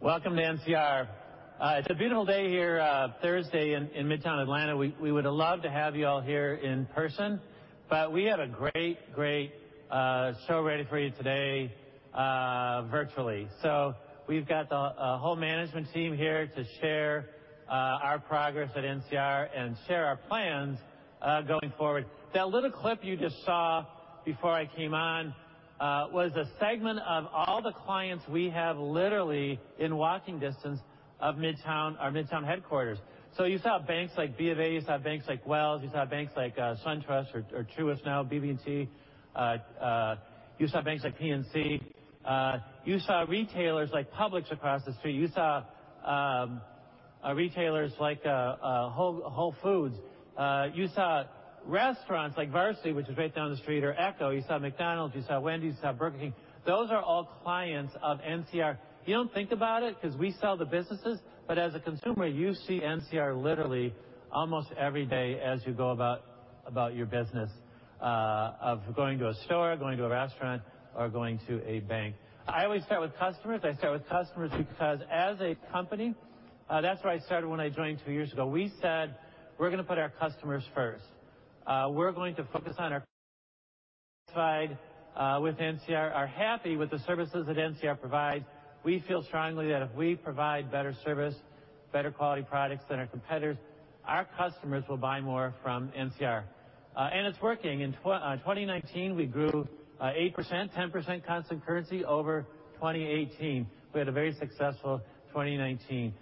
Welcome to NCR. It's a beautiful day here, Thursday in Midtown Atlanta. We would have loved to have you all here in person, we have a great show ready for you today virtually. We've got the whole management team here to share our progress at NCR and share our plans going forward. That little clip you just saw before I came on was a segment of all the clients we have literally in walking distance of our Midtown headquarters. You saw banks like BofA, you saw banks like Wells, you saw banks like SunTrust or Truist now, BB&T. You saw banks like PNC. You saw retailers like Publix across the street. You saw retailers like Whole Foods. You saw restaurants like Varsity, which is right down the street, or Ecco. You saw McDonald's, you saw Wendy's, you saw Burger King. Those are all clients of NCR. You don't think about it because we sell to businesses, but as a consumer, you see NCR literally almost every day as you go about your business of going to a store, going to a restaurant, or going to a bank. I always start with customers. I start with customers because as a company, that's where I started when I joined two years ago. We said we're going to put our customers first. We're going to focus on our side with NCR are happy with the services that NCR provides. We feel strongly that if we provide better service, better quality products than our competitors, our customers will buy more from NCR. It's working. In 2019, we grew 8%, 10% constant currency over 2018. We had a very successful 2019.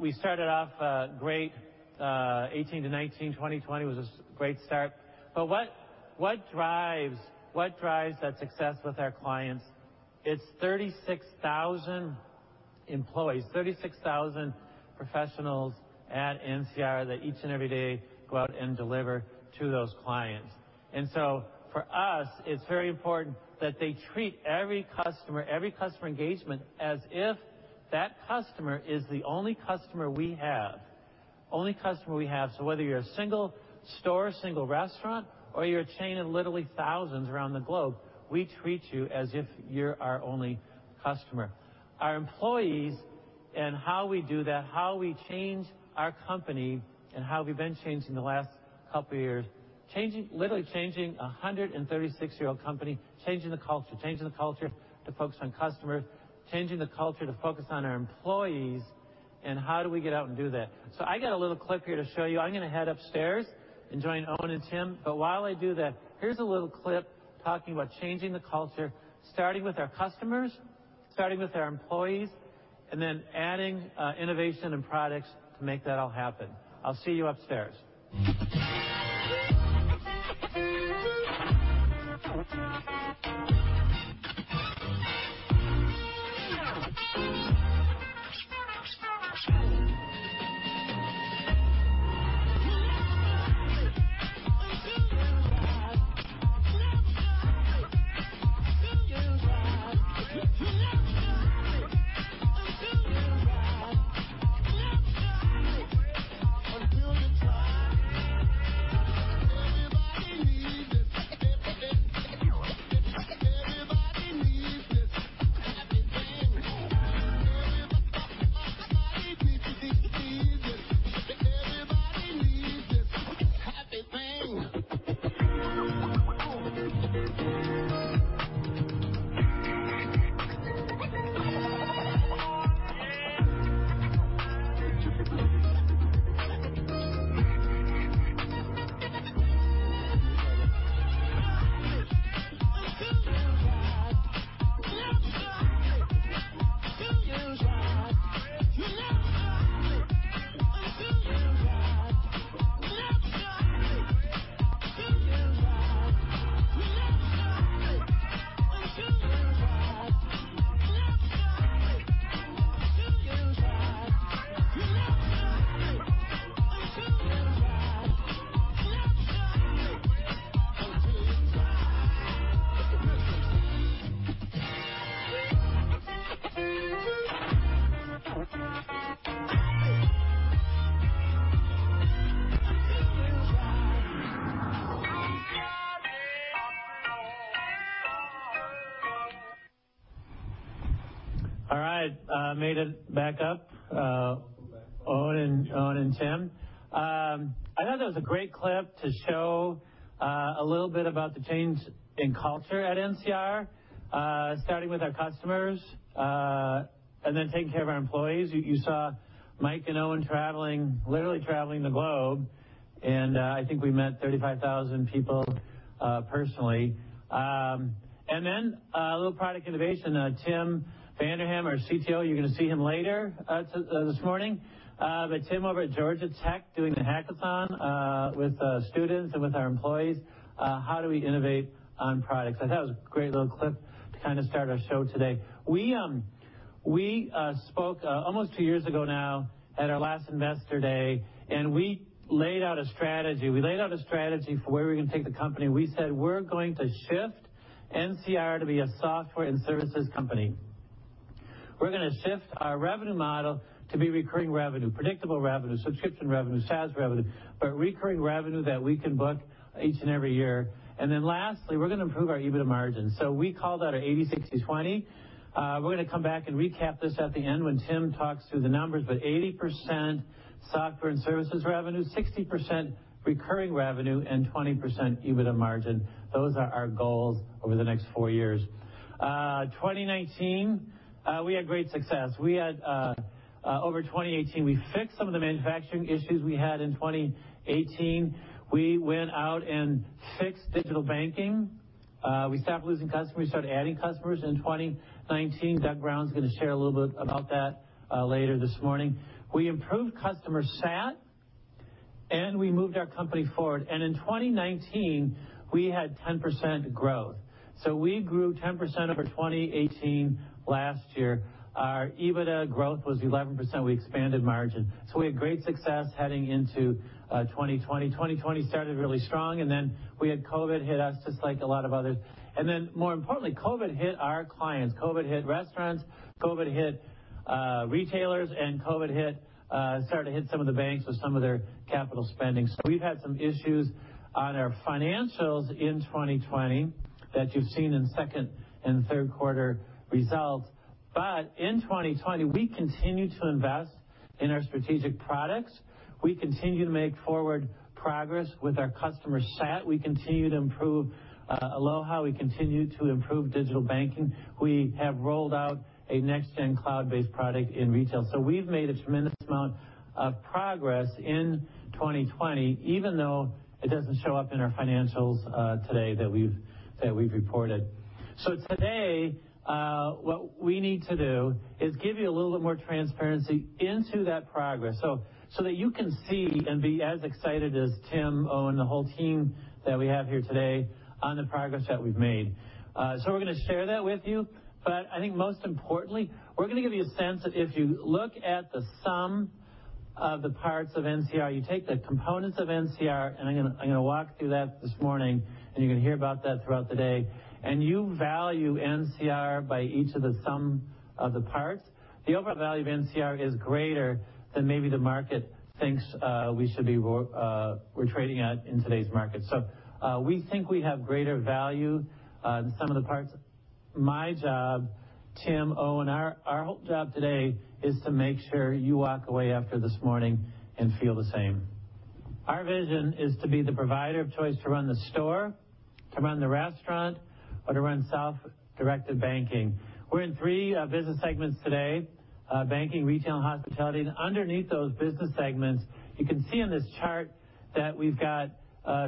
We started off great 2018-2019. 2020 was a great start. What drives that success with our clients? It's 36,000 employees, 36,000 professionals at NCR that each and every day go out and deliver to those clients. For us, it's very important that they treat every customer engagement as if that customer is the only customer we have. Whether you're a single store, single restaurant, or you're a chain of literally thousands around the globe, we treat you as if you're our only customer. Our employees and how we do that, how we change our company, and how we've been changing the last couple of years, literally changing 136-year-old company, changing the culture. Changing the culture to focus on customers, changing the culture to focus on our employees, and how do we get out and do that? I got a little clip here to show you. I'm going to head upstairs and join Owen and Tim. While I do that, here's a little clip talking about changing the culture, starting with our customers, starting with our employees, then adding innovation and products to make that all happen. I'll see you upstairs. All right, made it back up. Owen and Tim. I thought that was a great clip to show a little bit about the change in culture at NCR, starting with our customers, then taking care of our employees. You saw Mike and Owen literally traveling the globe, I think we met 35,000 people personally. Then a little product innovation. Tim Vanderham, our CTO, you're going to see him later this morning. Tim over at Georgia Tech doing the hackathon with students and with our employees. How do we innovate on products? I thought that was a great little clip to start our show today. We spoke almost two years ago now at our last Investor Day, and we laid out a strategy. We laid out a strategy for where we were going to take the company, and we said we're going to shift NCR to be a software and services company. We're going to shift our revenue model to be recurring revenue, predictable revenue, subscription revenue, SaaS revenue, but recurring revenue that we can book each and every year. Lastly, we're going to improve our EBITDA margin. We call that our 80/60/20. We're going to come back and recap this at the end when Tim talks through the numbers, but 80% software and services revenue, 60% recurring revenue, and 20% EBITDA margin. Those are our goals over the next four years. 2019, we had great success. Over 2018, we fixed some of the manufacturing issues we had in 2018. We went out and fixed Digital Banking. We stopped losing customers. We started adding customers in 2019. Doug Brown's going to share a little bit about that later this morning. We improved customer sat, and we moved our company forward. In 2019, we had 10% growth. We grew 10% over 2018 last year. Our EBITDA growth was 11%. We expanded margin. We had great success heading into 2020. 2020 started really strong, and then we had COVID hit us just like a lot of others. More importantly, COVID hit our clients. COVID hit restaurants, COVID hit retailers, and COVID started to hit some of the banks with some of their capital spending. We've had some issues on our financials in 2020 that you've seen in second and third quarter results. In 2020, we continued to invest in our strategic products. We continued to make forward progress with our customer sat. We continued to improve Aloha. We continued to improve digital banking. We have rolled out a next-gen cloud-based product in retail. We've made a tremendous amount of progress in 2020, even though it doesn't show up in our financials today that we've reported. Today, what we need to do is give you a little bit more transparency into that progress so that you can see and be as excited as Tim, Owen, the whole team that we have here today on the progress that we've made. We're going to share that with you. I think most importantly, we're going to give you a sense that if you look at the sum of the parts of NCR, you take the components of NCR, and I'm going to walk through that this morning, and you're going to hear about that throughout the day, and you value NCR by each of the sum of the parts, the overall value of NCR is greater than maybe the market thinks we're trading at in today's market. We think we have greater value in the sum of the parts. My job, Tim, Owen, our whole job today is to make sure you walk away after this morning and feel the same. Our vision is to be the provider of choice to run the store, to run the restaurant, or to run self-directed banking. We're in three business segments today, banking, retail, and hospitality. Underneath those business segments, you can see on this chart that we've got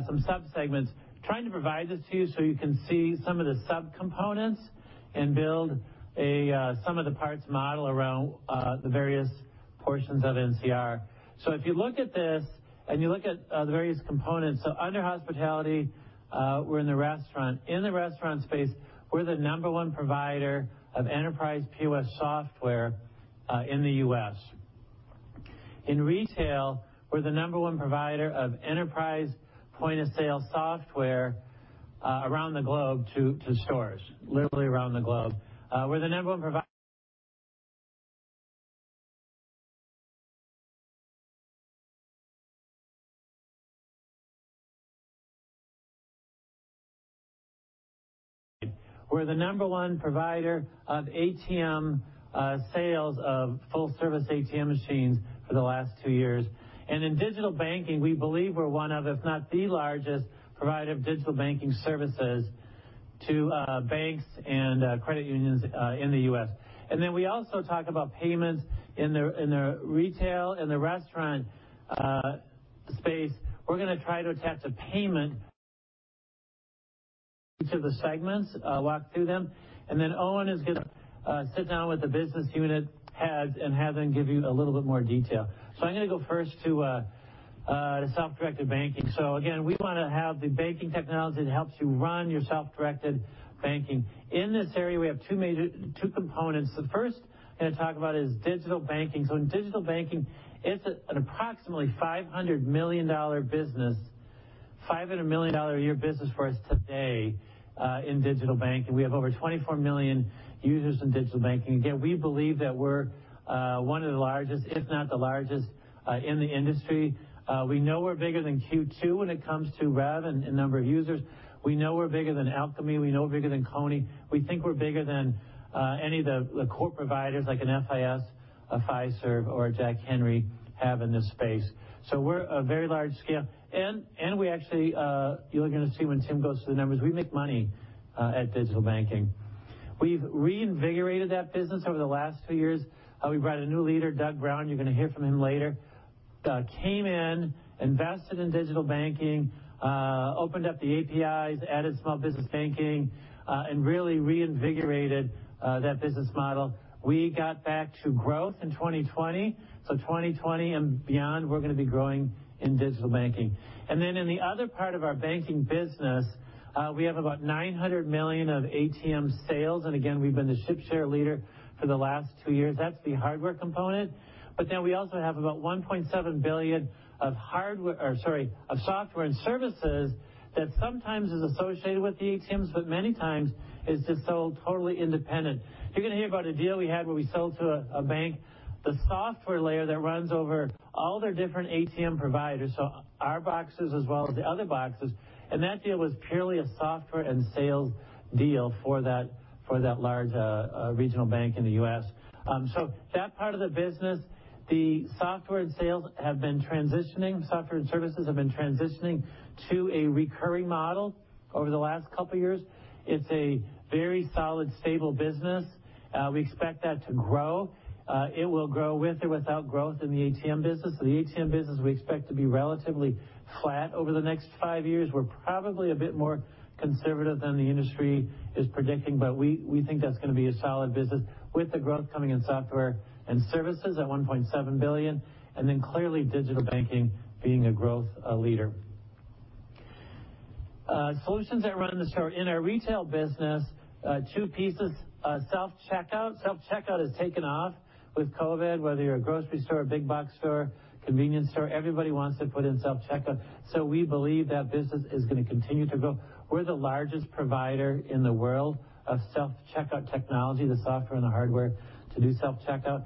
some sub-segments trying to provide this to you so you can see some of the sub-components and build a sum of the parts model around the various portions of NCR. If you look at this and you look at the various components, under hospitality, we're in the restaurant. In the restaurant space, we're the number one provider of enterprise POS software in the U.S. In retail, we're the number one provider of enterprise point-of-sale software around the globe to stores, literally around the globe. We're the number one provider. We're the number one provider of ATM sales of full-service ATM machines for the last two years. In digital banking, we believe we're one of, if not the largest provider of digital banking services to banks and credit unions in the U.S. We also talk about payments in the retail and the restaurant space. We're going to try to attach a payment each of the segments, walk through them, Owen is going to sit down with the business unit heads and have them give you a little bit more detail. I'm going to go first to self-directed banking. We want to have the banking technology that helps you run your self-directed banking. In this area, we have two components. The first I'm going to talk about is Digital Banking. In Digital Banking, it's an approximately $500 million business, $500 million a year business for us today in Digital Banking. We have over 24 million users in Digital Banking. Again, we believe that we're one of the largest, if not the largest in the industry. We know we're bigger than Q2 when it comes to rev and number of users. We know we're bigger than Alkami. We know we're bigger than Kony. We think we're bigger than any of the core providers like an FIS, a Fiserv, or Jack Henry have in this space. We're a very large scale. You're going to see when Tim goes through the numbers, we make money at digital banking. We've reinvigorated that business over the last two years. We brought a new leader, Doug Brown. You're going to hear from him later came in, invested in digital banking, opened up the APIs, added small business banking, and really reinvigorated that business model. We got back to growth in 2020. 2020 and beyond, we're going to be growing in digital banking. In the other part of our banking business, we have about $900 million of ATM sales. Again, we've been the ship share leader for the last two years. That's the hardware component. We also have about $1.7 billion of software and services that sometimes is associated with the ATMs, but many times is just sold totally independent. You're going to hear about a deal we had where we sold to a bank, the software layer that runs over all their different ATM providers, so our boxes as well as the other boxes. That deal was purely a software and sales deal for that large regional bank in the U.S. That part of the business, the software and sales have been transitioning. Software and services have been transitioning to a recurring model over the last couple of years. It's a very solid, stable business. We expect that to grow. It will grow with or without growth in the ATM business. The ATM business, we expect to be relatively flat over the next five years. We're probably a bit more conservative than the industry is predicting, but we think that's going to be a solid business with the growth coming in software and services at $1.7 billion, and then clearly digital banking being a growth leader. Solutions that run the store. In our Retail business, two pieces. Self-checkout. Self-checkout has taken off with COVID, whether you're a grocery store, a big box store, convenience store, everybody wants to put in self-checkout. We believe that business is going to continue to grow. We're the largest provider in the world of self-checkout technology, the software and the hardware to do self-checkout.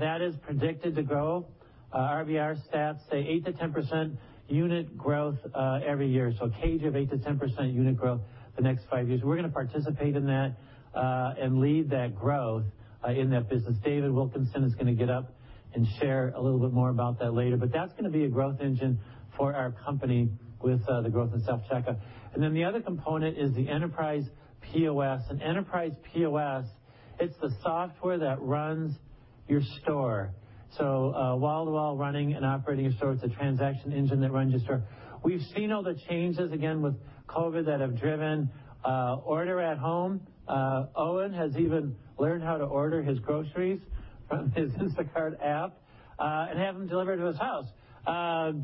That is predicted to grow. RBR stats say 8%-10% unit growth every year. CAGR of 8%-10% unit growth the next five years. We're going to participate in that, and lead that growth in that business. David Wilkinson is going to get up and share a little bit more about that later. That's going to be a growth engine for our company with the growth in self-checkout. The other component is the enterprise POS. Enterprise POS, it's the software that runs your store. Wall-to-wall running and operating your store. It's a transaction engine that runs your store. We've seen all the changes, again, with COVID that have driven order at home. Owen has even learned how to order his groceries from his Instacart app, and have them delivered to his house.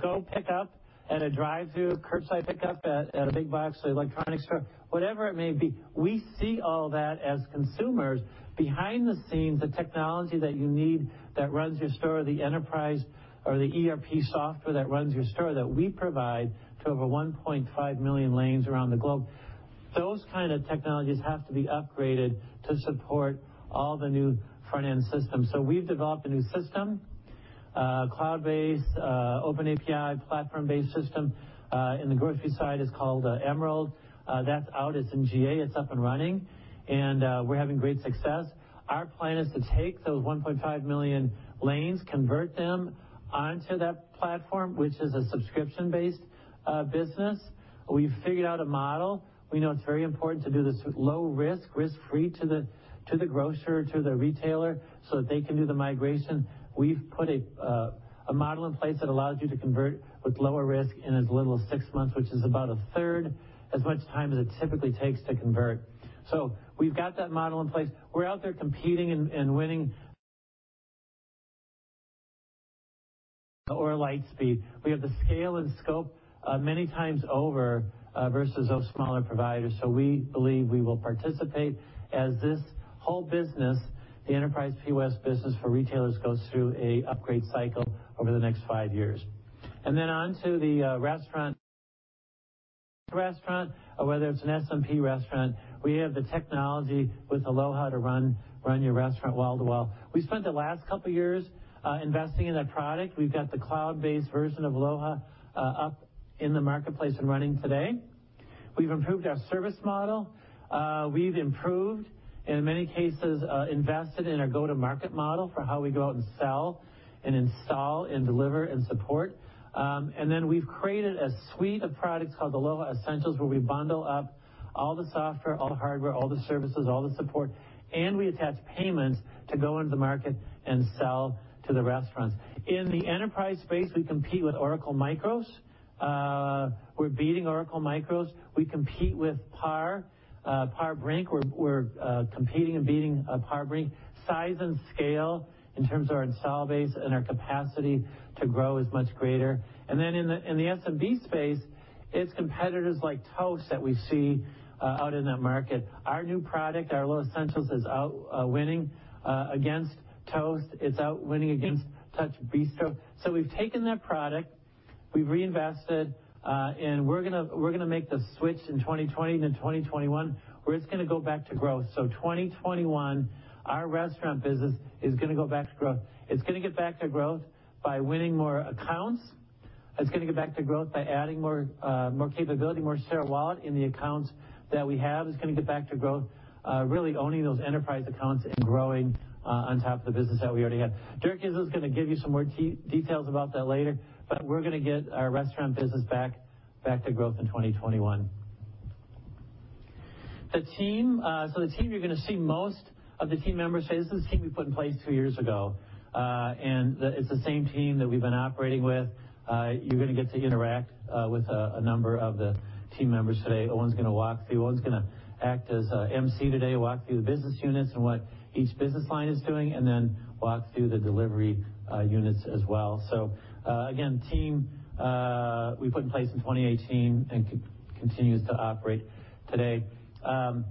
Go pick up at a drive-thru, curbside pickup at a big box electronics store, whatever it may be. We see all that as consumers. Behind the scenes, the technology that you need that runs your store, the enterprise or the ERP software that runs your store, that we provide to over 1.5 million lanes around the globe. Those kind of technologies have to be upgraded to support all the new front-end systems. We've developed a new system, cloud-based, Open API, platform-based system. In the grocery side, it's called Emerald. That's out. It's in GA. It's up and running, and we're having great success. Our plan is to take those 1.5 million lanes, convert them onto that platform, which is a subscription-based business. We've figured out a model. We know it's very important to do this with low risk-free to the grocer, to the retailer, so that they can do the migration. We've put a model in place that allows you to convert with lower risk in as little as six months, which is about 1/3 as much time as it typically takes to convert. We've got that model in place. We're out there competing and winning. Lightspeed. We have the scale and scope many times over versus those smaller providers. We believe we will participate as this whole business, the enterprise POS business for retailers, goes through a upgrade cycle over the next five years. On to the restaurant. Restaurant, whether it's an SMB restaurant, we have the technology with Aloha to run your restaurant wall to wall. We spent the last couple years investing in that product. We've got the cloud-based version of Aloha up in the marketplace and running today. We've improved our service model. We've improved, in many cases, invested in our go-to-market model for how we go out and sell and install and deliver and support. We've created a suite of products called Aloha Essentials, where we bundle up all the software, all the hardware, all the services, all the support, and we attach payments to go into the market and sell to the restaurants. In the enterprise space, we compete with Oracle MICROS. We're beating Oracle MICROS. We compete with PAR Brink. We're competing and beating PAR Brink. Size and scale in terms of our install base and our capacity to grow is much greater. In the SMB space, it's competitors like Toast that we see out in that market. Our new product, our Aloha Essentials, is out winning against Toast. It's out winning against TouchBistro. We've taken that product, we've reinvested, and we're going to make the switch in 2020 and then 2021, where it's going to go back to growth. 2021, our restaurant business is going to go back to growth. It's going to get back to growth by winning more accounts. It's going to get back to growth by adding more capability, more share of wallet in the accounts that we have. It's going to get back to growth, really owning those enterprise accounts and growing on top of the business that we already have. Dirk is going to give you some more details about that later, but we're going to get our restaurant business back to growth in 2021. The team you're going to see most of the team members say, "This is the team we put in place two years ago." It's the same team that we've been operating with. You're going to get to interact with a number of the team members today. Owen's going to walk through. Owen's going to act as MC today, walk through the business units and what each business line is doing, and then walk through the delivery units as well. Again, team we put in place in 2018 and continues to operate today. I'm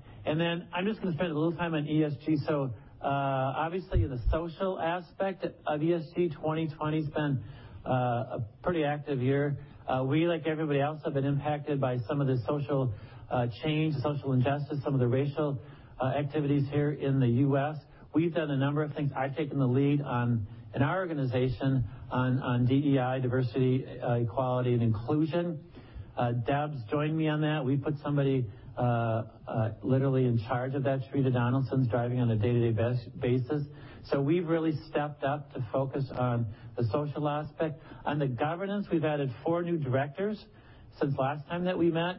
just going to spend a little time on ESG. Obviously the social aspect of ESG, 2020's been a pretty active year. We, like everybody else, have been impacted by some of the social change, social injustice, some of the racial activities here in the U.S. We've done a number of things. I've taken the lead on in our organization on DEI, Diversity, Equality, and Inclusion. Deb's joined me on that. We put somebody literally in charge of that. Sharita Donaldson's driving on a day-to-day basis. We've really stepped up to focus on the social aspect. On the governance, we've added four new directors since last time that we met.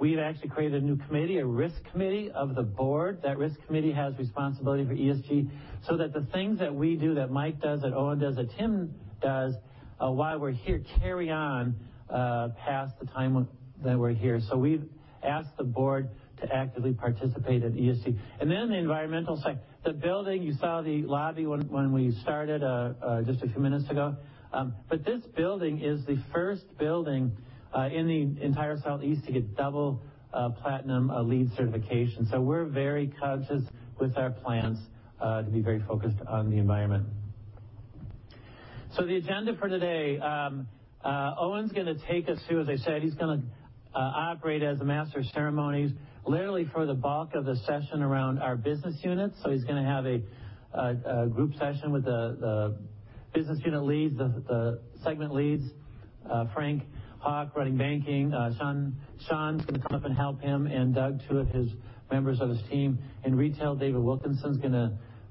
We've actually created a new committee, a risk committee of the board. That risk committee has responsibility for ESG, so that the things that we do, that Mike does, that Owen does, that Tim does while we're here carry on past the time that we're here. We've asked the board to actively participate in ESG. The environmental side. The building, you saw the lobby when we started just a few minutes ago. This building is the first building in the entire Southeast to get double Platinum LEED certification. We're very conscious with our plans to be very focused on the environment. The agenda for today. Owen's going to take us through, as I said, he's going to operate as a master of ceremonies, literally for the bulk of the session around our business units. He's going to have a group session with the business unit leads, the segment leads. Frank Hauck running banking. Sean's going to come up and help him, and Doug, two of his members of his team. In retail, David Wilkinson's going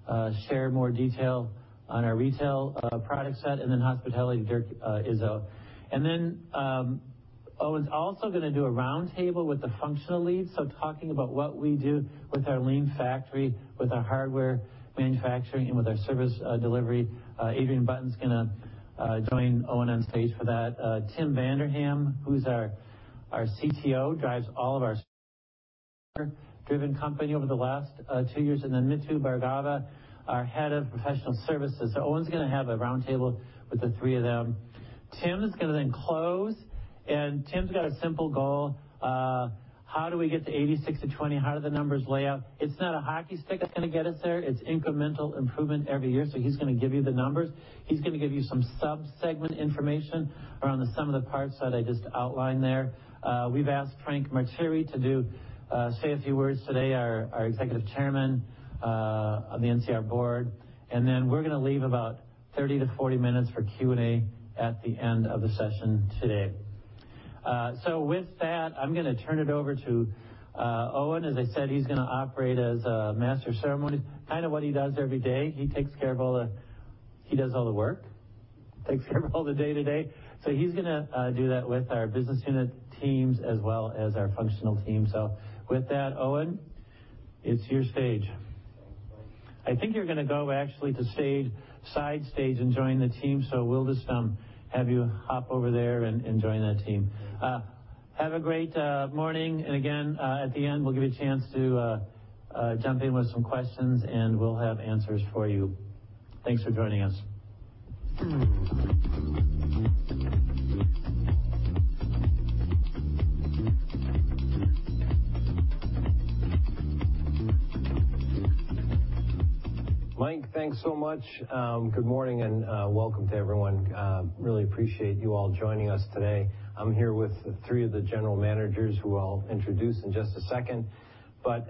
to share more detail on our retail product set, and then hospitality, Dirk Izzo. Owen's also going to do a roundtable with the functional leads, so talking about what we do with our lean factory, with our hardware manufacturing, and with our service delivery. Adrian Button's going to join Owen on stage for that. Tim Vanderham, who's our CTO, drives all of our driven company over the last two years. Mithu Bhargava, our Head of Professional Services. Owen's going to have a roundtable with the three of them. Tim's going to then close, and Tim's got a simple goal. How do we get to 80%,60%,20%? How do the numbers lay out? It's not a hockey stick that's going to get us there. It's incremental improvement every year. He's going to give you the numbers. He's going to give you some sub-segment information around some of the parts that I just outlined there. We've asked Frank Martire to say a few words today, our Executive Chairman of the NCR board. We're going to leave about 30-40 minutes for Q&A at the end of the session today. With that, I'm going to turn it over to Owen. As I said, he's going to operate as a master of ceremonies, kind of what he does every day. He does all the work, takes care of all the day-to-day. He's going to do that with our business unit teams as well as our functional team. With that, Owen, it's your stage. I think you're going to go actually to side stage and join the team. We'll just have you hop over there and join that team. Have a great morning, and again, at the end, we'll give you a chance to jump in with some questions, and we'll have answers for you. Thanks for joining us. Mike, thanks so much. Good morning. Welcome to everyone. Really appreciate you all joining us today. I'm here with three of the general managers who I'll introduce in just a second.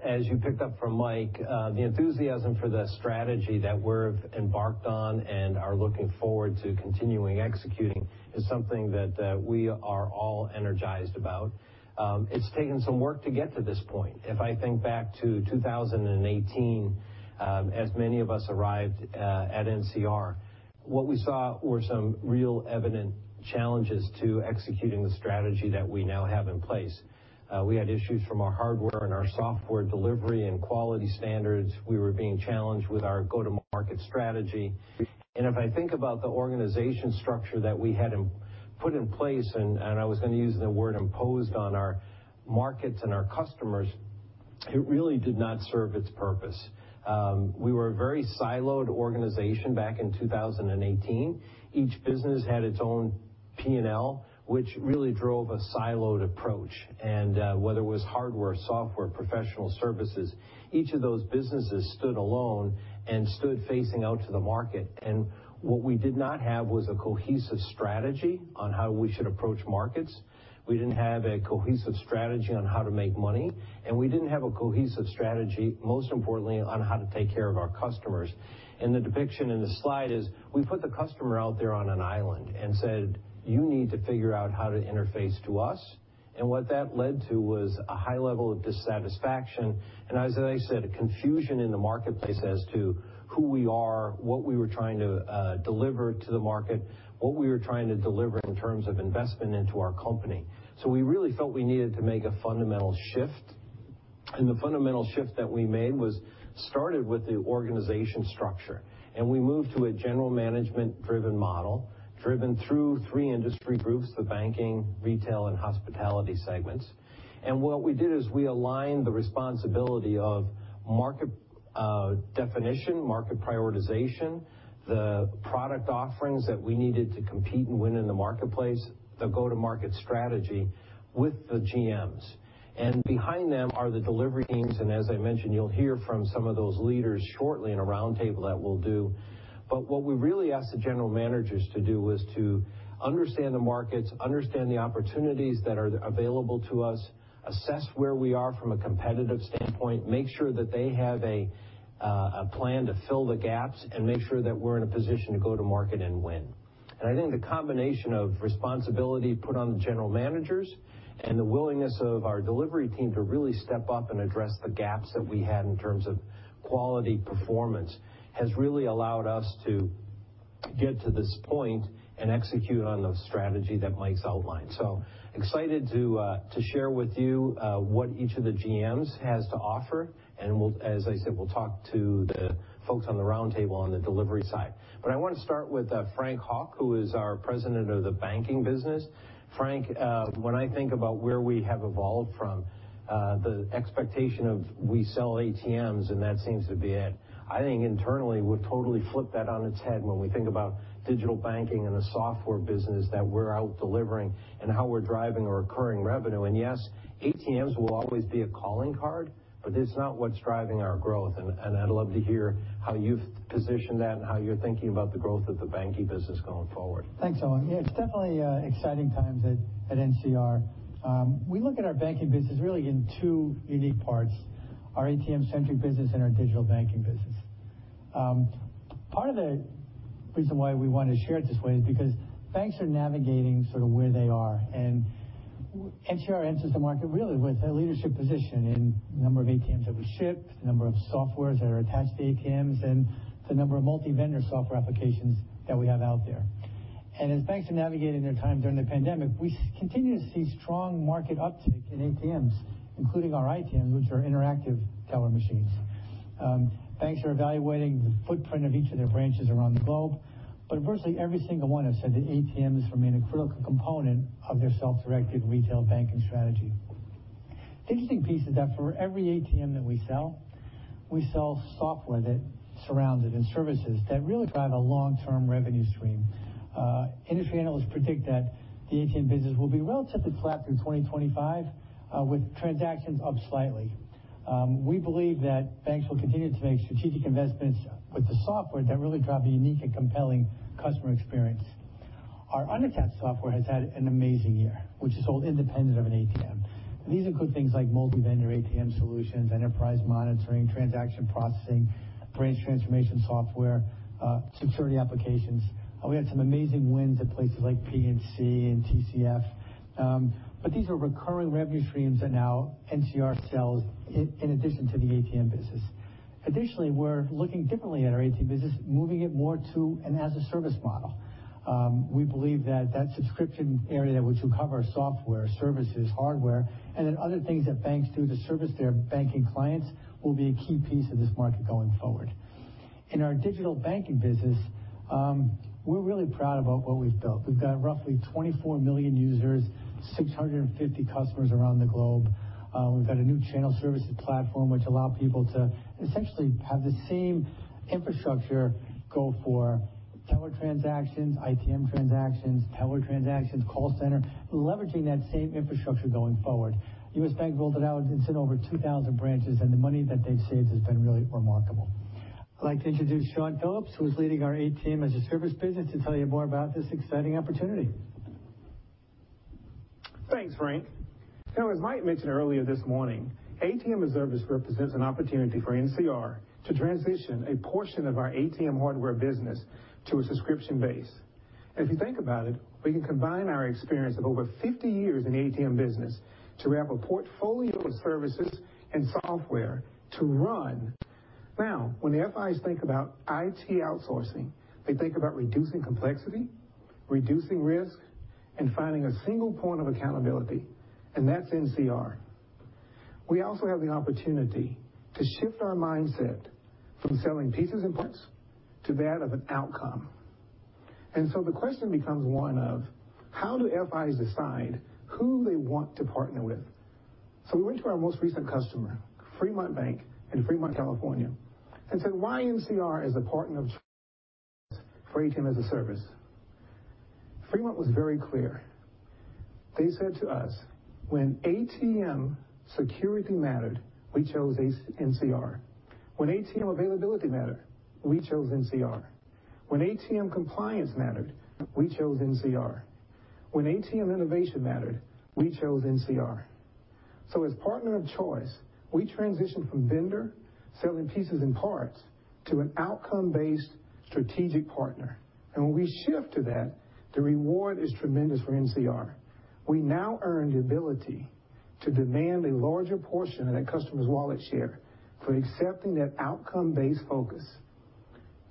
As you picked up from Mike, the enthusiasm for the strategy that we've embarked on and are looking forward to continuing executing is something that we are all energized about. It's taken some work to get to this point. If I think back to 2018, as many of us arrived at NCR, what we saw were some real evident challenges to executing the strategy that we now have in place. We had issues from our hardware and our software delivery and quality standards. We were being challenged with our go-to-market strategy. If I think about the organization structure that we had put in place, and I was going to use the word imposed on our markets and our customers, it really did not serve its purpose. We were a very siloed organization back in 2018. Each business had its own P&L, which really drove a siloed approach. Whether it was hardware, software, professional services, each of those businesses stood alone and stood facing out to the market. What we did not have was a cohesive strategy on how we should approach markets. We didn't have a cohesive strategy on how to make money, and we didn't have a cohesive strategy, most importantly, on how to take care of our customers. The depiction in the slide is we put the customer out there on an island and said, "You need to figure out how to interface to us." What that led to was a high level of dissatisfaction, and as I said, a confusion in the marketplace as to who we are, what we were trying to deliver to the market, what we were trying to deliver in terms of investment into our company. We really felt we needed to make a fundamental shift. The fundamental shift that we made started with the organization structure, and we moved to a general management-driven model, driven through three industry groups, the Banking, Retail, and Hospitality segments. What we did is we aligned the responsibility of market definition, market prioritization, the product offerings that we needed to compete and win in the marketplace, the go-to-market strategy with the GMs. Behind them are the delivery teams, and as I mentioned, you'll hear from some of those leaders shortly in a roundtable that we'll do. What we really asked the general managers to do was to understand the markets, understand the opportunities that are available to us, assess where we are from a competitive standpoint, make sure that they have a plan to fill the gaps, and make sure that we're in a position to go to market and win. I think the combination of responsibility put on the general managers and the willingness of our delivery team to really step up and address the gaps that we had in terms of quality performance has really allowed us to get to this point and execute on the strategy that Mike's outlined. Excited to share with you what each of the GMs has to offer, and as I said, we'll talk to the folks on the roundtable on the delivery side. I want to start with Frank Hauck, who is our President of the Banking business. Frank, when I think about where we have evolved from, the expectation of we sell ATMs and that seems to be it. I think internally, we've totally flipped that on its head when we think S&P restaurant about digital banking and the software business that we're out delivering and how we're driving a recurring revenue. Yes, ATMs will always be a calling card, but it's not what's driving our growth, and I'd love to hear how you've positioned that and how you're thinking about the growth of the banking business going forward. Thanks, Owen. Yeah, it's definitely exciting times at NCR. We look at our banking business really in two unique parts, our ATM-centric business and our digital banking business. Part of the reason why we want to share it this way is because banks are navigating sort of where they are, and NCR enters the market really with a leadership position in the number of ATMs that we ship, the number of softwares that are attached to ATMs, and the number of multi-vendor software applications that we have out there. As banks are navigating their time during the pandemic, we continue to see strong market uptick in ATMs, including our ITMs, which are interactive teller machines. Banks are evaluating the footprint of each of their branches around the globe, but virtually every single one has said that ATMs remain a critical component of their self-directed retail banking strategy. The interesting piece is that for every ATM that we sell, we sell software that surrounds it and services that really drive a long-term revenue stream. Industry analysts predict that the ATM business will be relatively flat through 2025, with transactions up slightly. We believe that banks will continue to make strategic investments with the software that really drive a unique and compelling customer experience. Our untethered software has had an amazing year, which is sold independent of an ATM. These include things like multi-vendor ATM solutions, enterprise monitoring, transaction processing, branch transformation software, security applications. We had some amazing wins at places like PNC and TCF. These are recurring revenue streams that now NCR sells in addition to the ATM business. Additionally, we're looking differently at our ATM business, moving it more to an as-a-service model. We believe that that subscription area, which will cover software, services, hardware, and then other things that banks do to service their banking clients will be a key piece of this market going forward. In our Digital Banking business, we're really proud about what we've built. We've got roughly 24 million users, 650 customers around the globe. We've got a new Channel Services Platform which allow people to essentially have the same infrastructure go for teller transactions, ITM transactions, teller transactions, call center, leveraging that same infrastructure going forward. U.S. Bank rolled it out. It's in over 2,000 branches. The money that they've saved has been really remarkable. I'd like to introduce Shawn Phillips, who's leading our ATM-as-a-Service business, to tell you more about this exciting opportunity. Thanks, Frank. As Mike mentioned earlier this morning, ATM-as-a-Service represents an opportunity for NCR to transition a portion of our ATM hardware business to a subscription base. If you think about it, we can combine our experience of over 50 years in the ATM business to wrap a portfolio of services and software to run. When the FIs think about IT outsourcing, they think about reducing complexity, reducing risk, and finding a single point of accountability, and that's NCR. We also have the opportunity to shift our mindset from selling pieces and parts to that of an outcome. The question becomes one of how do FIs decide who they want to partner with? We went to our most recent customer, Fremont Bank in Fremont, California, and said, "Why NCR as a partner of choice for ATM-as-a-Service?" Fremont was very clear. They said to us, "When ATM security mattered, we chose NCR. When ATM availability mattered, we chose NCR. When ATM compliance mattered, we chose NCR. When ATM innovation mattered, we chose NCR." As partner of choice, we transition from vendor selling pieces and parts to an outcome-based strategic partner. When we shift to that, the reward is tremendous for NCR. We now earn the ability to demand a larger portion of that customer's wallet share for accepting that outcome-based focus.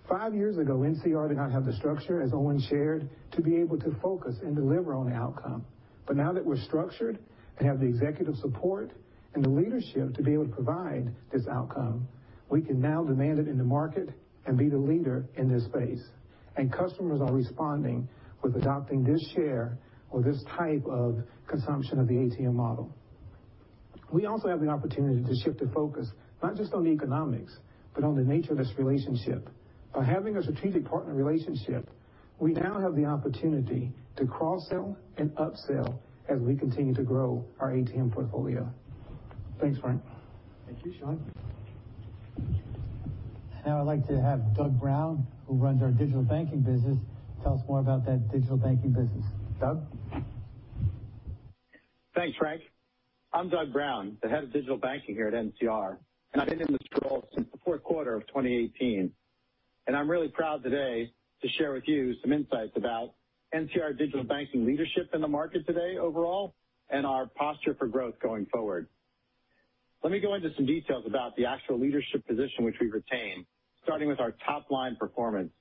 Five years ago, NCR did not have the structure, as Owen shared, to be able to focus and deliver on the outcome. Now that we're structured and have the executive support and the leadership to be able to provide this outcome, we can now demand it in the market and be the leader in this space. Customers are responding with adopting this share or this type of consumption of the ATM model. We also have the opportunity to shift the focus, not just on the economics, but on the nature of this relationship. By having a strategic partner relationship, we now have the opportunity to cross-sell and upsell as we continue to grow our ATM portfolio. Thanks, Frank. Thank you, Sean. I'd like to have Doug Brown, who runs our digital banking business, tell us more about that digital banking business. Doug? Thanks, Frank. I'm Doug Brown, the head of Digital Banking here at NCR, and I've been in this role since the fourth quarter of 2018. I'm really proud today to share with you some insights about NCR digital banking leadership in the market today overall, and our posture for growth going forward. Let me go into some details about the actual leadership position which we retain, starting with our top-line performance.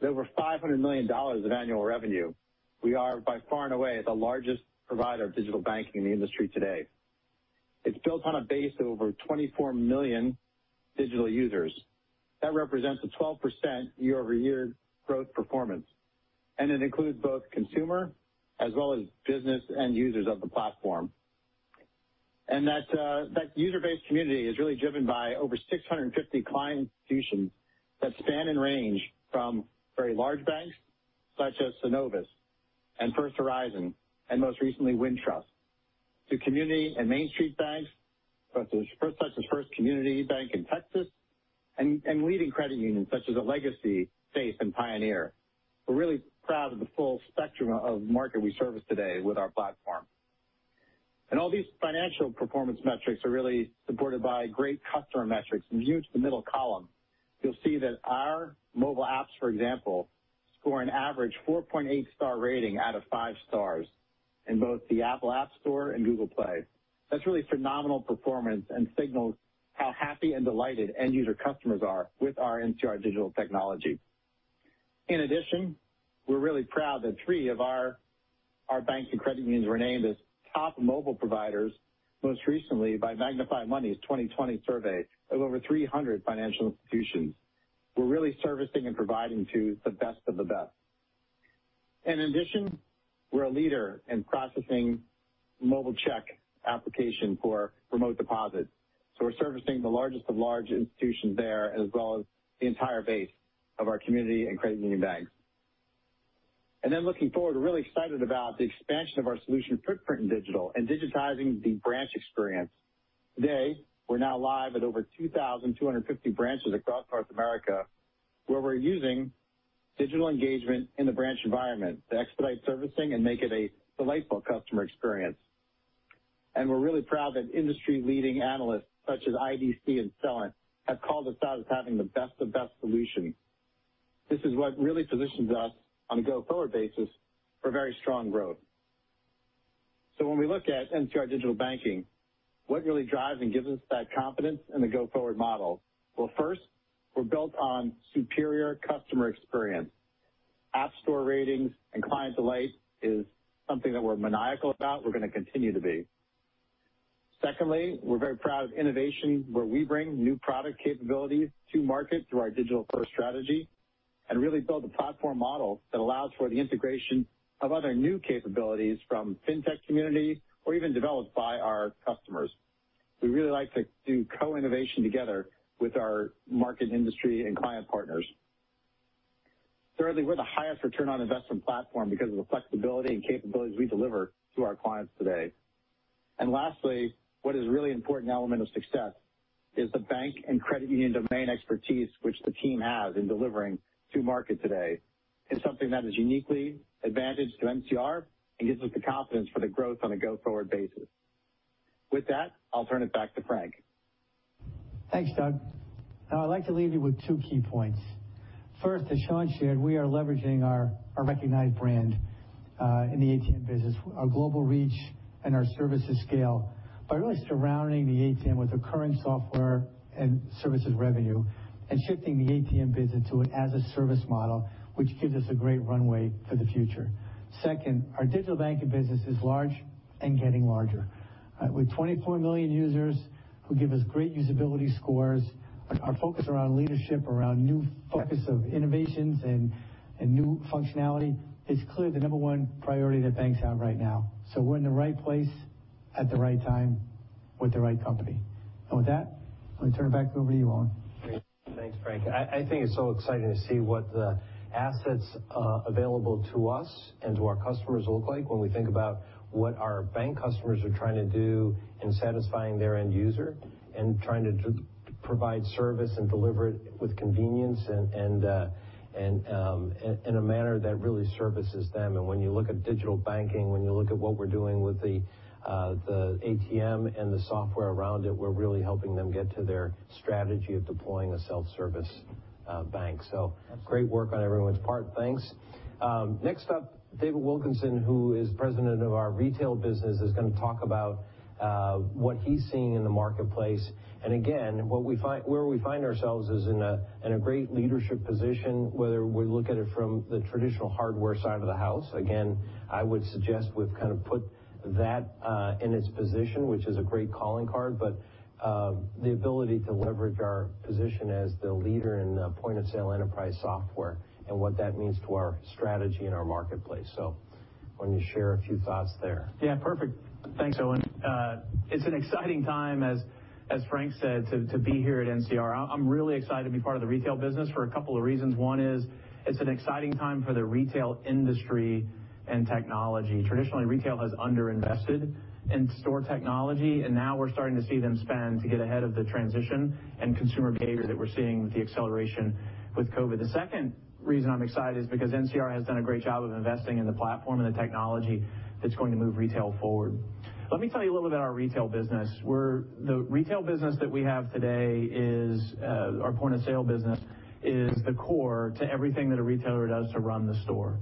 With over $500 million of annual revenue, we are by far and away the largest provider of digital banking in the industry today. It's built on a base of over 24 million digital users. That represents a 12% year-over-year growth performance, and it includes both consumer as well as business end users of the platform. That user-based community is really driven by over 650 client institutions that span and range from very large banks, such as Synovus and First Horizon, and most recently Wintrust, to community and Main Street banks, such as First Community Bank in Texas, and leading credit unions such as Allegacy, SAFE, and Pioneer. We're really proud of the full spectrum of market we service today with our platform. All these financial performance metrics are really supported by great customer metrics. When you look to the middle column, you'll see that our mobile apps, for example, score an average 4.8 star rating out of five stars in both the Apple App Store and Google Play. That's really phenomenal performance and signals how happy and delighted end user customers are with our NCR digital technology. We're really proud that three of our banks and credit unions were named as top mobile providers, most recently by MagnifyMoney's 2020 survey of over 300 financial institutions. We're really servicing and providing to the best of the best. We're a leader in processing mobile check application for remote deposits. We're servicing the largest of large institutions there, as well as the entire base of our community and credit union banks. Looking forward, we're really excited about the expansion of our solution footprint in digital and digitizing the branch experience. Today, we're now live at over 2,250 branches across North America, where we're using digital engagement in the branch environment to expedite servicing and make it a delightful customer experience. We're really proud that industry-leading analysts such as IDC and Celent have called us out as having the best of best solutions. This is what really positions us on a go-forward basis for very strong growth. When we look at NCR Digital Banking, what really drives and gives us that confidence in the go-forward model? First, we're built on superior customer experience. App Store ratings and client delight is something that we're maniacal about. We're going to continue to be. Secondly, we're very proud of innovation, where we bring new product capabilities to market through our digital-first strategy, and really build a platform model that allows for the integration of other new capabilities from fintech community or even developed by our customers. We really like to do co-innovation together with our market industry and client partners. Thirdly, we're the highest return on investment platform because of the flexibility and capabilities we deliver to our clients today. Lastly, what is a really important element of success is the bank and credit union domain expertise which the team has in delivering to market today. It's something that is uniquely advantage to NCR and gives us the confidence for the growth on a go-forward basis. With that, I'll turn it back to Frank. Thanks, Doug. Now I'd like to leave you with two key points. First, as Shawn shared, we are leveraging our recognized brand, in the ATM business, our global reach, and our services scale by really surrounding the ATM with recurring software and services revenue and shifting the ATM business to an as-a-service model, which gives us a great runway for the future. Second, our Digital Banking business is large and getting larger. With 24 million users who give us great usability scores, our focus around leadership, around new focus of innovations and new functionality, it's clear the number one priority that banks have right now. We're in the right place at the right time with the right company. With that, let me turn it back over to you, Owen. Great. Thanks, Frank. I think it's so exciting to see what the assets available to us and to our customers look like when we think about what our bank customers are trying to do in satisfying their end user and trying to provide service and deliver it with convenience and in a manner that really services them. When you look at digital banking, when you look at what we're doing with the ATM and the software around it, we're really helping them get to their strategy of deploying a self-service bank. Great work on everyone's part. Thanks. Next up, David Wilkinson, who is President of our Retail business, is going to talk about what he's seeing in the marketplace. Again, where we find ourselves is in a great leadership position, whether we look at it from the traditional hardware side of the house. I would suggest we've kind of put that in its position, which is a great calling card, but the ability to leverage our position as the leader in point-of-sale enterprise software and what that means to our strategy and our marketplace. Why don't you share a few thoughts there? Yeah, perfect. Thanks, Owen. It's an exciting time, as Frank said, to be here at NCR. I'm really excited to be part of the retail business for a couple of reasons. One is it's an exciting time for the retail industry and technology. Traditionally, retail has under-invested in store technology, and now we're starting to see them spend to get ahead of the transition and consumer behavior that we're seeing with the acceleration with COVID. The second reason I'm excited is because NCR has done a great job of investing in the platform and the technology that's going to move retail forward. Let me tell you a little about our retail business, where the retail business that we have today is our point-of-sale business is the core to everything that a retailer does to run the store.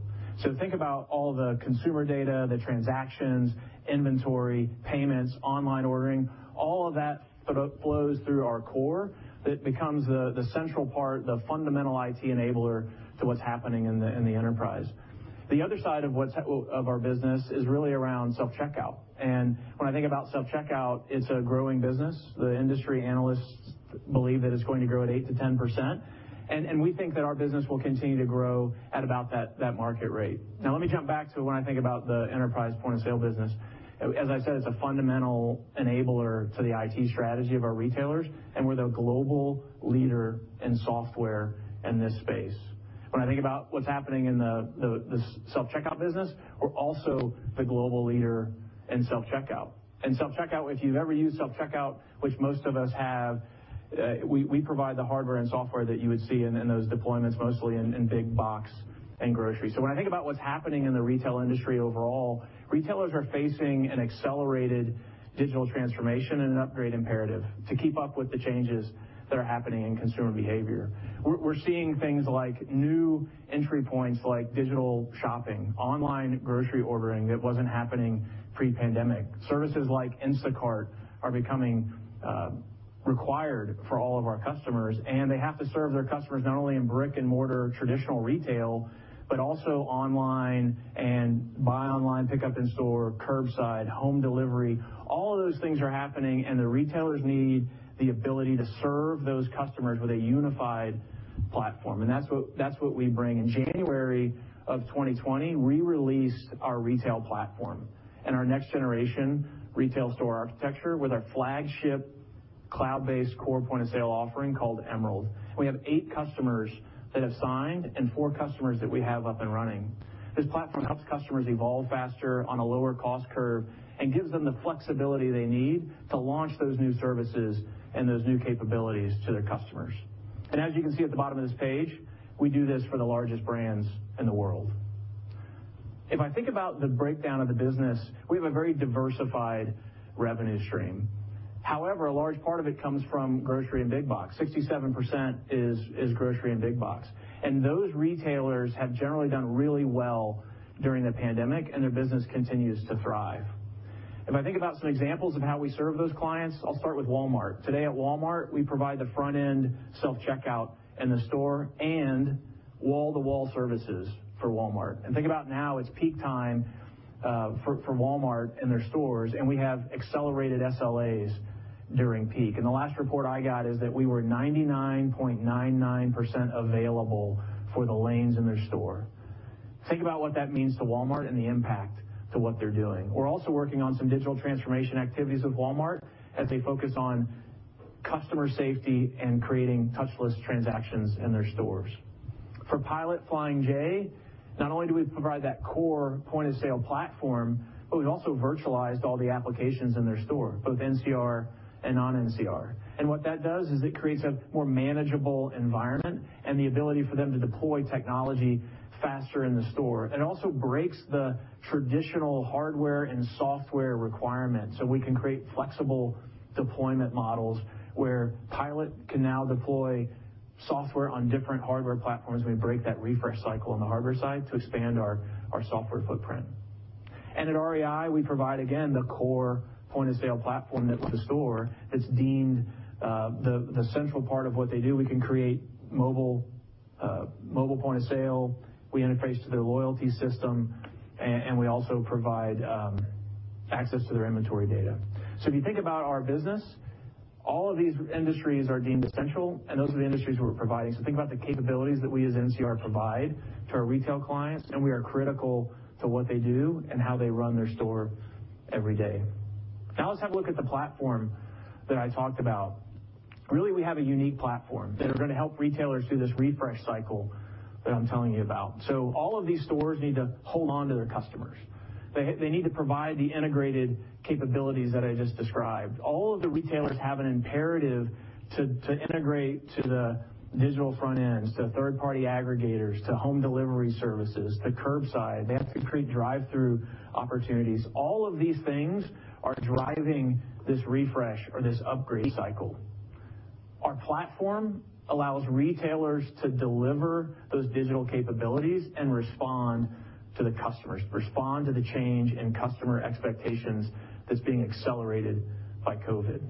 Think about all the consumer data, the transactions, inventory, payments, online ordering, all of that flows through our core. That becomes the central part, the fundamental IT enabler to what's happening in the enterprise. The other side of our business is really around self-checkout, and when I think about self-checkout, it's a growing business. The industry analysts believe that it's going to grow at 8%-10%, and we think that our business will continue to grow at about that market rate. Let me jump back to when I think about the enterprise point-of-sale business. As I said, it's a fundamental enabler to the IT strategy of our retailers, and we're the global leader in software in this space. When I think about what's happening in the self-checkout business, we're also the global leader in self-checkout. Self-checkout, if you've ever used self-checkout, which most of us have, we provide the hardware and software that you would see in those deployments, mostly in big box and grocery. When I think about what's happening in the retail industry overall, retailers are facing an accelerated digital transformation and an upgrade imperative to keep up with the changes that are happening in consumer behavior. We're seeing things like new entry points, like digital shopping, online grocery ordering that wasn't happening pre-pandemic. Services like Instacart are becoming required for all of our customers, and they have to serve their customers not only in brick-and-mortar traditional retail, but also online and buy online, pick up in store, curbside, home delivery. All of those things are happening, and the retailers need the ability to serve those customers with a unified platform, and that's what we bring. In January of 2020, we released our retail platform and our next-generation retail store architecture with our flagship cloud-based core point-of-sale offering called Emerald. We have eight customers that have signed and four customers that we have up and running. This platform helps customers evolve faster on a lower cost curve and gives them the flexibility they need to launch those new services and those new capabilities to their customers. As you can see at the bottom of this page, we do this for the largest brands in the world. If I think about the breakdown of the business, we have a very diversified revenue stream. However, a large part of it comes from grocery and big box. 67% is grocery and big box, and those retailers have generally done really well during the pandemic, and their business continues to thrive. If I think about some examples of how we serve those clients, I'll start with Walmart. Today at Walmart, we provide the front-end self-checkout in the store and wall-to-wall services for Walmart. Think about now, it's peak time for Walmart and their stores, and we have accelerated SLAs during peak. The last report I got is that we were 99.99% available for the lanes in their store. Think about what that means to Walmart and the impact to what they're doing. We're also working on some digital transformation activities with Walmart as they focus on customer safety and creating touchless transactions in their stores. For Pilot Flying J, not only do we provide that core point-of-sale platform, but we've also virtualized all the applications in their store, both NCR and non-NCR. What that does is it creates a more manageable environment and the ability for them to deploy technology faster in the store. It also breaks the traditional hardware and software requirement, so we can create flexible deployment models where Pilot can now deploy software on different hardware platforms, and we break that refresh cycle on the hardware side to expand our software footprint. At REI, we provide, again, the core point-of-sale platform that's the store that's deemed the central part of what they do. We can create mobile point of sale. We interface to their loyalty system, and we also provide access to their inventory data. If you think about our business, all of these industries are deemed essential, and those are the industries we're providing. Think about the capabilities that we as NCR provide to our retail clients, and we are critical to what they do and how they run their store every day. Let's have a look at the platform that I talked about. Really, we have a unique platform that are going to help retailers through this refresh cycle that I'm telling you about. All of these stores need to hold on to their customers. They need to provide the integrated capabilities that I just described. All of the retailers have an imperative to integrate to the digital front ends, to third-party aggregators, to home delivery services, to curbside. They have to create drive-thru opportunities. All of these things are driving this refresh or this upgrade cycle. Our platform allows retailers to deliver those digital capabilities and respond to the customers, respond to the change in customer expectations that's being accelerated by COVID.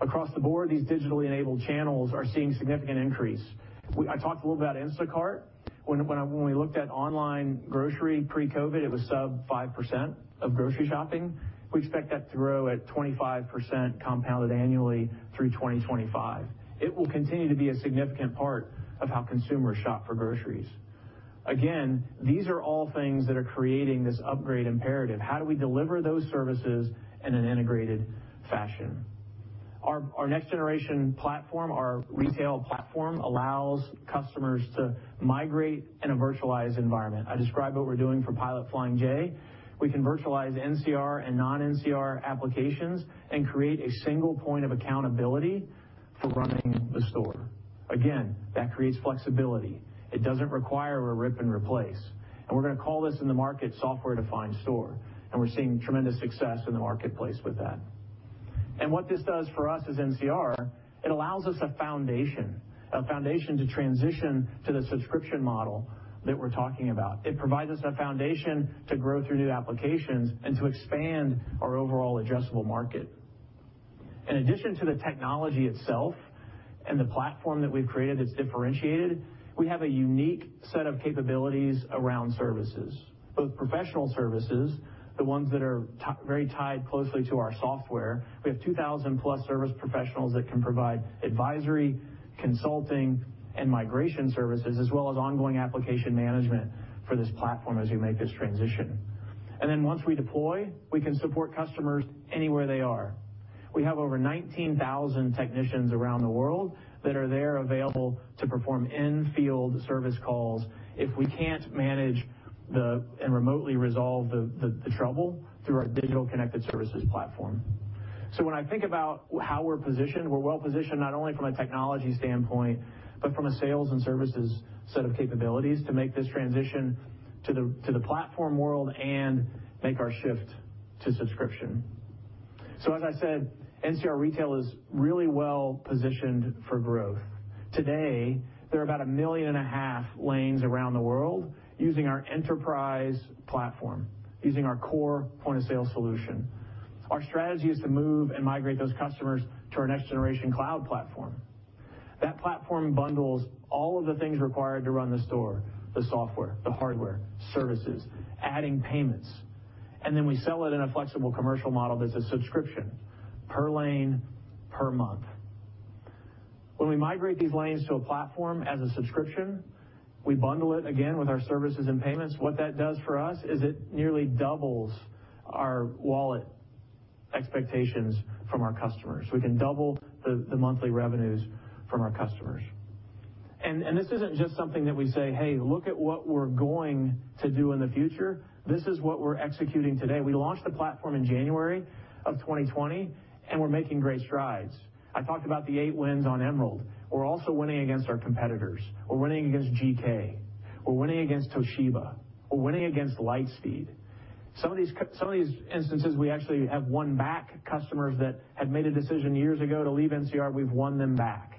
Across the board, these digitally enabled channels are seeing significant increase. I talked a little about Instacart. When we looked at online grocery pre-COVID, it was sub 5% of grocery shopping. We expect that to grow at 25% compounded annually through 2025. It will continue to be a significant part of how consumers shop for groceries. Again, these are all things that are creating this upgrade imperative. How do we deliver those services in an integrated fashion? Our next generation platform, our retail platform, allows customers to migrate in a virtualized environment. I described what we're doing for Pilot Flying J. We can virtualize NCR and non-NCR applications and create a single point of accountability for running the store. Again, that creates flexibility. It doesn't require a rip and replace. We're going to call this in the market software-defined store, and we're seeing tremendous success in the marketplace with that. What this does for us as NCR, it allows us a foundation to transition to the subscription model that we're talking about. It provides us a foundation to grow through new applications and to expand our overall addressable market. In addition to the technology itself and the platform that we've created that's differentiated, we have a unique set of capabilities around services, both professional services, the ones that are very tied closely to our software. We have 2,000+ service professionals that can provide advisory, consulting, and migration services, as well as ongoing application management for this platform as we make this transition. Once we deploy, we can support customers anywhere they are. We have over 19,000 technicians around the world that are there available to perform in-field service calls if we can't manage and remotely resolve the trouble through our Digital Connected Services platform. When I think about how we're positioned, we're well-positioned not only from a technology standpoint, but from a sales and services set of capabilities to make this transition to the platform world and make our shift to subscription. As I said, NCR Retail is really well-positioned for growth. Today, there are about 1.5 million lanes around the world using our enterprise platform, using our core point-of-sale solution. Our strategy is to move and migrate those customers to our next generation cloud platform. That platform bundles all of the things required to run the store, the software, the hardware, services, adding payments, and then we sell it in a flexible commercial model that's a subscription per lane per month. When we migrate these lanes to a platform as a subscription, we bundle it again with our services and payments. What that does for us is it nearly doubles our wallet expectations from our customers. We can double the monthly revenues from our customers. This isn't just something that we say, Hey, look at what we're going to do in the future. This is what we're executing today. We launched the platform in January of 2020, and we're making great strides. I talked about the eight wins on Emerald. We're also winning against our competitors. We're winning against GK. We're winning against Toshiba. We're winning against Lightspeed. Some of these instances, we actually have won back customers that had made a decision years ago to leave NCR. We've won them back.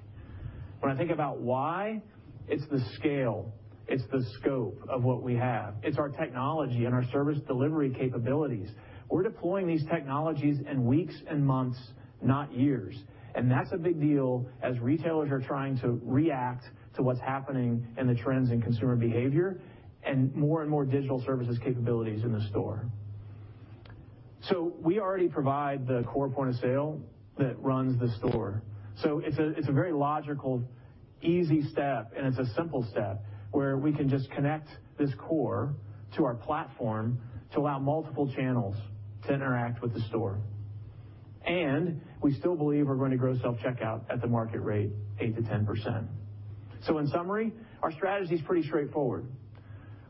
When I think about why, it's the scale, it's the scope of what we have. It's our technology and our service delivery capabilities. We're deploying these technologies in weeks and months, not years. That's a big deal as retailers are trying to react to what's happening in the trends in consumer behavior and more and more digital services capabilities in the store. We already provide the core point of sale that runs the store. It's a very logical, easy step, and it's a simple step where we can just connect this core to our platform to allow multiple channels to interact with the store. We still believe we're going to grow self-checkout at the market rate, 8%-10%. In summary, our strategy is pretty straightforward.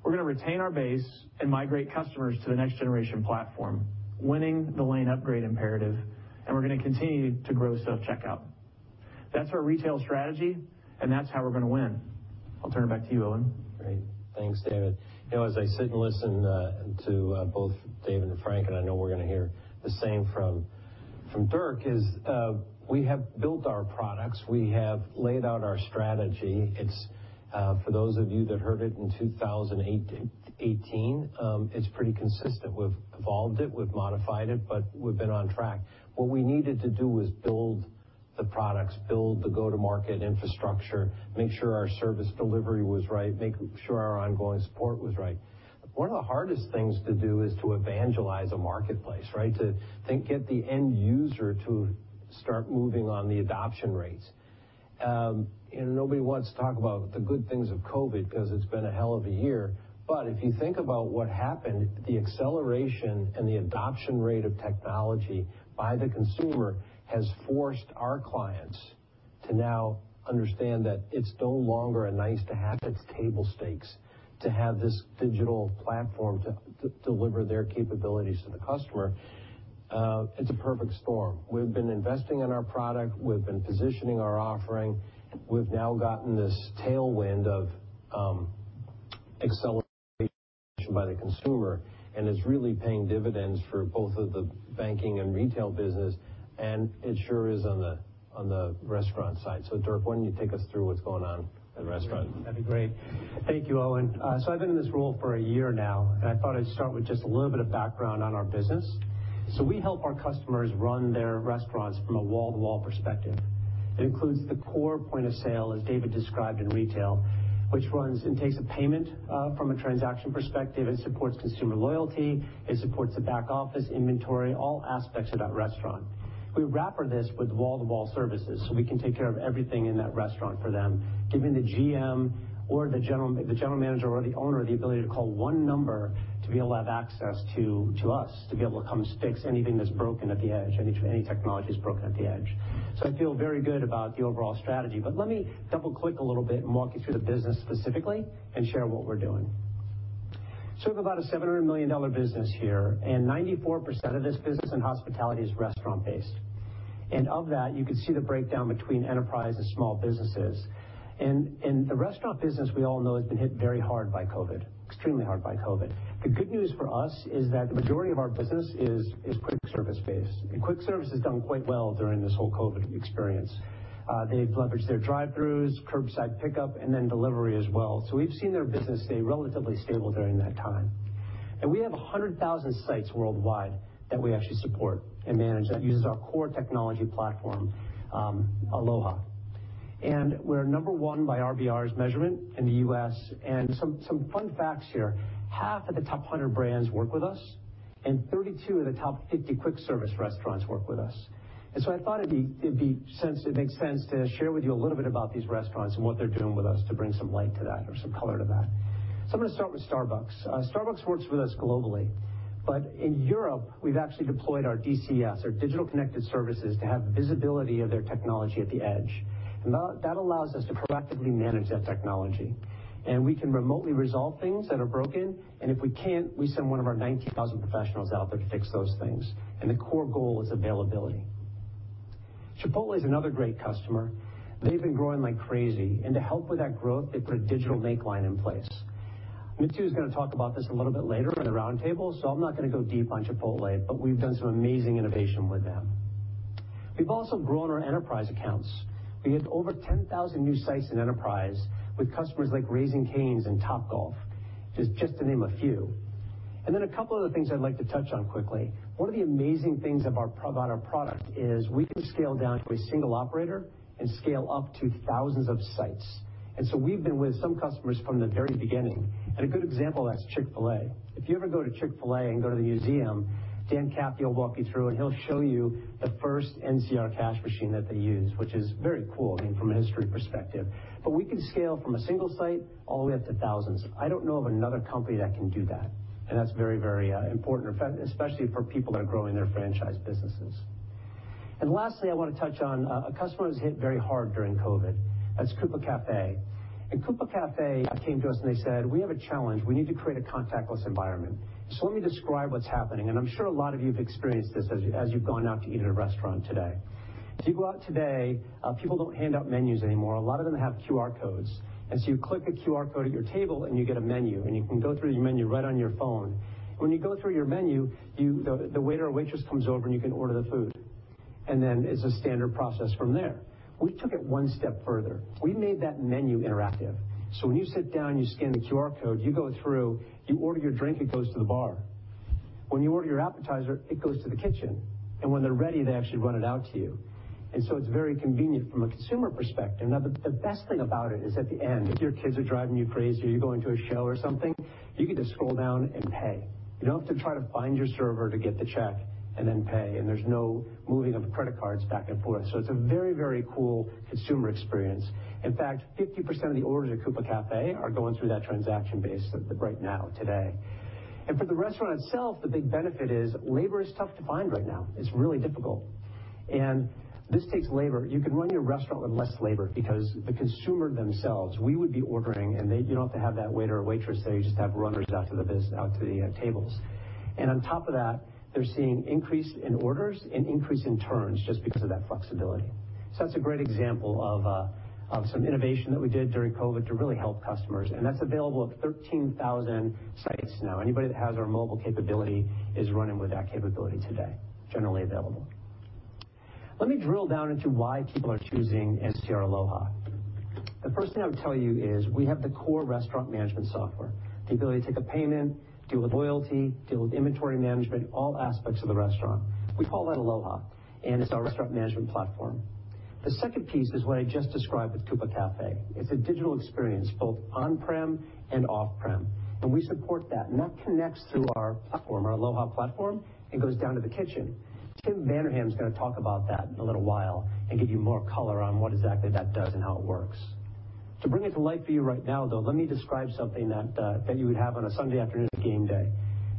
We're going to retain our base and migrate customers to the next generation platform, winning the lane upgrade imperative, and we're going to continue to grow self-checkout. That's our retail strategy, and that's how we're going to win. I'll turn it back to you, Owen. Great. Thanks, David. As I sit and listen to both Dave and Frank, and I know we're going to hear the same from Dirk, is we have built our products, we have laid out our strategy. For those of you that heard it in 2018, it's pretty consistent. We've evolved it, we've modified it, but we've been on track. What we needed to do was build the products, build the go-to-market infrastructure, make sure our service delivery was right, make sure our ongoing support was right. One of the hardest things to do is to evangelize a marketplace, right? To think at the end user to start moving on the adoption rates. Nobody wants to talk about the good things of COVID because it's been a hell of a year. If you think about what happened, the acceleration and the adoption rate of technology by the consumer has forced our clients to now understand that it's no longer a nice-to-have, it's table stakes to have this digital platform to deliver their capabilities to the customer. It's a perfect storm. We've been investing in our product, we've been positioning our offering. We've now gotten this tailwind of By the consumer, and it's really paying dividends for both the banking and retail business, and it sure is on the restaurant side. Dirk, why don't you take us through what's going on in restaurants? That'd be great. Thank you, Owen. I've been in this role for a year now, and I thought I'd start with just a little bit of background on our business. We help our customers run their restaurants from a wall-to-wall perspective. It includes the core point-of-sale, as David described in retail, which runs and takes a payment from a transaction perspective. It supports consumer loyalty. It supports the back office, inventory, all aspects of that restaurant. We wrapper this with wall-to-wall services, we can take care of everything in that restaurant for them, giving the GM or the general manager or the owner the ability to call one number to be able to have access to us, to be able to come fix anything that's broken at the edge, any technology that's broken at the edge. I feel very good about the overall strategy. Let me double-click a little bit and walk you through the business specifically and share what we're doing. We have about a $700 million business here, and 94% of this business in Hospitality is restaurant-based. Of that, you could see the breakdown between enterprise and small businesses. The restaurant business, we all know, has been hit very hard by COVID, extremely hard by COVID. The good news for us is that the majority of our business is quick service-based, and quick service has done quite well during this whole COVID experience. They've leveraged their drive-throughs, curbside pickup, and then delivery as well. We've seen their business stay relatively stable during that time. We have 100,000 sites worldwide that we actually support and manage that uses our core technology platform, Aloha. We're number one by RBR's measurement in the U.S. Some fun facts here, half of the top 100 brands work with us, 32 of the top 50 quick service restaurants work with us. I thought it'd make sense to share with you a little bit about these restaurants and what they're doing with us to bring some light to that or some color to that. I'm going to start with Starbucks. Starbucks works with us globally. In Europe, we've actually deployed our DCS, our Digital Connected Services, to have visibility of their technology at the edge. That allows us to proactively manage that technology. We can remotely resolve things that are broken, and if we can't, we send one of our 19,000 professionals out there to fix those things. The core goal is availability. Chipotle is another great customer. They've been growing like crazy, and to help with that growth, they put a digital make line in place. Mithu is going to talk about this a little bit later in the round table, so I'm not going to go deep on Chipotle, but we've done some amazing innovation with them. We've also grown our enterprise accounts. We have over 10,000 new sites in enterprise with customers like Raising Cane's and Topgolf, just to name a few. A couple other things I'd like to touch on quickly. One of the amazing things about our product is we can scale down to a single operator and scale up to thousands of sites. We've been with some customers from the very beginning. A good example of that is Chick-fil-A. If you ever go to Chick-fil-A and go to the museum, Dan Cathy will walk you through, and he'll show you the first NCR cash machine that they used, which is very cool, I mean, from a history perspective. We can scale from a single site all the way up to thousands. I don't know of another company that can do that's very important, especially for people that are growing their franchise businesses. Lastly, I want to touch on a customer that was hit very hard during COVID. That's Coupa Café. Coupa Café came to us, and they said, "We have a challenge. We need to create a contactless environment." Let me describe what's happening, I'm sure a lot of you have experienced this as you've gone out to eat at a restaurant today. If you go out today, people don't hand out menus anymore. A lot of them have QR codes. You click the QR code at your table, and you get a menu, and you can go through the menu right on your phone. When you go through your menu, the waiter or waitress comes over, and you can order the food. It's a standard process from there. We took it one step further. We made that menu interactive. When you sit down, you scan the QR code, you go through, you order your drink, it goes to the bar. When you order your appetizer, it goes to the kitchen. When they're ready, they actually run it out to you. It's very convenient from a consumer perspective. The best thing about it is at the end, if your kids are driving you crazy or you're going to a show or something, you get to scroll down and pay. You don't have to try to find your server to get the check and then pay, and there's no moving of credit cards back and forth. It's a very cool consumer experience. In fact, 50% of the orders at Coupa Café are going through that transaction base right now, today. For the restaurant itself, the big benefit is labor is tough to find right now. It's really difficult. This takes labor. You can run your restaurant with less labor because the consumer themselves, we would be ordering, and you don't have to have that waiter or waitress there. You just have runners out to the tables. On top of that, they're seeing increase in orders and increase in turns just because of that flexibility. That's a great example of some innovation that we did during COVID to really help customers, and that's available at 13,000 sites now. Anybody that has our mobile capability is running with that capability today, generally available. Let me drill down into why people are choosing NCR Aloha. The first thing I would tell you is we have the core restaurant management software, the ability to take a payment, deal with loyalty, deal with inventory management, all aspects of the restaurant. We call that Aloha, and it's our restaurant management platform. The second piece is what I just described with Coupa Café. It's a digital experience, both on-prem and off-prem, and we support that. That connects to our platform, our Aloha platform, and goes down to the kitchen. Tim Vanderham is going to talk about that in a little while and give you more color on what exactly that does and how it works. To bring it to life for you right now, though, let me describe something that you would have on a Sunday afternoon game day.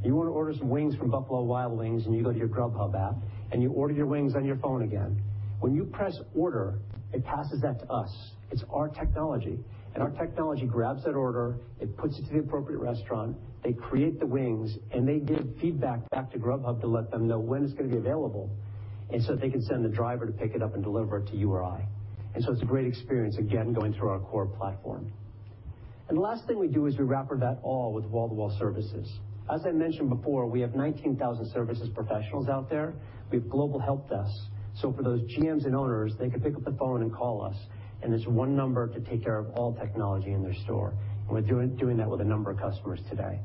You want to order some wings from Buffalo Wild Wings, and you go to your Grubhub app, and you order your wings on your phone again. When you press order, it passes that to us. It's our technology. Our technology grabs that order, it puts it to the appropriate restaurant, they create the wings, and they give feedback back to Grubhub to let them know when it's going to be available, and so they can send the driver to pick it up and deliver it to you or I. It's a great experience, again, going through our core platform. The last thing we do is we wrapper that all with wall-to-wall services. As I mentioned before, we have 19,000 services professionals out there. We have global help desks. For those GMs and owners, they can pick up the phone and call us, and it's one number to take care of all technology in their store. We're doing that with a number of customers today.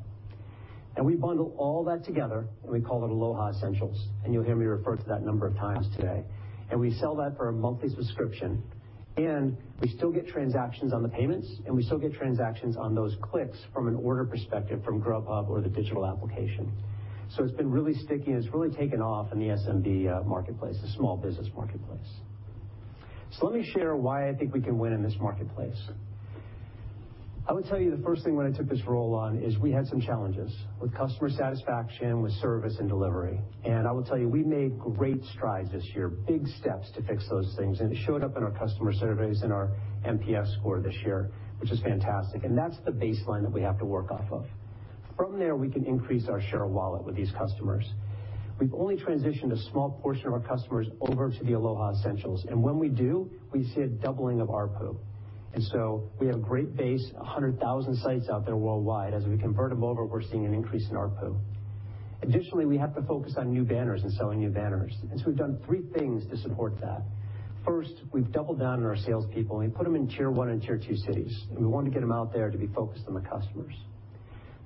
We bundle all that together, and we call it Aloha Essentials. You'll hear me refer to that a number of times today. We sell that for a monthly subscription. We still get transactions on the payments, and we still get transactions on those clicks from an order perspective from Grubhub or the digital application. It's been really sticky, and it's really taken off in the SMB marketplace, the small business marketplace. Let me share why I think we can win in this marketplace. I would tell you the first thing when I took this role on is we had some challenges with customer satisfaction, with service and delivery. I will tell you, we made great strides this year, big steps to fix those things, and it showed up in our customer surveys and our NPS score this year, which is fantastic. That's the baseline that we have to work off of. From there, we can increase our share of wallet with these customers. We've only transitioned a small portion of our customers over to the Aloha Essentials, and when we do, we see a doubling of ARPU. We have a great base, 100,000 sites out there worldwide. As we convert them over, we're seeing an increase in ARPU. Additionally, we have to focus on new banners and selling new banners. We've done three things to support that. First, we've doubled down on our salespeople, and we put them in tier 1 and tier 2 cities, and we want to get them out there to be focused on the customers.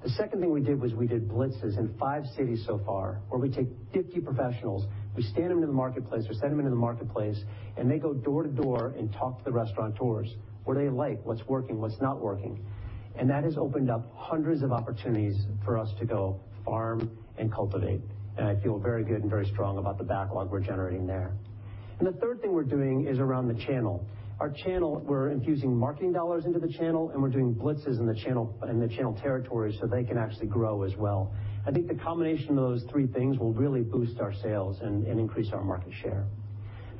The second thing we did was we did blitzes in five cities so far, where we take 50 professionals, we stand them in the marketplace or send them into the marketplace. They go door to door and talk to the restaurateurs. What do they like? What's working? What's not working? That has opened up hundreds of opportunities for us to go farm and cultivate. I feel very good and very strong about the backlog we're generating there. The third thing we're doing is around the channel. Our channel, we're infusing marketing dollars into the channel, and we're doing blitzes in the channel territory so they can actually grow as well. I think the combination of those three things will really boost our sales and increase our market share.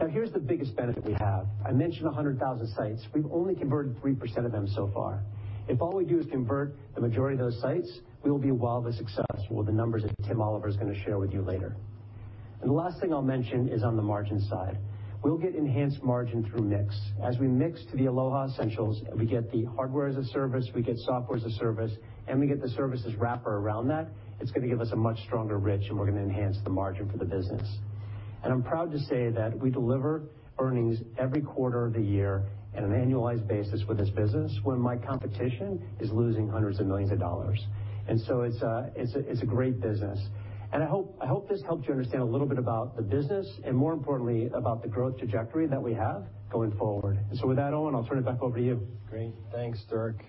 Now, here's the biggest benefit we have. I mentioned 100,000 sites. We've only converted 3% of them so far. If all we do is convert the majority of those sites, we will be wildly successful with the numbers that Tim Oliver is going to share with you later. The last thing I'll mention is on the margin side. We'll get enhanced margin through mix. As we mix to the Aloha Essentials and we get the hardware as a service, we get software as a service, and we get the services wrapper around that, it's going to give us a much stronger rich, and we're going to enhance the margin for the business. I'm proud to say that we deliver earnings every quarter of the year at an annualized basis with this business when my competition is losing hundreds of millions of dollars. It's a great business. I hope this helped you understand a little bit about the business and, more importantly, about the growth trajectory that we have going forward. With that, Owen, I'll turn it back over to you. Great. Thanks, Dirk,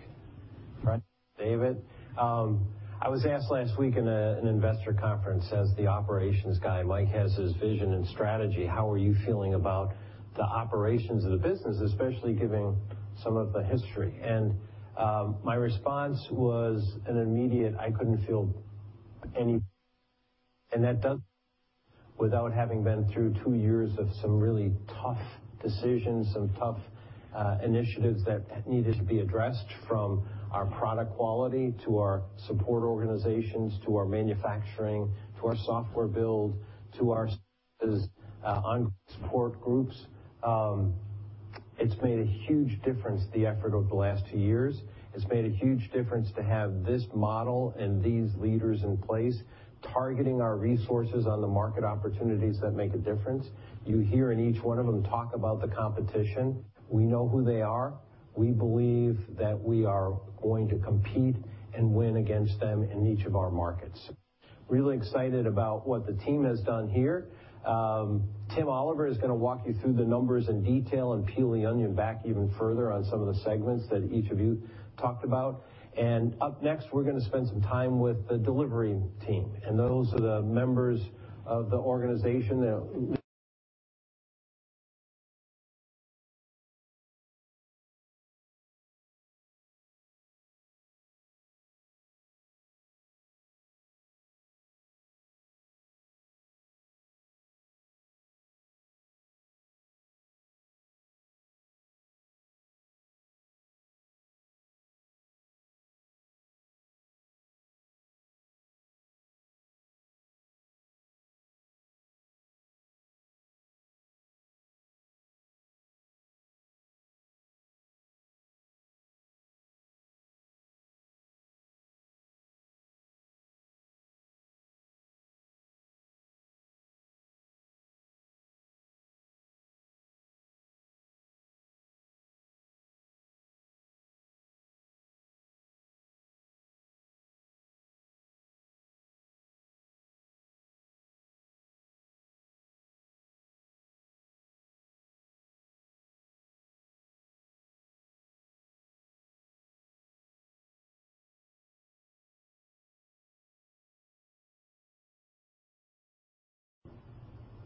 Frank, David. I was asked last week in an investor conference, as the operations guy, Mike has his vision and strategy, how are you feeling about the operations of the business, especially given some of the history? My response was an immediate. Without having been through 2 years of some really tough decisions, some tough initiatives that needed to be addressed, from our product quality to our support organizations, to our manufacturing, to our software build, to our on-support groups. It's made a huge difference, the effort over the last two years. It's made a huge difference to have this model and these leaders in place, targeting our resources on the market opportunities that make a difference. You hear in each one of them talk about the competition. We know who they are. We believe that we are going to compete and win against them in each of our markets. Really excited about what the team has done here. Tim Oliver is going to walk you through the numbers in detail and peel the onion back even further on some of the segments that each of you talked about. Up next, we're going to spend some time with the delivery team, and those are the members of the organization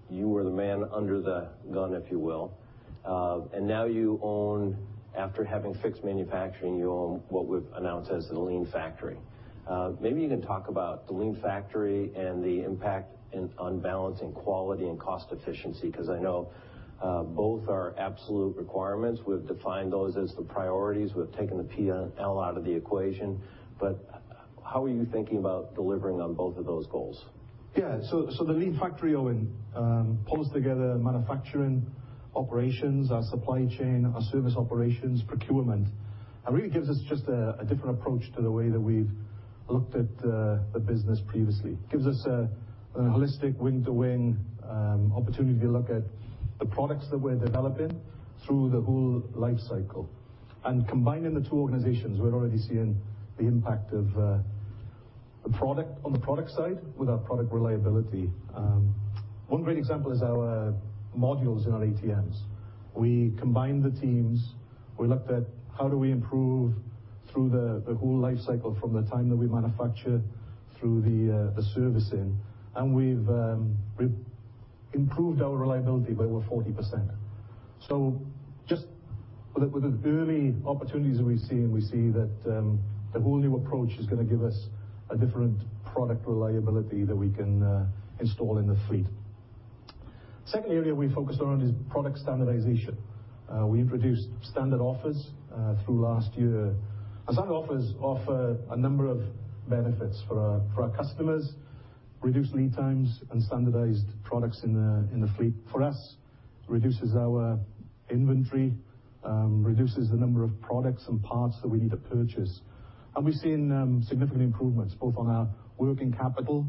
that You were the man under the gun, if you will. Now you own, after having fixed manufacturing, you own what we've announced as the Lean manufacturing. Maybe you can talk about the Lean manufacturing and the impact on balancing quality and cost efficiency, because I know both are absolute requirements. We've defined those as the priorities. We've taken the P&L out of the equation. How are you thinking about delivering on both of those goals? Yeah. The lean factory, Owen, pulls together manufacturing operations, our supply chain, our service operations, procurement, and really gives us just a different approach to the way that we've looked at the business previously. Gives us a holistic wing-to-wing opportunity to look at the products that we're developing through the whole life cycle. Combining the two organizations, we're already seeing the impact on the product side with our product reliability. One great example is our modules in our ATMs. We combined the teams. We looked at how do we improve through the whole life cycle from the time that we manufacture through the servicing. We've improved our reliability by over 40%. Just with the early opportunities that we've seen, we see that the whole new approach is going to give us a different product reliability that we can install in the fleet. Second area we focused on is product standardization. We've reduced standard offers through last year. Standard offers offer a number of benefits for our customers, reduced lead times, and standardized products in the fleet. For us, reduces our inventory, reduces the number of products and parts that we need to purchase. We've seen significant improvements both on our working capital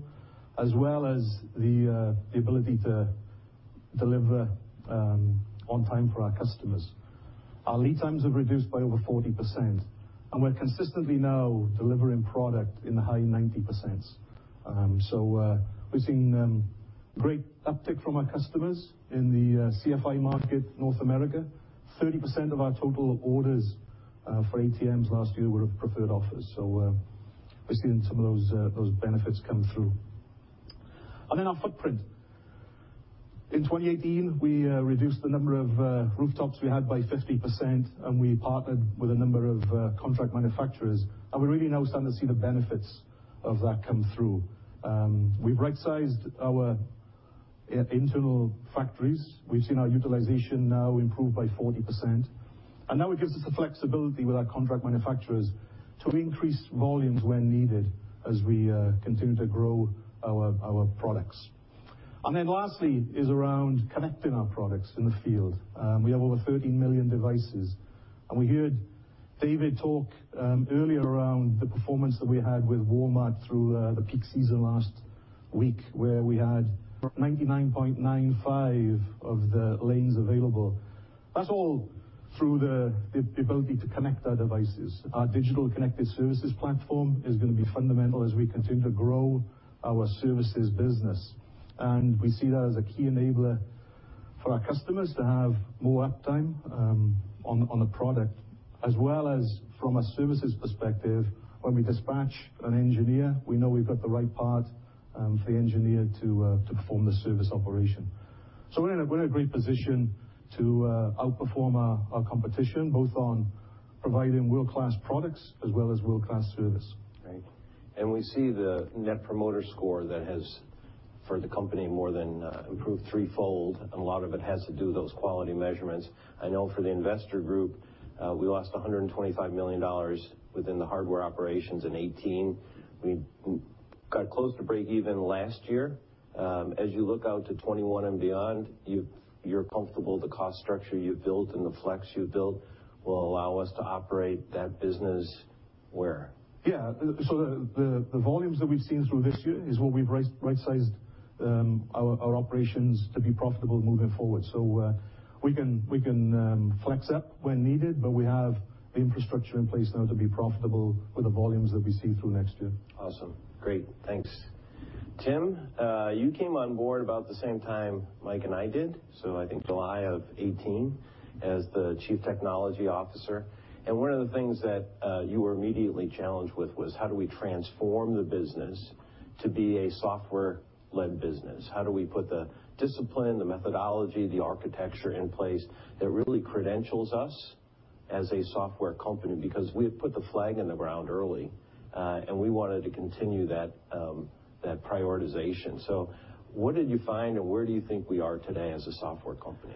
as well as the ability to deliver on time for our customers. Our lead times have reduced by over 40%, and we're consistently now delivering product in the high 90%. We've seen great uptick from our customers in the CFI market, North America, 30% of our total orders for ATMs last year were of preferred offers. Our footprint. In 2018, we reduced the number of rooftops we had by 50%, and we partnered with a number of contract manufacturers, and we're really now starting to see the benefits of that come through. We've right-sized our internal factories. We've seen our utilization now improved by 40%, and now it gives us the flexibility with our contract manufacturers to increase volumes when needed as we continue to grow our products. Lastly is around connecting our products in the field. We have over 13 million devices, and we heard David talk earlier around the performance that we had with Walmart through the peak season last week, where we had 99.95 of the lanes available. That's all through the ability to connect our devices. Our Digital Connected Services platform is going to be fundamental as we continue to grow our services business. We see that as a key enabler for our customers to have more uptime on the product, as well as from a services perspective, when we dispatch an engineer, we know we've got the right part for the engineer to perform the service operation. We're in a great position to outperform our competition, both on providing world-class products as well as world-class service. Right. We see the Net Promoter Score that has, for the company, more than improved threefold. A lot of it has to do those quality measurements. I know for the investor group, we lost $125 million within the hardware operations in 2018. We got close to breakeven last year. You look out to 2021 and beyond, you're comfortable the cost structure you've built and the flex you've built will allow us to operate that business where? Yeah. The volumes that we've seen through this year is what we've right-sized our operations to be profitable moving forward. We can flex up when needed, but we have the infrastructure in place now to be profitable with the volumes that we see through next year. Awesome. Great. Thanks. Tim, you came on board about the same time Mike and I did. I think July of 2018 as the Chief Technology Officer. One of the things that you were immediately challenged with was how do we transform the business to be a software-led business? How do we put the discipline, the methodology, the architecture in place that really credentials us as a software company? We had put the flag in the ground early, and we wanted to continue that prioritization. What did you find, and where do you think we are today as a software company?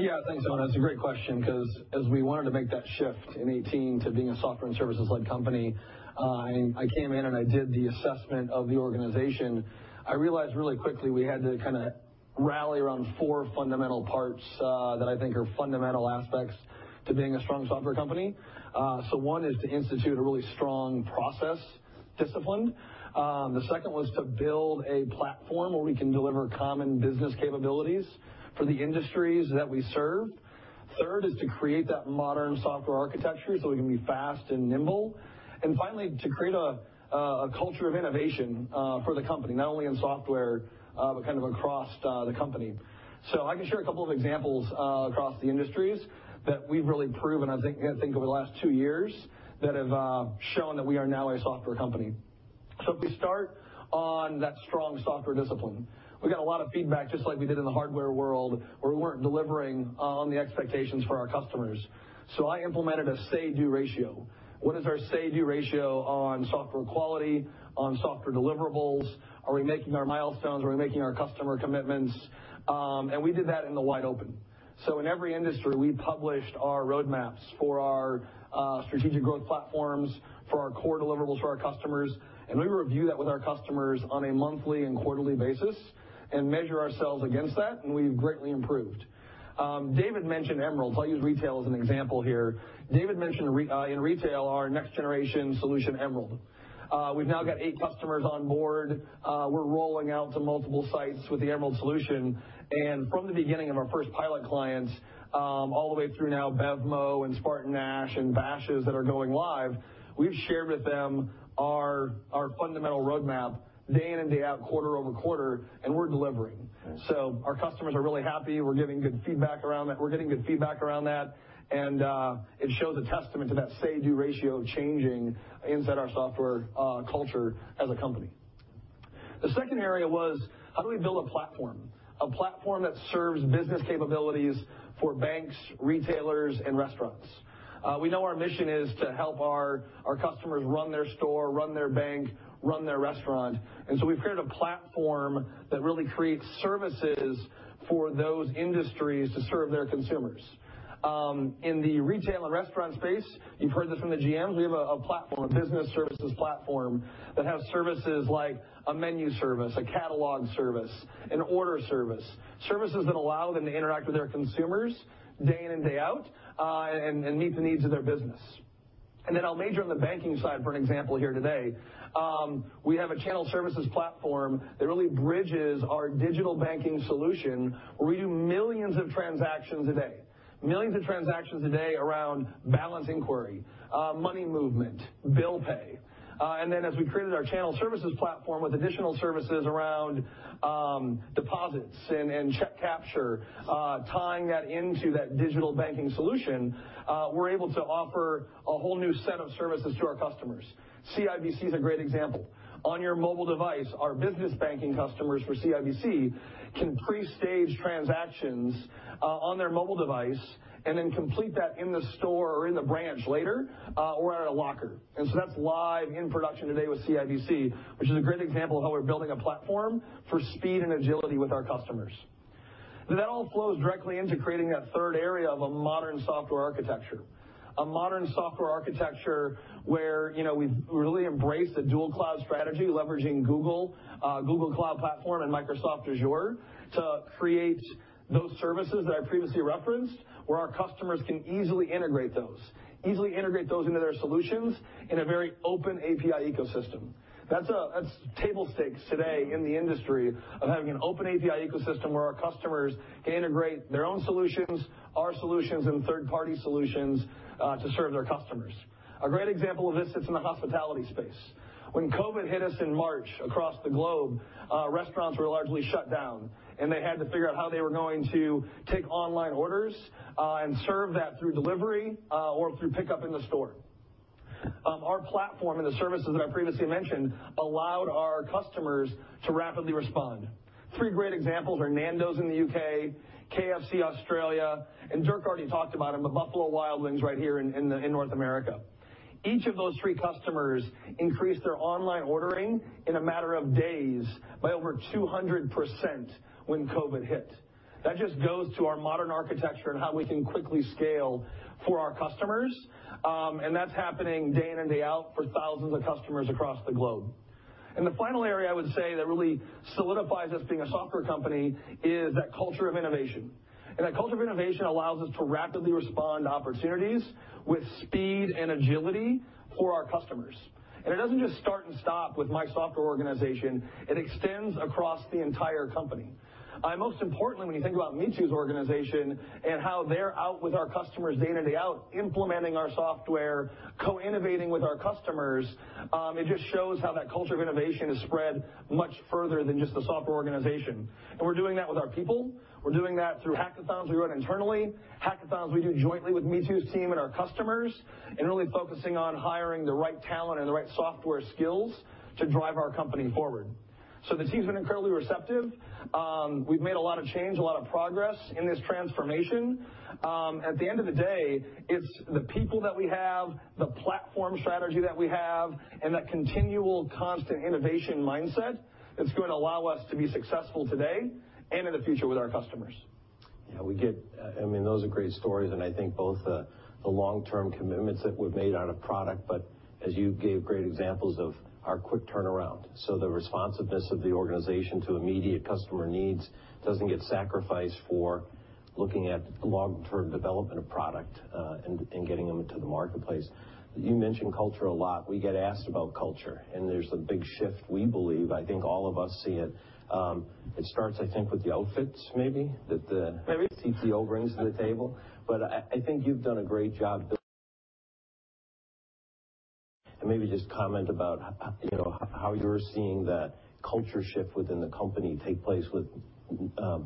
Yeah, thanks, Owen. That's a great question because as we wanted to make that shift in 2018 to being a software and services-led company, I came in and I did the assessment of the organization. I realized really quickly we had to rally around four fundamental parts that I think are fundamental aspects to being a strong software company. One is to institute a really strong process discipline. The second was to build a platform where we can deliver common business capabilities for the industries that we serve. Third is to create that modern software architecture so we can be fast and nimble. Finally, to create a culture of innovation for the company, not only in software but kind of across the company. I can share a couple of examples across the industries that we've really proven, I think, over the last two years that have shown that we are now a software company. If we start on that strong software discipline, we got a lot of feedback, just like we did in the hardware world, where we weren't delivering on the expectations for our customers. I implemented a Say-Do Ratio. What is our Say-Do Ratio on software quality, on software deliverables? Are we making our milestones? Are we making our customer commitments? We did that in the wide open. In every industry, we published our roadmaps for our strategic growth platforms, for our core deliverables for our customers, and we review that with our customers on a monthly and quarterly basis and measure ourselves against that, and we've greatly improved. David mentioned Emerald. I'll use retail as an example here. David mentioned in retail, our next-generation solution, Emerald. We've now got eight customers on board. We're rolling out to multiple sites with the Emerald solution, and from the beginning of our first pilot clients, all the way through now BevMo! and SpartanNash and Bashas' that are going live, we've shared with them our fundamental roadmap day in and day out, quarter over quarter, and we're delivering. Yes. Our customers are really happy. We're getting good feedback around that, and it shows a testament to that Say-Do Ratio of changing inside our software culture as a company. The second area was, how do we build a platform? A platform that serves business capabilities for banks, retailers, and restaurants. We know our mission is to help our customers run their store, run their bank, run their restaurant, we've created a platform that really creates services for those industries to serve their consumers. In the retail and restaurant space, you've heard this from the GMs, we have a platform, a Business Services Platform that has services like a menu service, a catalog service, an order service, services that allow them to interact with their consumers day in and day out, and meet the needs of their business. I'll major on the banking side for an example here today. We have a Channel Services Platform that really bridges our digital banking solution, where we do millions of transactions a day. Millions of transactions a day around balance inquiry, money movement, bill pay. As we created our Channel Services Platform with additional services around deposits and check capture, tying that into that digital banking solution, we're able to offer a whole new set of services to our customers. CIBC is a great example. On your mobile device, our business banking customers for CIBC can pre-stage transactions on their mobile device and then complete that in the store or in the branch later, or at a locker. That's live in production today with CIBC, which is a great example of how we're building a platform for speed and agility with our customers. That all flows directly into creating that third area of a modern software architecture. A modern software architecture where we've really embraced a dual cloud strategy, leveraging Google Cloud Platform and Microsoft Azure to create those services that I previously referenced, where our customers can easily integrate those. Easily integrate those into their solutions in a very open API ecosystem. That's table stakes today in the industry of having an open API ecosystem where our customers can integrate their own solutions, our solutions, and third-party solutions to serve their customers. A great example of this sits in the hospitality space. COVID hit us in March across the globe, restaurants were largely shut down, and they had to figure out how they were going to take online orders, and serve that through delivery or through pickup in the store. Our platform and the services that I previously mentioned allowed our customers to rapidly respond. Three great examples are Nando's in the U.K., KFC Australia, and Dirk already talked about them, the Buffalo Wild Wings right here in North America. Each of those three customers increased their online ordering in a matter of days by over 200% when COVID hit. That just goes to our modern architecture and how we can quickly scale for our customers, and that's happening day in and day out for thousands of customers across the globe. The final area I would say that really solidifies us being a software company is that culture of innovation, and that culture of innovation allows us to rapidly respond to opportunities with speed and agility for our customers. It doesn't just start and stop with my software organization. It extends across the entire company. When you think about Mithu's organization and how they're out with our customers day in and day out, implementing our software, co-innovating with our customers, it just shows how that culture of innovation has spread much further than just the software organization. We're doing that with our people. We're doing that through hackathons we run internally, hackathons we do jointly with Mithu's team and our customers, and really focusing on hiring the right talent and the right software skills to drive our company forward. The team's been incredibly receptive. We've made a lot of change, a lot of progress in this transformation. At the end of the day, it's the people that we have, the platform strategy that we have, and that continual constant innovation mindset that's going to allow us to be successful today and in the future with our customers. Yeah, those are great stories. I think both the long-term commitments that we've made on a product, as you gave great examples of our quick turnaround. The responsiveness of the organization to immediate customer needs doesn't get sacrificed for looking at long-term development of product, and getting them into the marketplace. You mention culture a lot. We get asked about culture, there's a big shift, we believe. I think all of us see it. It starts, I think, with the outfits maybe- Maybe. ...that the CTO brings to the table, but I think you've done a great job. Maybe just comment about how you're seeing that culture shift within the company take place with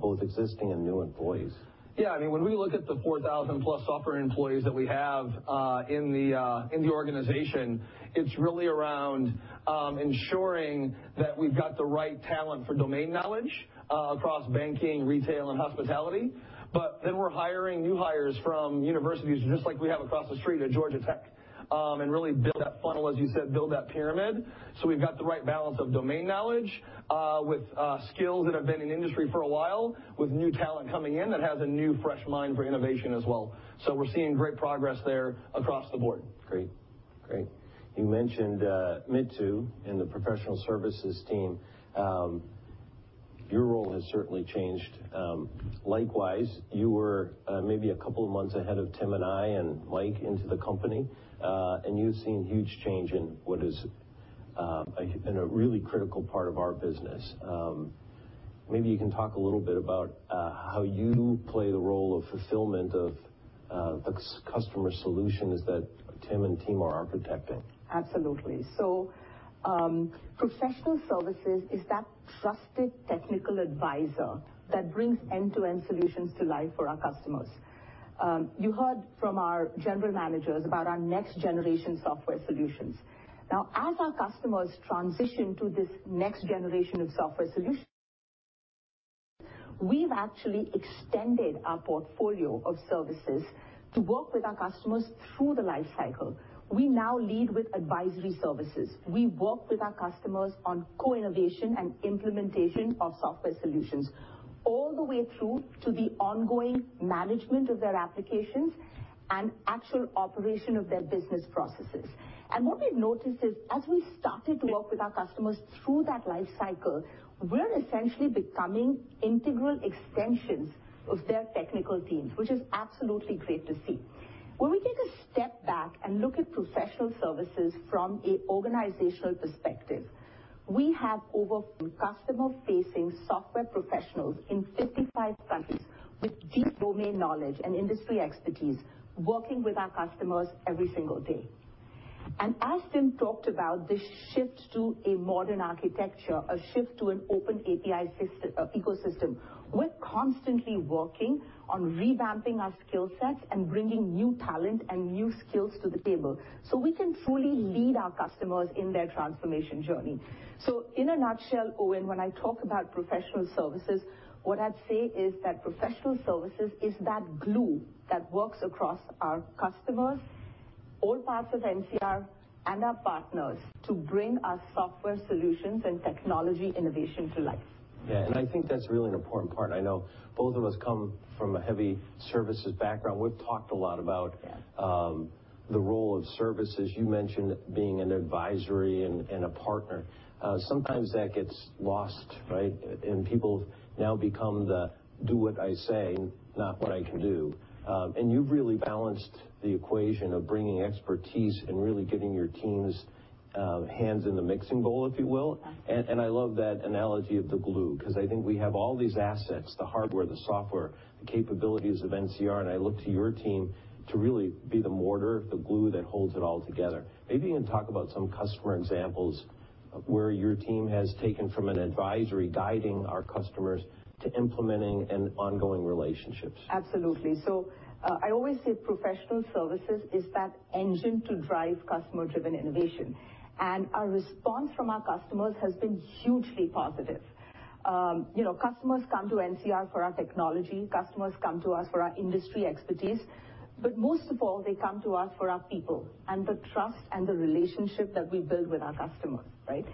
both existing and new employees. When we look at the 4,000+ software employees that we have in the organization, it's really around ensuring that we've got the right talent for domain knowledge across banking, retail, and hospitality. We're hiring new hires from universities just like we have across the street at Georgia Tech, and really build that funnel, as you said, build that pyramid, so we've got the right balance of domain knowledge, with skills that have been in industry for a while, with new talent coming in that has a new, fresh mind for innovation as well. We're seeing great progress there across the board. Great. You mentioned Mithu and the professional services team. Your role has certainly changed. Likewise, you were maybe a couple of months ahead of Tim and I and Mike into the company, and you've seen huge change in what has been a really critical part of our business. Maybe you can talk a little bit about how you play the role of fulfillment of the customer solutions that Tim and team are architecting. Absolutely. Professional Services is that trusted technical advisor that brings end-to-end solutions to life for our customers. You heard from our general managers about our next-generation software solutions. Now, as our customers transition to this next generation of software solutions, we've actually extended our portfolio of services to work with our customers through the life cycle. We now lead with advisory services. We work with our customers on co-innovation and implementation of software solutions all the way through to the ongoing management of their applications and actual operation of their business processes. What we've noticed is as we started to work with our customers through that life cycle, we're essentially becoming integral extensions of their technical teams, which is absolutely great to see. When we take a step back and look at professional services from an organizational perspective, we have over customer-facing software professionals in 55 countries with deep domain knowledge and industry expertise, working with our customers every single day. As Tim talked about this shift to a modern architecture, a shift to an open API ecosystem, we're constantly working on revamping our skill sets and bringing new talent and new skills to the table so we can fully lead our customers in their transformation journey. In a nutshell, Owen, when I talk about professional services, what I'd say is that professional services is that glue that works across our customers, all parts of NCR, and our partners to bring our software solutions and technology innovation to life. Yeah. I think that's really an important part. I know both of us come from a heavy services background- Yeah. ...the role of services. You mentioned being an advisory and a partner. Sometimes that gets lost, right? People now become the do what I say, not what I do. You've really balanced the equation of bringing expertise and really getting your team's hands in the mixing bowl, if you will. I love that analogy of the glue because I think we have all these assets, the hardware, the software, the capabilities of NCR, and I look to your team to really be the mortar, the glue that holds it all together. Maybe you can talk about some customer examples of where your team has taken from an advisory guiding our customers to implementing and ongoing relationships. Absolutely. I always say professional services is that engine to drive customer-driven innovation. Our response from our customers has been hugely positive. Customers come to NCR for our technology. Customers come to us for our industry expertise. Most of all, they come to us for our people and the trust and the relationship that we build with our customers, right?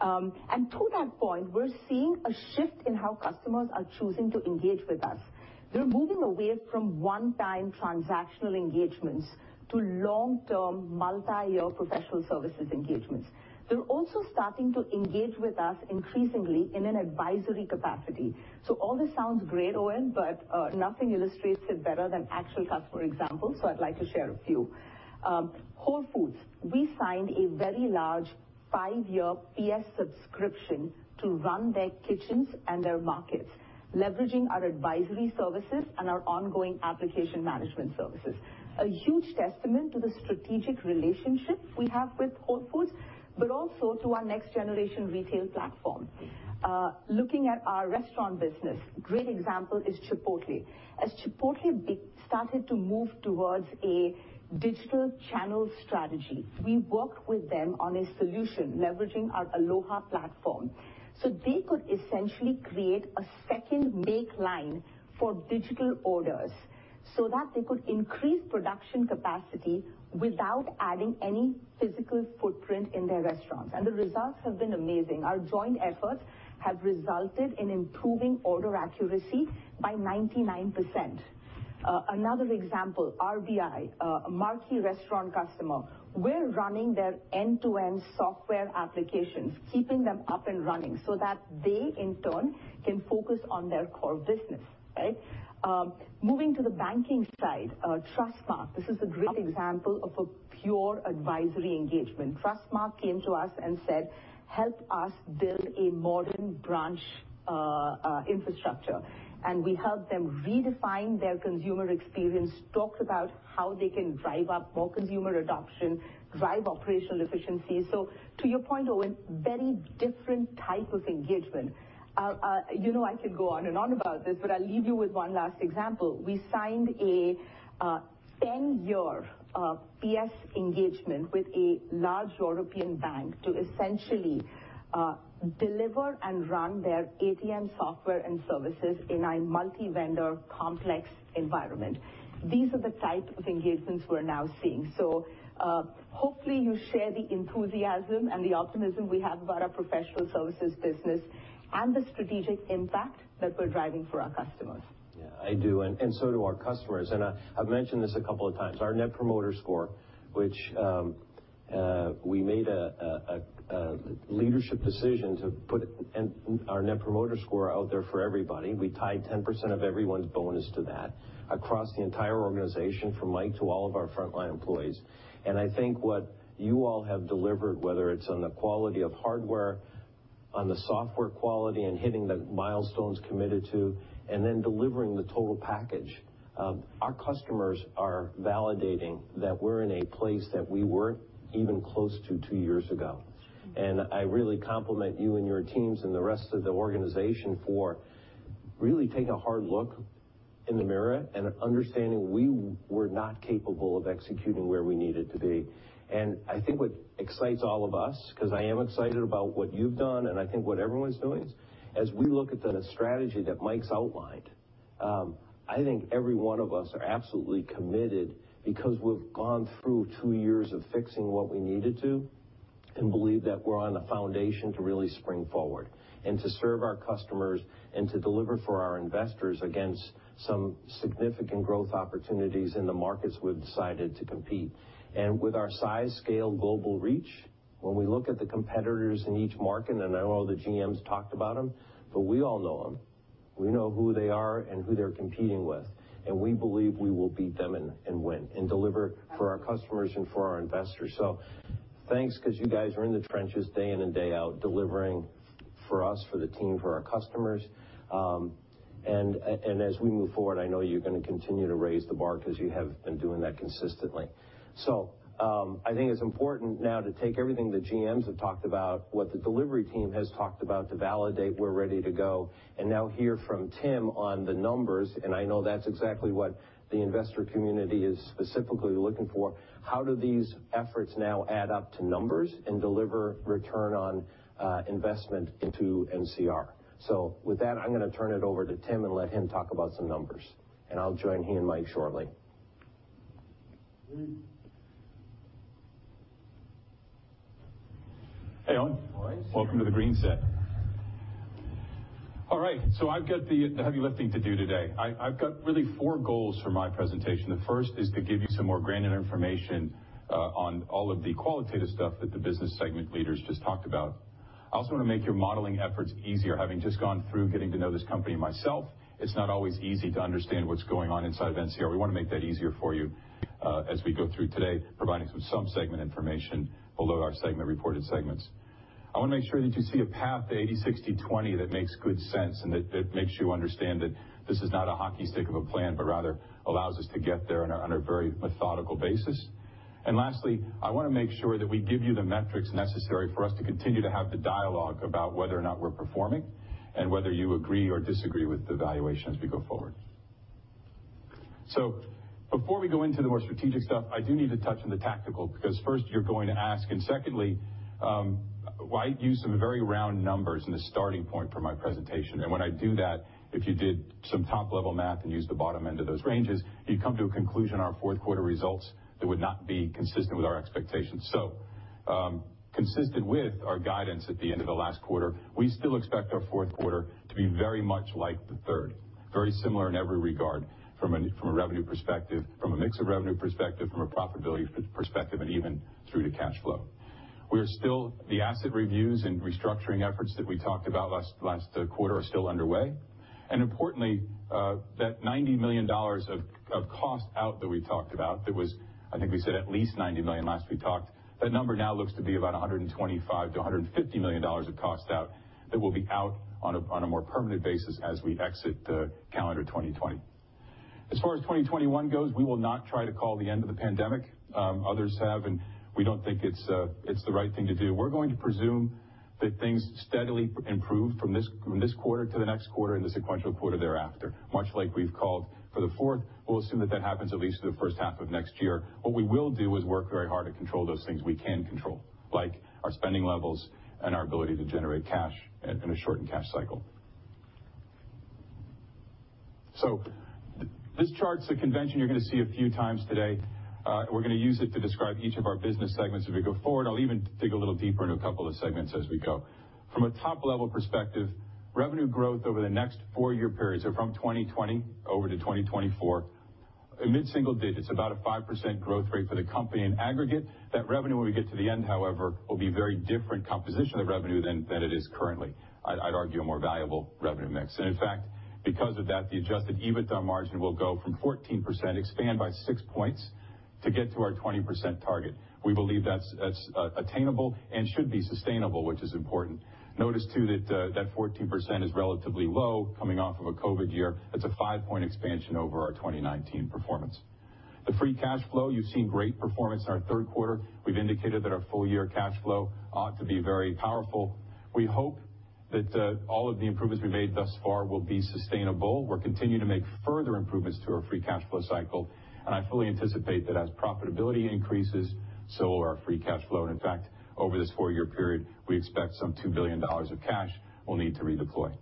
To that point, we're seeing a shift in how customers are choosing to engage with us. They're moving away from one-time transactional engagements to long-term multi-year professional services engagements. They're also starting to engage with us increasingly in an advisory capacity. All this sounds great, Owen, but nothing illustrates it better than actual customer examples, so I'd like to share a few. Whole Foods. We signed a very large five-year POS subscription to run their kitchens and their markets, leveraging our advisory services and our ongoing application management services. A huge testament to the strategic relationship we have with Whole Foods, but also to our next-generation retail platform. Looking at our restaurant business, great example is Chipotle. As Chipotle started to move towards a digital channel strategy, we worked with them on a solution leveraging our Aloha platform. They could essentially create a second make line for digital orders so that they could increase production capacity without adding any physical footprint in their restaurants. The results have been amazing. Our joint efforts have resulted in improving order accuracy by 99%. Another example, RBI, a marquee restaurant customer. We're running their end-to-end software applications, keeping them up and running so that they in turn can focus on their core business, right? Moving to the banking side, Trustmark. This is a great example of a pure advisory engagement. Trustmark came to us and said, "Help us build a modern branch infrastructure." We helped them redefine their consumer experience, talked about how they can drive up more consumer adoption, drive operational efficiency. To your point, Owen, very different type of engagement. I could go on and on about this, but I'll leave you with one last example. We signed a 10-year PS engagement with a large European bank to essentially deliver and run their ATM software and services in a multi-vendor complex environment. These are the type of engagements we're now seeing. Hopefully you share the enthusiasm and the optimism we have about our professional services business and the strategic impact that we're driving for our customers. Yeah, I do, and so do our customers. I've mentioned this a couple of times. Our Net Promoter Score, which we made a leadership decision to put our Net Promoter Score out there for everybody. We tied 10% of everyone's bonus to that across the entire organization, from Mike to all of our frontline employees. I think what you all have delivered, whether it's on the quality of hardware, on the software quality, and hitting the milestones committed to, and then delivering the total package, our customers are validating that we're in a place that we weren't even close to two years ago. I really compliment you and your teams and the rest of the organization for really taking a hard look in the mirror and understanding we were not capable of executing where we needed to be. I think what excites all of us, because I am excited about what you've done, and I think what everyone's doing, as we look at the strategy that Mike's outlined, I think every one of us are absolutely committed because we've gone through two years of fixing what we needed to and believe that we're on a foundation to really spring forward and to serve our customers and to deliver for our investors against some significant growth opportunities in the markets we've decided to compete. With our size, scale, global reach, when we look at the competitors in each market, I know all the GMs talked about them, but we all know them. We know who they are and who they're competing with, and we believe we will beat them and win and deliver for our customers and for our investors. Thanks, because you guys are in the trenches day in and day out, delivering for us, for the team, for our customers. As we move forward, I know you're going to continue to raise the bar because you have been doing that consistently. I think it's important now to take everything the GMs have talked about, what the delivery team has talked about to validate we're ready to go, and now hear from Tim on the numbers, and I know that's exactly what the investor community is specifically looking for. How do these efforts now add up to numbers and deliver return on investment into NCR? With that, I'm going to turn it over to Tim and let him talk about some numbers. I'll join he and Mike shortly. Hey, all. Welcome to the green set. All right, I've got the heavy lifting to do today. I've got really four goals for my presentation. The first is to give you some more granular information on all of the qualitative stuff that the business segment leaders just talked about. I also want to make your modeling efforts easier. Having just gone through getting to know this company myself, it's not always easy to understand what's going on inside of NCR. We want to make that easier for you as we go through today, providing some segment information below our segment reported segments. I want to make sure that you see a path to 80/60/20 that makes good sense and that makes you understand that this is not a hockey stick of a plan, but rather allows us to get there on a very methodical basis. Lastly, I want to make sure that we give you the metrics necessary for us to continue to have the dialogue about whether or not we're performing and whether you agree or disagree with the valuation as we go forward. Before we go into the more strategic stuff, I do need to touch on the tactical, because first you're going to ask, and secondly, why use some very round numbers in the starting point for my presentation? When I do that, if you did some top-level math and used the bottom end of those ranges, you'd come to a conclusion on our fourth quarter results that would not be consistent with our expectations. Consistent with our guidance at the end of the last quarter, we still expect our fourth quarter to be very much like the third. Very similar in every regard from a revenue perspective, from a mix of revenue perspective, from a profitability perspective, and even through to cash flow. The asset reviews and restructuring efforts that we talked about last quarter are still underway. Importantly, that $90 million of cost out that we talked about, that was, I think we said at least $90 million last we talked. That number now looks to be about $125 million-$150 million of cost out that will be out on a more permanent basis as we exit calendar 2020. As far as 2021 goes, we will not try to call the end of the pandemic. Others have, and we don't think it's the right thing to do. We're going to presume that things steadily improve from this quarter to the next quarter and the sequential quarter thereafter, much like we've called for the fourth. We'll assume that that happens at least through the first half of next year. What we will do is work very hard to control those things we can control, like our spending levels and our ability to generate cash in a shortened cash cycle. This chart's a convention you're going to see a few times today. We're going to use it to describe each of our business segments as we go forward. I'll even dig a little deeper into a couple of segments as we go. From a top-level perspective, revenue growth over the next four-year period, from 2020 over to 2024, mid-single digits, about a 5% growth rate for the company in aggregate. That revenue when we get to the end, however, will be very different composition of revenue than it is currently. I'd argue a more valuable revenue mix. In fact, because of that, the adjusted EBITDA margin will go from 14%, expand by six points to get to our 20% target. We believe that's attainable and should be sustainable, which is important. Notice too that 14% is relatively low coming off of a COVID year. That's a five-point expansion over our 2019 performance. The free cash flow, you've seen great performance in our third quarter. We've indicated that our full-year cash flow ought to be very powerful. We hope that all of the improvements we've made thus far will be sustainable. We'll continue to make further improvements to our free cash flow cycle, and I fully anticipate that as profitability increases, so will our free cash flow. Over this four-year period, we expect some $2 billion of cash we'll need to redeploy.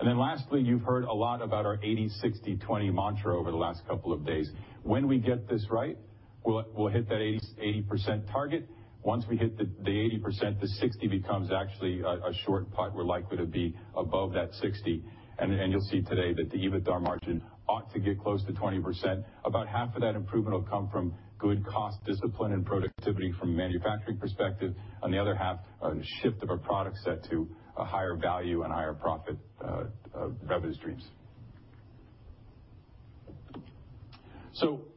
Lastly, you've heard a lot about our 80/60/20 mantra over the last couple of days. When we get this right, we'll hit that 80% target. Once we hit the 80%, the 60% becomes actually a short putt. We're likely to be above that 60%. You'll see today that the EBITDA margin ought to get close to 20%. About half of that improvement will come from good cost discipline and productivity from a manufacturing perspective. On the other half, a shift of our product set to higher value and higher profit revenue streams.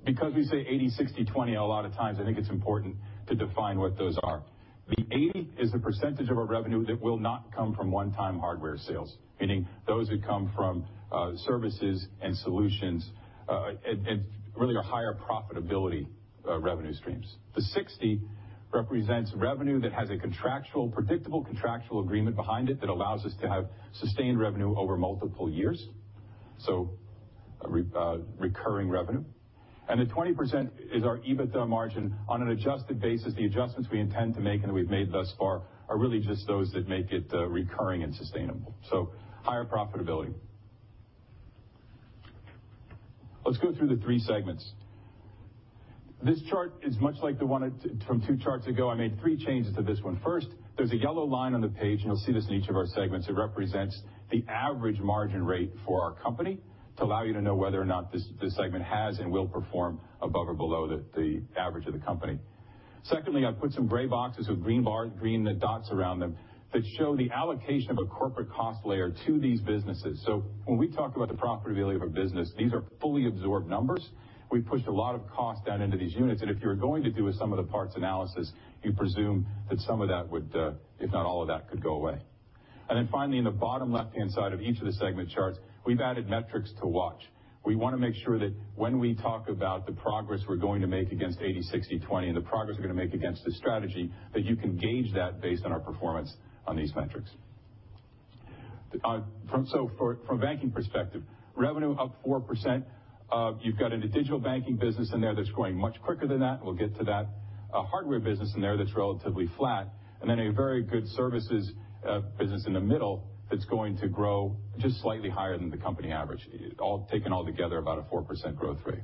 Because we say 80/60/20 a lot of times, I think it's important to define what those are. The 80% is the percentage of our revenue that will not come from one-time hardware sales, meaning those that come from services and solutions, and really are higher profitability revenue streams. The 60% represents revenue that has a predictable contractual agreement behind it that allows us to have sustained revenue over multiple years, so recurring revenue. The 20% is our EBITDA margin on an adjusted basis. The adjustments we intend to make and that we've made thus far are really just those that make it recurring and sustainable, so higher profitability. Let's go through the three segments. This chart is much like the one from two charts ago. I made three changes to this one. First, there's a yellow line on the page, and you'll see this in each of our segments. It represents the average margin rate for our company to allow you to know whether or not this segment has and will perform above or below the average of the company. Secondly, I've put some gray boxes with green dots around them that show the allocation of a corporate cost layer to these businesses. When we talk about the profitability of a business, these are fully absorbed numbers. We pushed a lot of cost down into these units, and if you were going to do a sum of the parts analysis, you presume that some of that would, if not all of that, could go away. Finally, in the bottom left-hand side of each of the segment charts, we've added metrics to watch. We want to make sure that when we talk about the progress we're going to make against 80/60/20 and the progress we're going to make against this strategy, that you can gauge that based on our performance on these metrics. From a banking perspective, revenue up 4%. You've got a digital banking business in there that's growing much quicker than that, we'll get to that. A hardware business in there that's relatively flat, then a very good services business in the middle that's going to grow just slightly higher than the company average. Taken all together, about a 4% growth rate.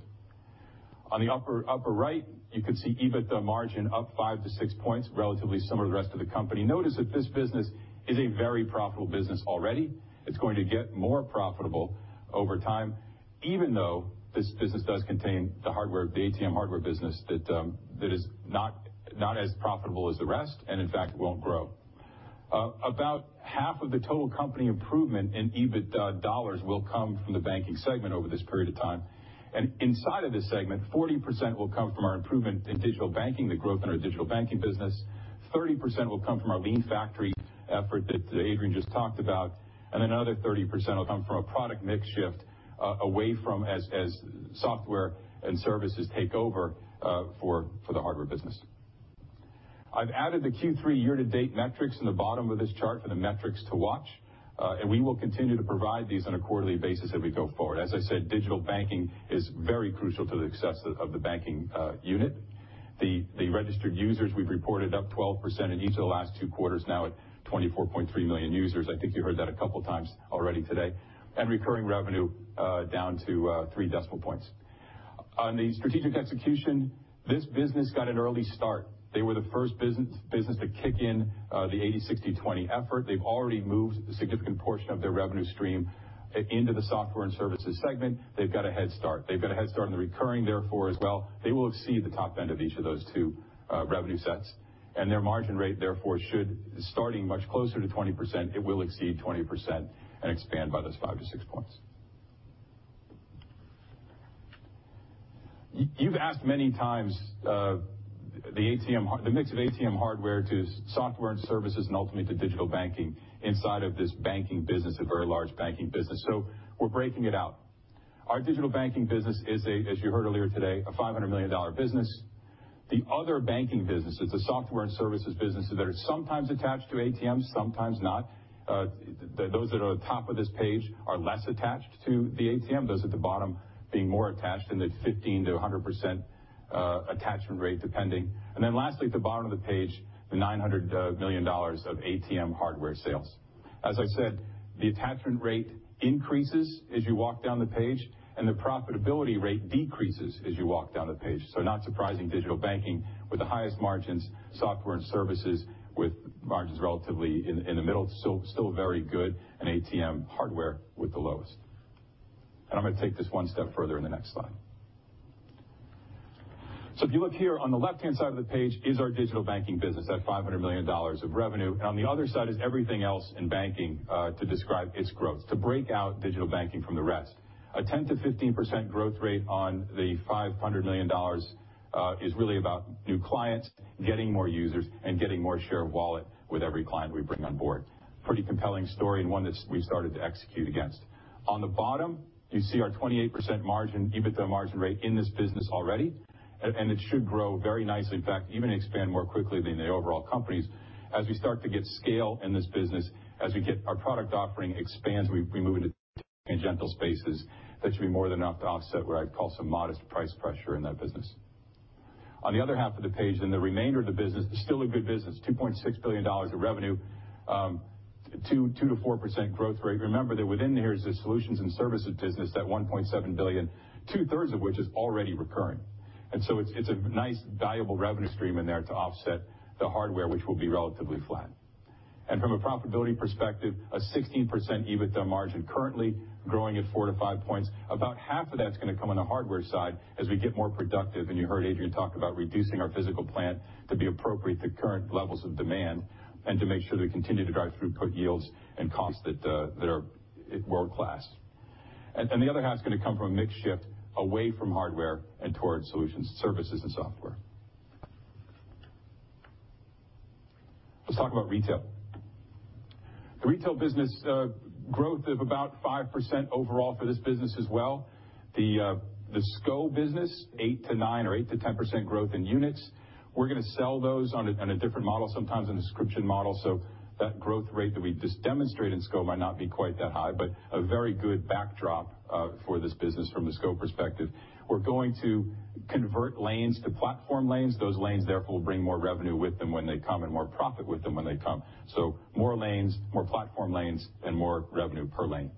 On the upper right, you can see EBITDA margin up five to six points, relatively similar to the rest of the company. Notice that this business is a very profitable business already. It's going to get more profitable over time, even though this business does contain the ATM hardware business that is not as profitable as the rest, and in fact, won't grow. About half of the total company improvement in EBITDA dollars will come from the banking segment over this period of time. Inside of this segment, 40% will come from our improvement in digital banking, the growth in our Digital Banking business. 30% will come from our lean factory effort that Adrian just talked about, and another 30% will come from a product mix shift away from as software and services take over for the hardware business. I've added the Q3 year-to-date metrics in the bottom of this chart for the metrics to watch. We will continue to provide these on a quarterly basis as we go forward. As I said, digital banking is very crucial to the success of the banking unit. The registered users we've reported up 12% in each of the last two quarters, now at 24.3 million users. I think you heard that a couple times already today. Recurring revenue down to three decimal points. On the strategic execution, this business got an early start. They were the first business to kick in the 80/60/20 effort. They've already moved a significant portion of their revenue stream into the software and services segment. They've got a head start. They've got a head start on the recurring, therefore as well. They will exceed the top end of each of those two revenue sets. Their margin rate, therefore, should, starting much closer to 20%, it will exceed 20% and expand by those five to six points. You've asked many times the mix of ATM hardware to software and services and ultimately to digital banking inside of this banking business, a very large banking business. We're breaking it out. Our digital banking business is, as you heard earlier today, a $500 million business. The other banking businesses, the software and services businesses that are sometimes attached to ATMs, sometimes not. Those that are at the top of this page are less attached to the ATM, those at the bottom being more attached in the 15%-100% attachment rate, depending. Lastly, at the bottom of the page, the $900 million of ATM hardware sales. As I said, the attachment rate increases as you walk down the page, and the profitability rate decreases as you walk down the page. Not surprising, digital banking with the highest margins, software and services with margins relatively in the middle, still very good, and ATM hardware with the lowest. I'm going to take this one step further in the next slide. If you look here, on the left-hand side of the page is our digital banking business at $500 million of revenue, and on the other side is everything else in banking to describe its growth, to break out digital banking from the rest. A 10%-15% growth rate on the $500 million is really about new clients getting more users and getting more share of wallet with every client we bring on board. Pretty compelling story and one that we started to execute against. On the bottom, you see our 28% EBITDA margin rate in this business already, and it should grow very nicely. In fact, even expand more quickly than the overall companies. As we start to get scale in this business, as our product offering expands, we move into adjacent spaces, that should be more than enough to offset what I'd call some modest price pressure in that business. On the other half of the page, the remainder of the business is still a good business, $2.6 billion of revenue, 2%-4% growth rate. Remember that within here is the solutions and services business, that $1.7 billion, 2/3 of which is already recurring. It's a nice valuable revenue stream in there to offset the hardware, which will be relatively flat. From a profitability perspective, a 16% EBITDA margin currently growing at four to five points. About half of that's going to come on the hardware side as we get more productive, you heard Adrian talk about reducing our physical plant to be appropriate to current levels of demand and to make sure that we continue to drive throughput yields and costs that are world-class. The other half is going to come from a mix shift away from hardware and towards solutions, services, and software. Let's talk about retail. The Retail business, growth of about 5% overall for this business as well. The SCO business, 8%-9% or 8%-10% growth in units. We're going to sell those on a different model, sometimes a subscription model. That growth rate that we just demonstrated in SCO might not be quite that high, but a very good backdrop for this business from the SCO perspective. We're going to convert lanes to platform lanes. Those lanes therefore will bring more revenue with them when they come and more profit with them when they come. More lanes, more platform lanes, and more revenue per lane.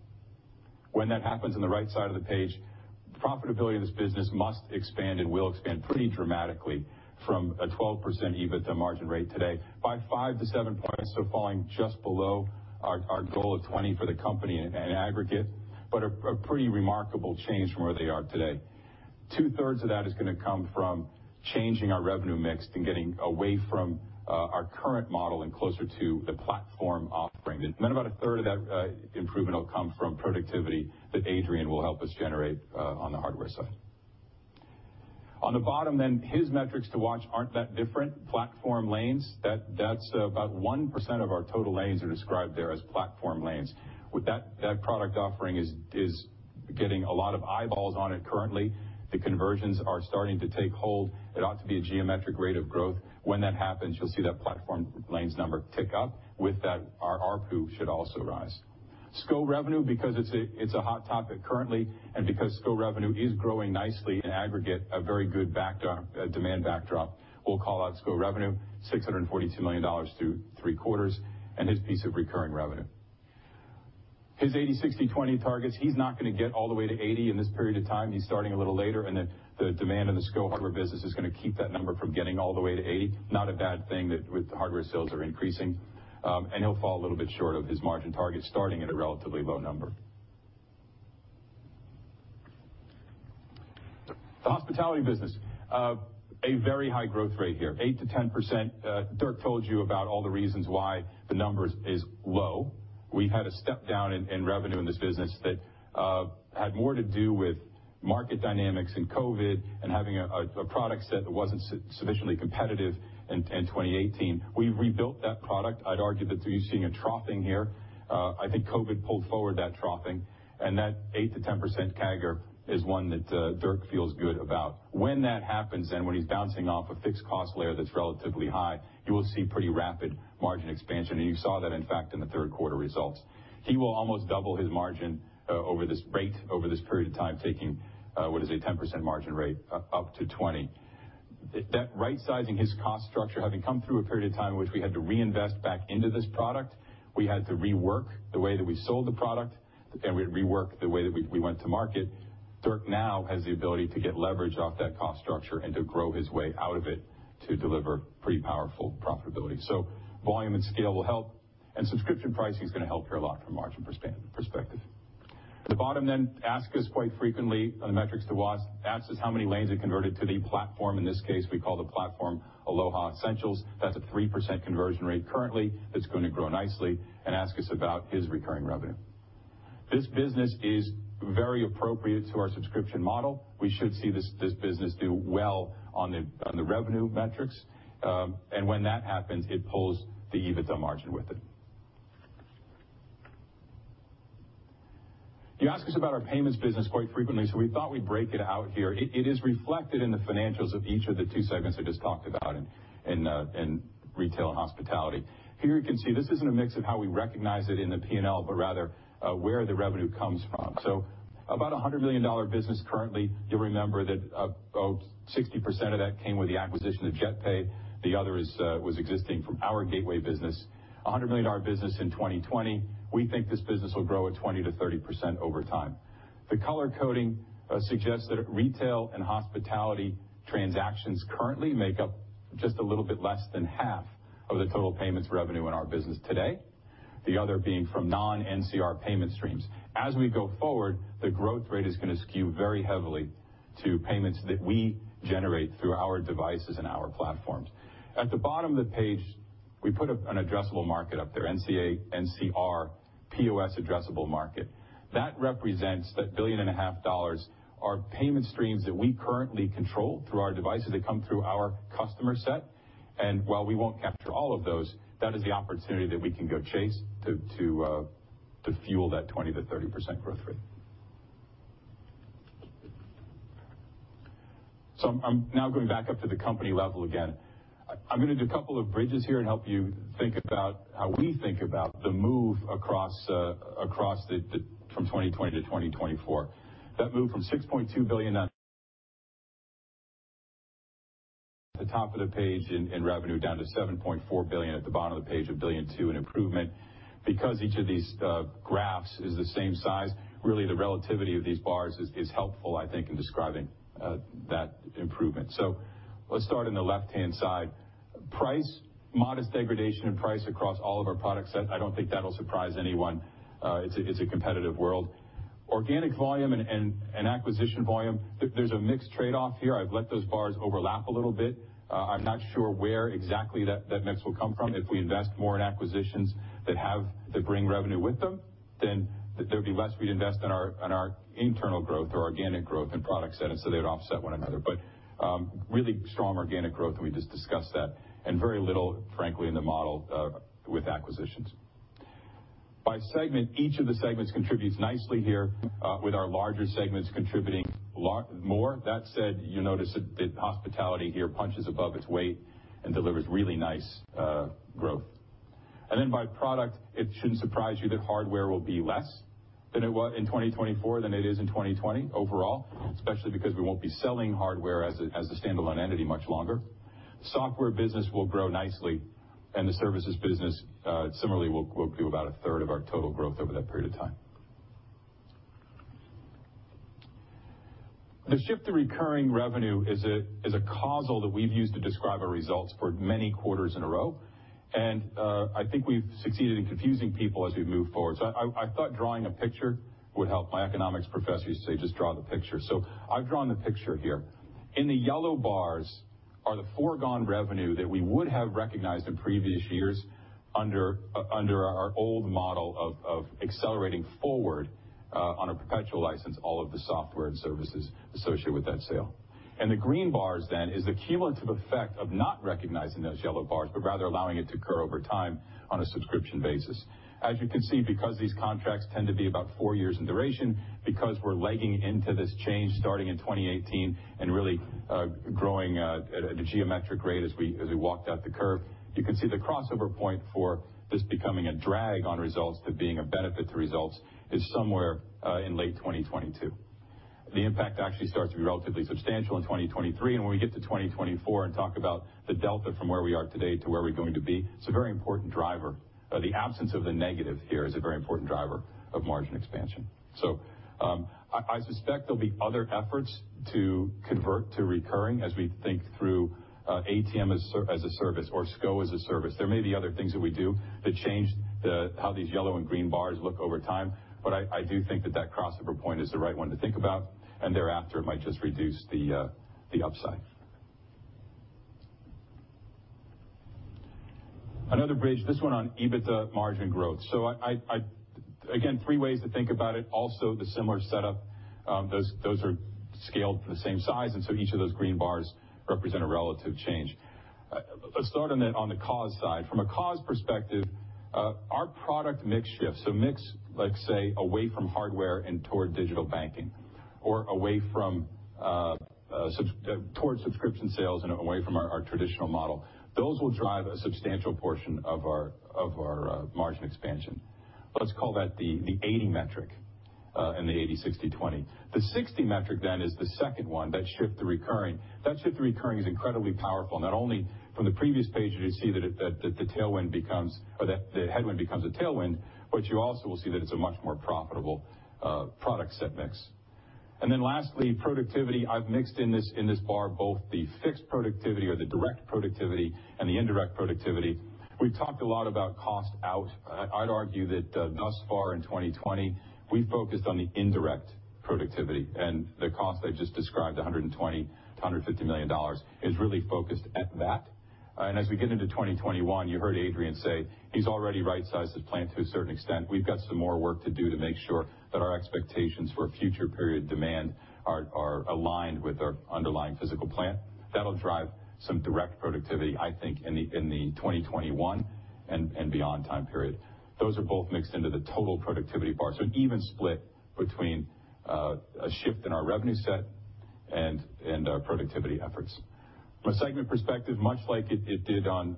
When that happens on the right side of the page, profitability of this business must expand and will expand pretty dramatically from a 12% EBITDA margin rate today by five to seven points. Falling just below our goal of 20% for the company in aggregate, but a pretty remarkable change from where they are today. Two-thirds of that is going to come from changing our revenue mix and getting away from our current model and closer to the platform offering. About 1/3 of that improvement will come from productivity that Adrian will help us generate on the hardware side. On the bottom then, his metrics to watch aren't that different. Platform lanes, that's about 1% of our total lanes are described there as platform lanes. That product offering is getting a lot of eyeballs on it currently. The conversions are starting to take hold. It ought to be a geometric rate of growth. When that happens, you'll see that platform lanes number tick up. With that, our ARPU should also rise. SCO revenue, because it's a hot topic currently, and because SCO revenue is growing nicely in aggregate, a very good demand backdrop. We'll call out SCO revenue, $642 million through three quarters, and his piece of recurring revenue. His 80/60/20 targets, he's not going to get all the way to 80% in this period of time. He's starting a little later. The demand in the SCO hardware business is going to keep that number from getting all the way to 80%. Not a bad thing that with hardware sales are increasing. He'll fall a little bit short of his margin target, starting at a relatively low number. The hospitality business, a very high growth rate here, 8%-10%. Dirk told you about all the reasons why the number is low. We had a step down in revenue in this business that had more to do with market dynamics and COVID and having a product set that wasn't sufficiently competitive in 2018. We rebuilt that product. I'd argue that you're seeing a troughing here. I think COVID pulled forward that troughing, and that 8%-10% CAGR is one that Dirk feels good about. When that happens, and when he's bouncing off a fixed cost layer that's relatively high, you will see pretty rapid margin expansion, and you saw that, in fact, in the third quarter results. He will almost double his margin rate over this period of time, taking, what is it, a 10% margin rate up to 20%. Right-sizing his cost structure, having come through a period of time in which we had to reinvest back into this product, we had to rework the way that we sold the product, and we had to rework the way that we went to market. Dirk now has the ability to get leverage off that cost structure and to grow his way out of it to deliver pretty powerful profitability. Volume and scale will help, and subscription pricing is going to help here a lot from a margin perspective. The bottom then, ask us quite frequently on the metrics to watch, asks us how many lanes have converted to the platform. In this case, we call the platform Aloha Essentials. That's a 3% conversion rate currently. That's going to grow nicely and ask us about his recurring revenue. This business is very appropriate to our subscription model. We should see this business do well on the revenue metrics. When that happens, it pulls the EBITDA margin with it. You ask us about our payments business quite frequently, so we thought we'd break it out here. It is reflected in the financials of each of the two segments I just talked about in retail and hospitality. Here you can see this isn't a mix of how we recognize it in the P&L, but rather where the revenue comes from. About $100 million business currently. You'll remember that about 60% of that came with the acquisition of JetPay. The other was existing from our gateway business. $100 million business in 2020. We think this business will grow at 20% to 30% over time. The color coding suggests that retail and hospitality transactions currently make up just a little bit less than half of the total payments revenue in our business today. The other being from non-NCR payment streams. As we go forward, the growth rate is going to skew very heavily to payments that we generate through our devices and our platforms. At the bottom of the page, we put an addressable market up there, NCR POS addressable market. That represents that $1.5 billion are payment streams that we currently control through our devices. They come through our customer set. While we won't capture all of those, that is the opportunity that we can go chase to fuel that 20%-30% growth rate. I'm now going back up to the company level again. I'm going to do a couple of bridges here and help you think about how we think about the move from 2020-2024. That move from $6.2 billion at the top of the page in revenue down to $7.4 billion at the bottom of the page, a $1.2 billion improvement. Each of these graphs is the same size, really the relativity of these bars is helpful, I think, in describing that improvement. Let's start on the left-hand side. Price, modest degradation in price across all of our product set. I don't think that'll surprise anyone. It's a competitive world. Organic volume and acquisition volume, there's a mixed trade-off here. I've let those bars overlap a little bit. I'm not sure where exactly that mix will come from. If we invest more in acquisitions that bring revenue with them, then there'd be less we'd invest in our internal growth or organic growth and product set, and so they'd offset one another. Really strong organic growth, and we just discussed that, and very little, frankly, in the model with acquisitions. By segment, each of the segments contributes nicely here with our larger segments contributing more. That said, you notice that hospitality here punches above its weight and delivers really nice growth. Then by product, it shouldn't surprise you that hardware will be less than it was in 2024 than it is in 2020 overall, especially because we won't be selling hardware as a standalone entity much longer. Software business will grow nicely, and the services business similarly will do about 1/3 of our total growth over that period of time. The shift to recurring revenue is a causal that we've used to describe our results for many quarters in a row. I think we've succeeded in confusing people as we've moved forward. I thought drawing a picture would help. My economics professors say, "Just draw the picture." I've drawn the picture here. In the yellow bars are the foregone revenue that we would have recognized in previous years under our old model of accelerating forward on a perpetual license all of the software and services associated with that sale. The green bars then is the cumulative effect of not recognizing those yellow bars, but rather allowing it to occur over time on a subscription basis. As you can see, because these contracts tend to be about four years in duration, because we're legging into this change starting in 2018 and really growing at a geometric rate as we walked out the curve, you can see the crossover point for this becoming a drag on results to being a benefit to results is somewhere in late 2022. The impact actually starts to be relatively substantial in 2023, and when we get to 2024 and talk about the delta from where we are today to where we're going to be, it's a very important driver. The absence of the negative here is a very important driver of margin expansion. I suspect there'll be other efforts to convert to recurring as we think through ATM-as-a-Service or SCO as a service. There may be other things that we do that change how these yellow and green bars look over time. I do think that that crossover point is the right one to think about. Thereafter, it might just reduce the upside. Another bridge, this one on EBITDA margin growth. Again, three ways to think about it. Also, the similar setup, those are scaled to the same size. Each of those green bars represent a relative change. Let's start on the cause side. From a cause perspective, our product mix shifts. Mix, let's say, away from hardware and toward digital banking, or towards subscription sales and away from our traditional model. Those will drive a substantial portion of our margin expansion. Let's call that the 80% metric in the 80/60/20. The 60% metric is the second one, that shift to recurring. That shift to recurring is incredibly powerful. Not only from the previous page did you see that the headwind becomes a tailwind, but you also will see that it's a much more profitable product set mix. Lastly, productivity. I've mixed in this bar both the fixed productivity or the direct productivity and the indirect productivity. We've talked a lot about cost out. I'd argue that thus far in 2020, we focused on the indirect productivity and the cost I just described, $120 million-$150 million, is really focused at that. As we get into 2021, you heard Adrian say he's already right-sized his plant to a certain extent. We've got some more work to do to make sure that our expectations for future period demand are aligned with our underlying physical plant. That'll drive some direct productivity, I think, in the 2021 and beyond time period. Those are both mixed into the total productivity bar, so an even split between a shift in our revenue set and our productivity efforts. From a segment perspective, much like it did on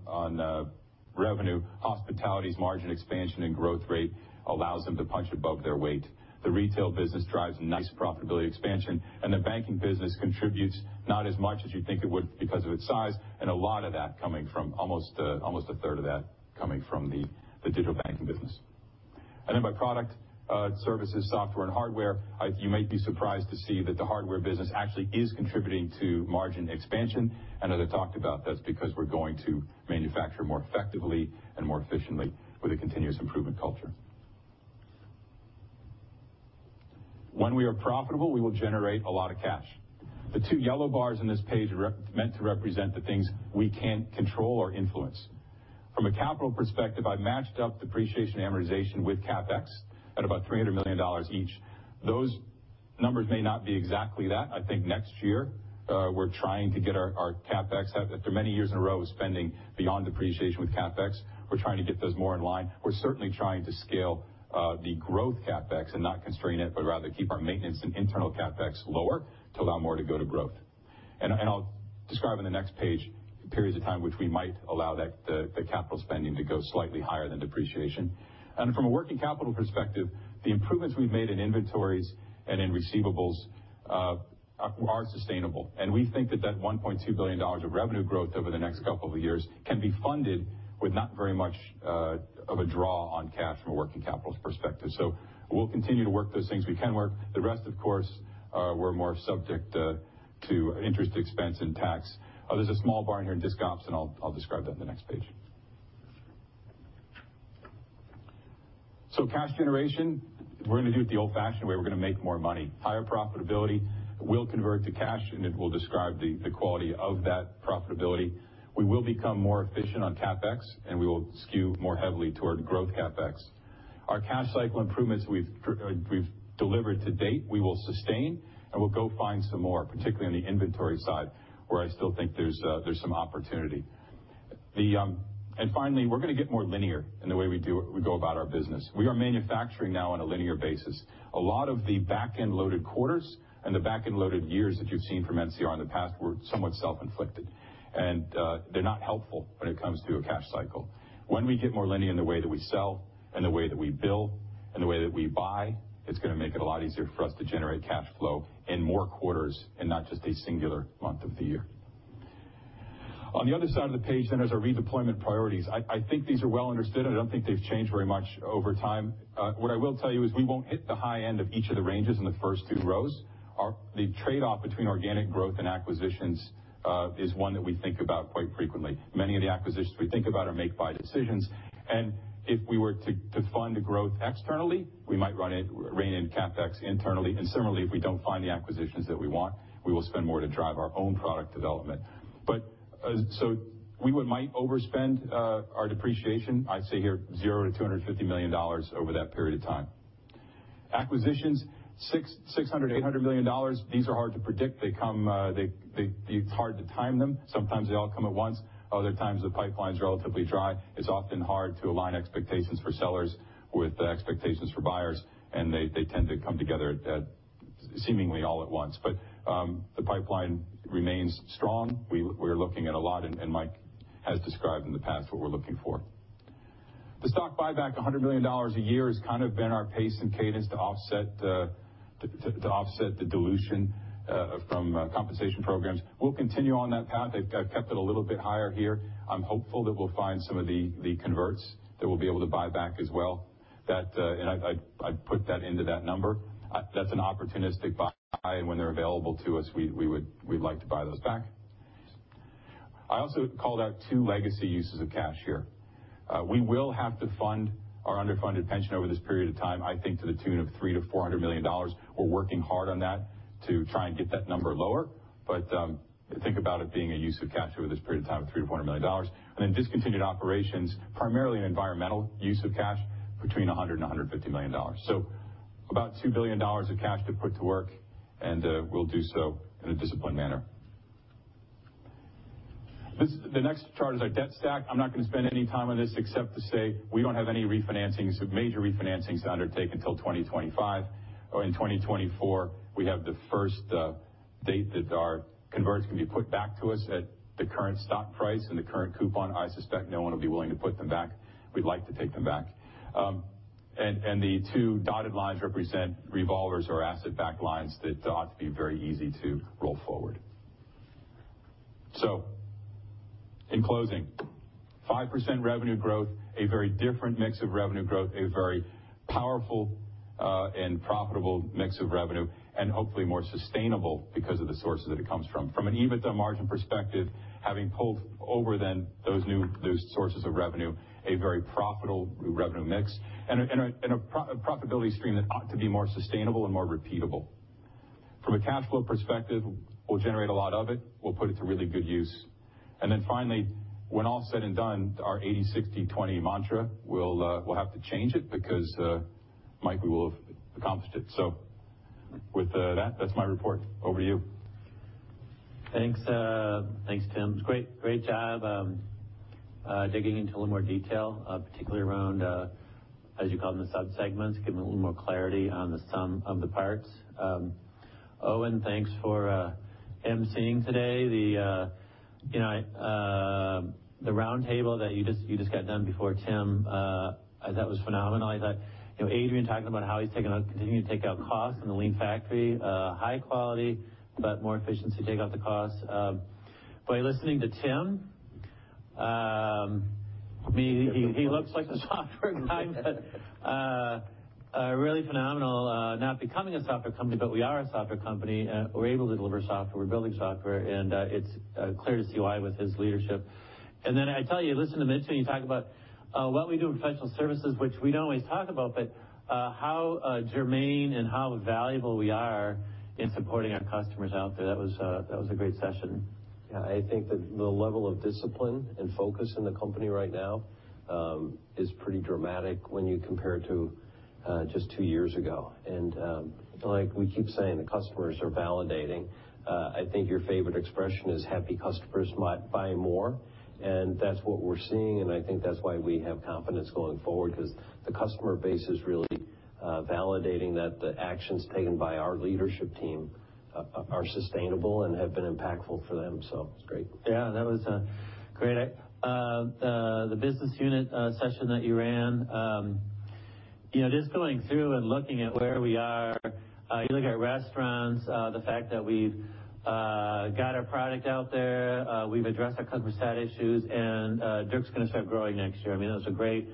revenue, Hospitality's margin expansion and growth rate allows them to punch above their weight. The Retail business drives nice profitability expansion, and the Banking business contributes not as much as you'd think it would because of its size, and a lot of that coming from almost a third of that coming from the digital banking business. By product, services, software, and hardware, you might be surprised to see that the hardware business actually is contributing to margin expansion. I know that I talked about that. It's because we're going to manufacture more effectively and more efficiently with a continuous improvement culture. When we are profitable, we will generate a lot of cash. The two yellow bars in this page are meant to represent the things we can control or influence. From a capital perspective, I've matched up depreciation amortization with CapEx at about $300 million each. Those numbers may not be exactly that. I think next year, we're trying to get our CapEx after many years in a row of spending beyond depreciation with CapEx, we're trying to get those more in line. We're certainly trying to scale the growth CapEx and not constrain it, but rather keep our maintenance and internal CapEx lower to allow more to go to growth. I'll describe on the next page the periods of time which we might allow the capital spending to go slightly higher than depreciation. From a working capital perspective, the improvements we've made in inventories and in receivables are sustainable. We think that that $1.2 billion of revenue growth over the next couple of years can be funded with not very much of a draw on cash from a working capital perspective. We'll continue to work those things we can work. The rest, of course, we're more subject to interest expense and tax. There's a small burden here in disc ops, and I'll describe that in the next page. Cash generation, we're going to do it the old-fashioned way. We're going to make more money. Higher profitability will convert to cash, and it will describe the quality of that profitability. We will become more efficient on CapEx, and we will skew more heavily toward growth CapEx. Our cash cycle improvements we've delivered to date, we will sustain, and we'll go find some more, particularly on the inventory side, where I still think there's some opportunity. Finally, we're going to get more linear in the way we go about our business. We are manufacturing now on a linear basis. A lot of the back-end loaded quarters and the back-end loaded years that you've seen from NCR in the past were somewhat self-inflicted. They're not helpful when it comes to a cash cycle. When we get more linear in the way that we sell and the way that we build and the way that we buy, it's going to make it a lot easier for us to generate cash flow in more quarters and not just a singular month of the year. On the other side of the page, then, is our redeployment priorities. I think these are well understood, and I don't think they've changed very much over time. What I will tell you is we won't hit the high end of each of the ranges in the first two rows. The trade-off between organic growth and acquisitions is one that we think about quite frequently. Many of the acquisitions we think about are make-buy decisions. If we were to fund the growth externally, we might rein in CapEx internally. Similarly, if we don't find the acquisitions that we want, we will spend more to drive our own product development. We might overspend our depreciation, I'd say here, $0-$250 million over that period of time. Acquisitions, $600 million-$800 million. These are hard to predict. It's hard to time them. Sometimes they all come at once. Other times, the pipeline's relatively dry. It's often hard to align expectations for sellers with expectations for buyers, and they tend to come together seemingly all at once. The pipeline remains strong. We're looking at a lot, and Mike has described in the past what we're looking for. The stock buyback, $100 million a year, has kind of been our pace and cadence to offset the dilution from compensation programs. We'll continue on that path. I've kept it a little bit higher here. I'm hopeful that we'll find some of the converts that we'll be able to buy back as well. I put that into that number. That's an opportunistic buy, and when they're available to us, we'd like to buy those back. I also called out two legacy uses of cash here. We will have to fund our underfunded pension over this period of time, I think to the tune of $300 million-$400 million. We're working hard on that to try and get that number lower. Think about it being a use of cash over this period of time of $300 million-$400 million. Then discontinued operations, primarily an environmental use of cash between $100 million and $150 million. About $2 billion of cash to put to work, and we'll do so in a disciplined manner. The next chart is our debt stack. I'm not going to spend any time on this except to say we don't have any major refinancings to undertake until 2025. In 2024, we have the first date that our converts can be put back to us at the current stock price and the current coupon. I suspect no one will be willing to put them back. We'd like to take them back. The two dotted lines represent revolvers or asset-backed lines that ought to be very easy to roll forward. In closing, 5% revenue growth, a very different mix of revenue growth, a very powerful and profitable mix of revenue, and hopefully more sustainable because of the sources that it comes from. From an EBITDA margin perspective, having pulled over then those new sources of revenue, a very profitable revenue mix, and a profitability stream that ought to be more sustainable and more repeatable. From a cash flow perspective, we'll generate a lot of it. We'll put it to really good use. Finally, when all is said and done, our 80/60/20 mantra, we'll have to change it because, Mike, we will have accomplished it. With that's my report. Over to you. Thanks. Thanks, Tim. Great job digging into a little more detail, particularly around, as you call them, the sub-segments, giving a little more clarity on the sum of the parts. Owen, thanks for emceeing today. The roundtable that you just got done before Tim, that was phenomenal. I thought Adrian talking about how he's continuing to take out costs in the lean factory, high quality, but more efficiency to take out the costs. Listening to Tim, he looks like a software guy, but really phenomenal. Not becoming a software company, but we are a software company. We're able to deliver software. We're building software, and it's clear to see why with his leadership. I tell you, listen to Mithu when he talk about what we do in Professional Services, which we don't always talk about, but how germane and how valuable we are in supporting our customers out there. That was a great session. Yeah, I think that the level of discipline and focus in the company right now is pretty dramatic when you compare it to just two years ago. Like we keep saying, the customers are validating. I think your favorite expression is happy customers buy more, and that's what we're seeing, and I think that's why we have confidence going forward because the customer base is really validating that the actions taken by our leadership team are sustainable and have been impactful for them. It's great. Yeah, that was great. The business unit session that you ran. Just going through and looking at where we are, you look at restaurants, the fact that we've got our product out there, we've addressed our customer sat issues, and Dirk's going to start growing next year. There's a great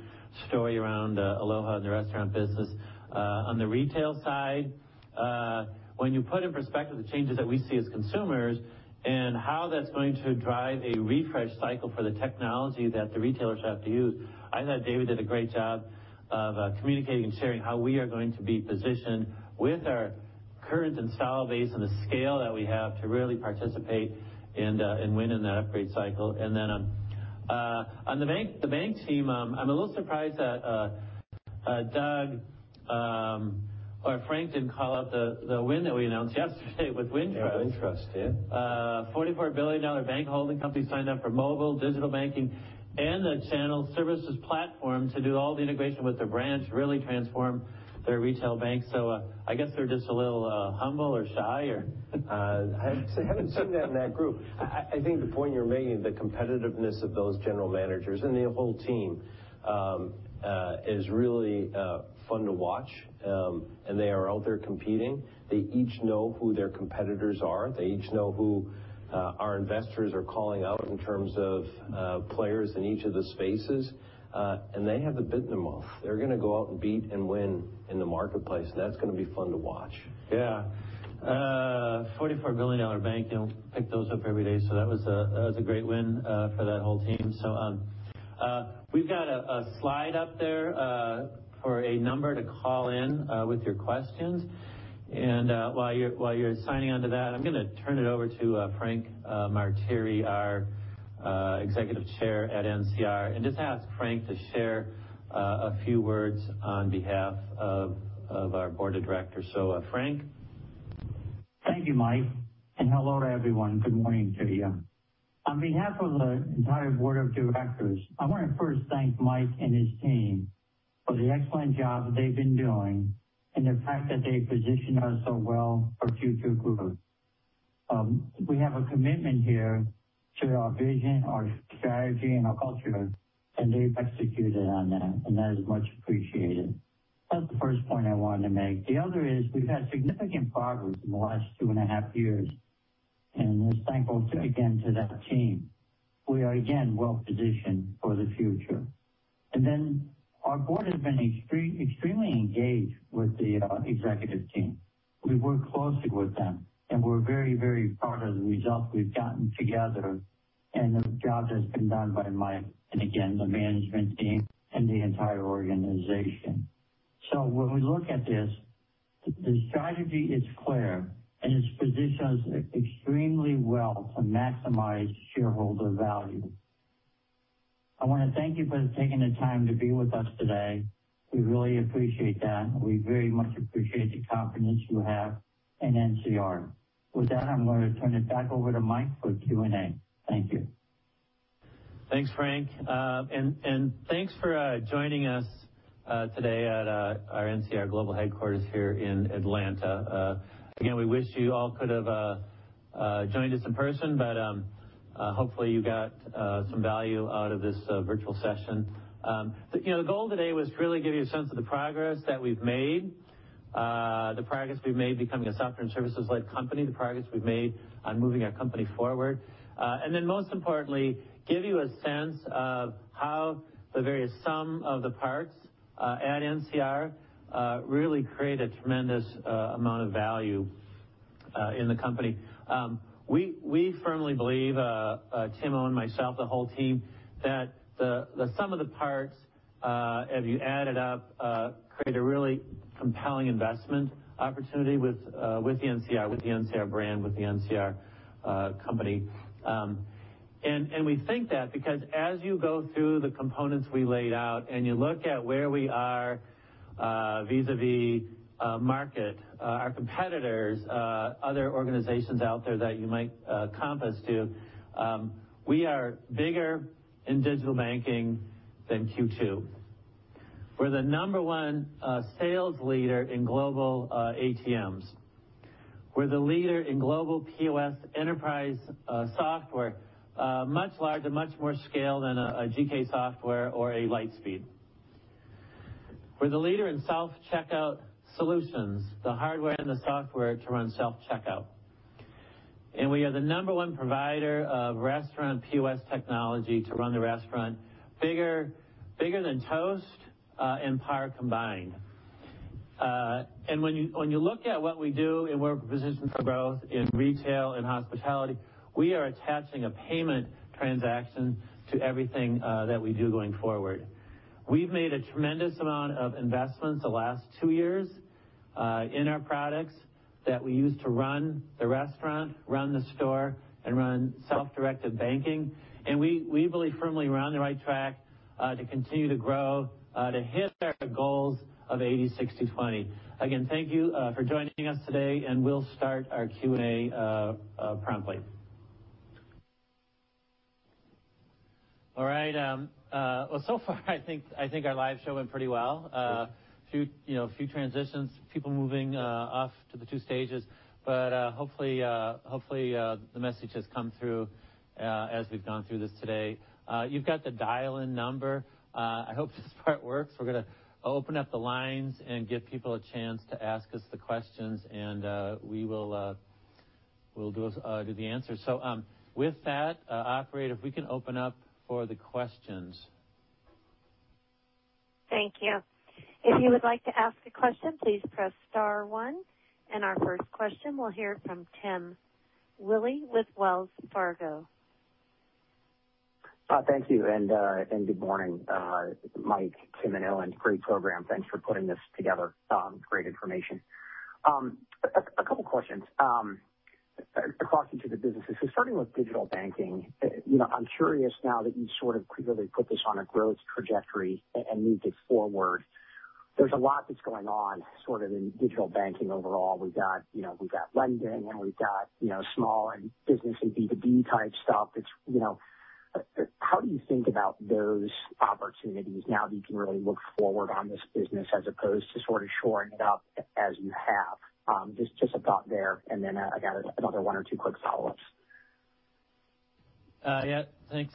story around Aloha and the restaurant business. On the retail side, when you put in perspective the changes that we see as consumers and how that's going to drive a refresh cycle for the technology that the retailers have to use, I thought David did a great job of communicating and sharing how we are going to be positioned with our current installed base and the scale that we have to really participate and win in that upgrade cycle. Then on the bank team, I'm a little surprised that Doug or Frank didn't call out the win that we announced yesterday with Wintrust. Yeah, Wintrust, yeah. A $44 billion bank holding company signed up for mobile, digital banking, and the Channel Services Platform to do all the integration with their brands, really transform their retail bank. I guess they're just a little humble or shy or. I haven't seen that in that group. I think the point you're making, the competitiveness of those general managers and the whole team is really fun to watch, and they are out there competing. They each know who their competitors are. They each know who our investors are calling out in terms of players in each of the spaces, and they have the bit in their mouth. They're going to go out and beat and win in the marketplace. That's going to be fun to watch. Yeah. A $44 billion bank, you don't pick those up every day. That was a great win for that whole team. We've got a slide up there for a number to call in with your questions. While you're signing on to that, I'm going to turn it over to Frank Martire, our Executive Chair at NCR, and just ask Frank to share a few words on behalf of our Board of Directors. Frank? Thank you, Mike, and hello to everyone. Good morning to you. On behalf of the entire Board of Directors, I want to first thank Mike and his team for the excellent job that they've been doing and the fact that they positioned us so well for future growth. We have a commitment here to our vision, our strategy, and our culture, and they've executed on that, and that is much appreciated. That's the first point I wanted to make. The other is we've had significant progress in the last two and a half years, and this thanks once again to that team. We are again well-positioned for the future. Our board has been extremely engaged with the executive team. We work closely with them, and we're very proud of the results we've gotten together and the job that's been done by Mike and, again, the management team and the entire organization. When we look at this, the strategy is clear, and it positions extremely well to maximize shareholder value. I want to thank you for taking the time to be with us today. We really appreciate that, and we very much appreciate the confidence you have in NCR. With that, I'm going to turn it back over to Mike for Q&A. Thank you. Thanks, Frank. Thanks for joining us today at our NCR global headquarters here in Atlanta. Again, we wish you all could have joined us in person, but hopefully you got some value out of this virtual session. The goal today was to really give you a sense of the progress that we've made, the progress we've made becoming a software and services-led company, the progress we've made on moving our company forward. Most importantly, give you a sense of how the various sum of the parts at NCR really create a tremendous amount of value in the company. We firmly believe, Tim, Owen, myself, the whole team, that the sum of the parts, if you add it up, create a really compelling investment opportunity with the NCR brand, with the NCR company. We think that because as you go through the components we laid out and you look at where we are vis-à-vis market, our competitors, other organizations out there that you might compass to, we are bigger in digital banking than Q2. We're the number one sales leader in global ATMs. We're the leader in global POS enterprise software, much larger, much more scale than a GK Software or a Lightspeed. We're the leader in self-checkout solutions, the hardware and the software to run self-checkout. We are the number one provider of restaurant POS technology to run the restaurant, bigger than Toast and PAR combined. When you look at what we do and where we're positioned for growth in retail and hospitality, we are attaching a payment transaction to everything that we do going forward. We've made a tremendous amount of investments the last two years in our products that we use to run the restaurant, run the store, and run self-directed banking. We believe firmly we're on the right track to continue to grow to hit our goals of 80/60/20. Again, thank you for joining us today, and we'll start our Q&A promptly. All right. Well, so far, I think our live show went pretty well. A few transitions, people moving off to the two stages, but hopefully the message has come through as we've gone through this today. You've got the dial-in number. I hope this part works. We're going to open up the lines and give people a chance to ask us the questions, and we'll do the answers. With that, operator, if we can open up for the questions. Thank you. If you would like to ask a question, please press star one. Our first question, we'll hear from Tim Willi with Wells Fargo. Thank you. Good morning, Mike, Tim, and Owen. Great program. Thanks for putting this together. Great information. A couple questions across each of the businesses. Starting with digital banking, I'm curious now that you sort of clearly put this on a growth trajectory and moved it forward. There's a lot that's going on sort of in digital banking overall. We've got lending and we've got small business and B2B type stuff. How do you think about those opportunities now that you can really look forward on this business as opposed to sort of shoring it up as you have? Just a thought there. Then I got another one or two quick follow-ups. Yeah. Thanks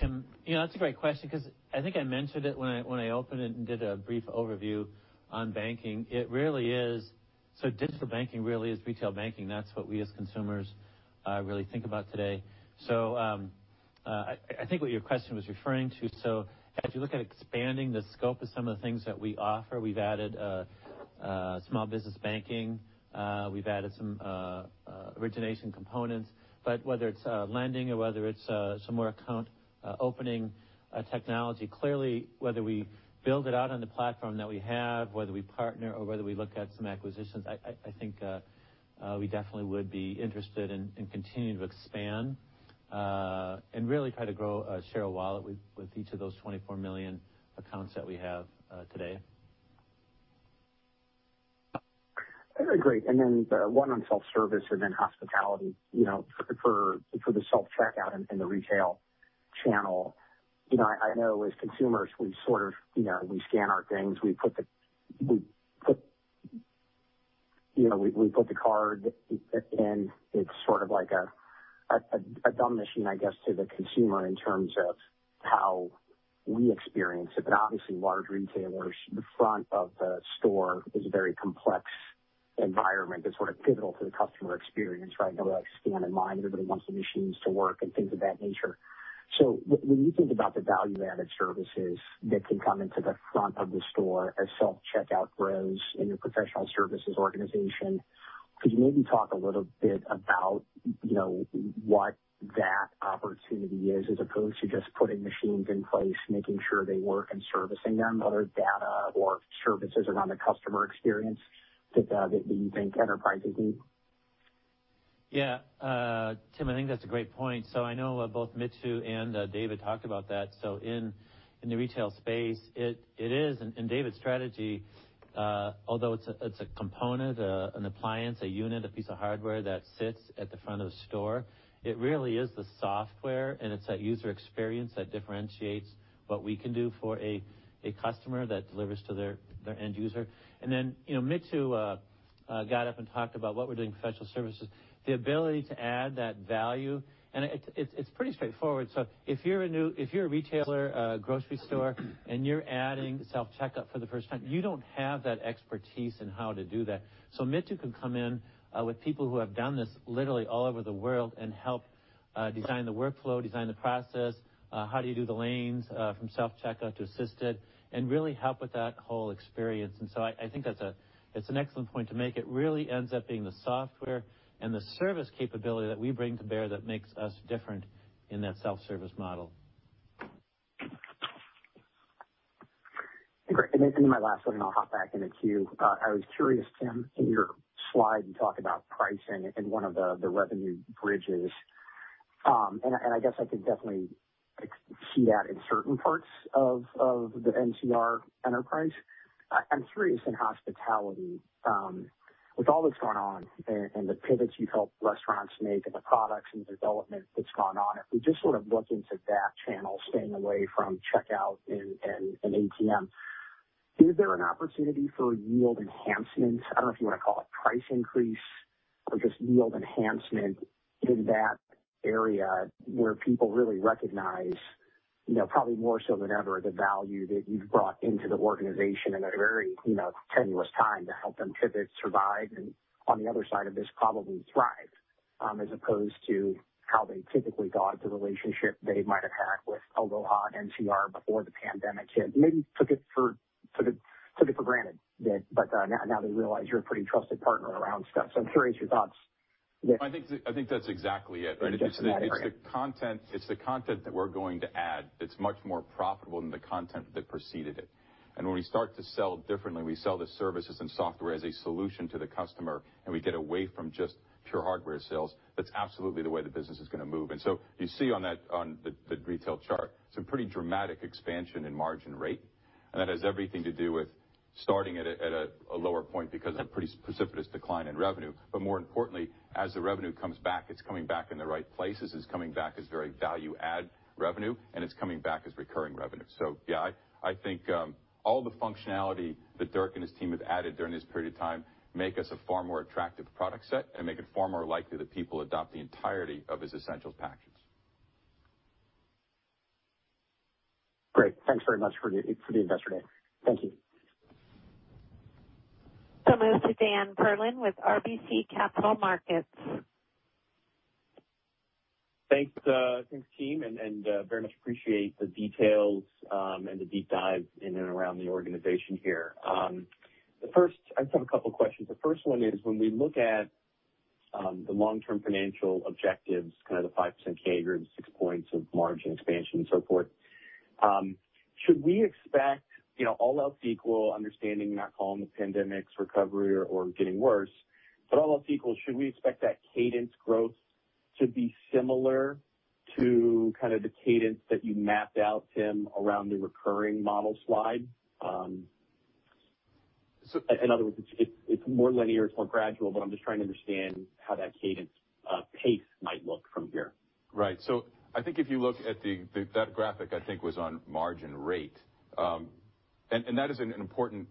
Tim. That's a great question because I think I mentioned it when I opened it and did a brief overview on banking. Digital banking really is retail banking. That's what we as consumers really think about today. I think what your question was referring to, so as you look at expanding the scope of some of the things that we offer, we've added small business banking. We've added some origination components. Whether it's lending or whether it's some more account opening technology, clearly, whether we build it out on the platform that we have, whether we partner or whether we look at some acquisitions, I think we definitely would be interested in continuing to expand, and really try to grow a share of wallet with each of those 24 million accounts that we have today. Very great. One on self-service and then hospitality for the self-checkout and the retail channel. I know as consumers, we scan our things, we put the card in. It is sort of like a dumb machine, I guess, to the consumer in terms of how we experience it. Obviously large retailers, the front of the store is a very complex environment that is sort of pivotal to the customer experience, right? Nobody likes to stand in line. Everybody wants the machines to work and things of that nature. When you think about the value-added services that can come into the front of the store as self-checkout grows in your professional services organization, could you maybe talk a little bit about what that opportunity is as opposed to just putting machines in place, making sure they work and servicing them? Are there data or services around the customer experience that you think enterprise is in? Yeah. Tim, I think that's a great point. I know both Mithu and David talked about that. In the retail space, it is, in David's strategy, although it's a component, an appliance, a unit, a piece of hardware that sits at the front of the store. It really is the software and it's that user experience that differentiates what we can do for a customer that delivers to their end user. Mithu got up and talked about what we're doing in professional services, the ability to add that value, and it's pretty straightforward. If you're a retailer, a grocery store, and you're adding self-checkout for the first time, you don't have that expertise in how to do that. Mithu can come in with people who have done this literally all over the world and help design the workflow, design the process, how do you do the lanes from self-checkout to assisted, and really help with that whole experience. I think that's an excellent point to make. It really ends up being the software and the service capability that we bring to bear that makes us different in that self-service model. Great. My last one, and I'll hop back in the queue. I was curious, Tim, in your slide, you talk about pricing in one of the revenue bridges. I guess I could definitely see that in certain parts of the NCR enterprise. I'm curious in hospitality, with all that's gone on and the pivots you've helped restaurants make and the products and development that's gone on, if we just sort of look into that channel, staying away from checkout and ATM, is there an opportunity for yield enhancements? I don't know if you want to call it price increase or just yield enhancement in that area where people really recognize probably more so than ever the value that you've brought into the organization in a very tenuous time to help them pivot, survive, and on the other side of this, probably thrive, as opposed to how they typically got the relationship they might have had with Aloha and NCR before the pandemic hit, maybe took it for granted. But now they realize you're a pretty trusted partner around stuff. I'm curious your thoughts. I think that's exactly it. In just that area. It's the content that we're going to add that's much more profitable than the content that preceded it. When we start to sell differently, we sell the services and software as a solution to the customer, and we get away from just pure hardware sales. That's absolutely the way the business is going to move. You see on the retail chart, some pretty dramatic expansion in margin rate. That has everything to do with starting at a lower point because of a pretty precipitous decline in revenue. More importantly, as the revenue comes back, it's coming back in the right places. It's coming back as very value-add revenue, and it's coming back as recurring revenue. Yeah, I think all the functionality that Dirk and his team have added during this period of time make us a far more attractive product set and make it far more likely that people adopt the entirety of his Essentials package. Thanks very much for the investor day. Thank you. We'll move to Dan Perlin with RBC Capital Markets. Thanks, team, very much appreciate the details and the deep dive in and around the organization here. I just have a couple questions. The first one is when we look at the long-term financial objectives, the 5% CAGR and six points of margin expansion and so forth, should we expect all else equal, understanding we're not calling the pandemic's recovery or getting worse, but all else equal, should we expect that cadence growth to be similar to the cadence that you mapped out, Tim, around the recurring model slide? In other words, it's more linear, it's more gradual, but I'm just trying to understand how that cadence pace might look from here. Right. I think if you look at that graphic, I think was on margin rate, and that is an important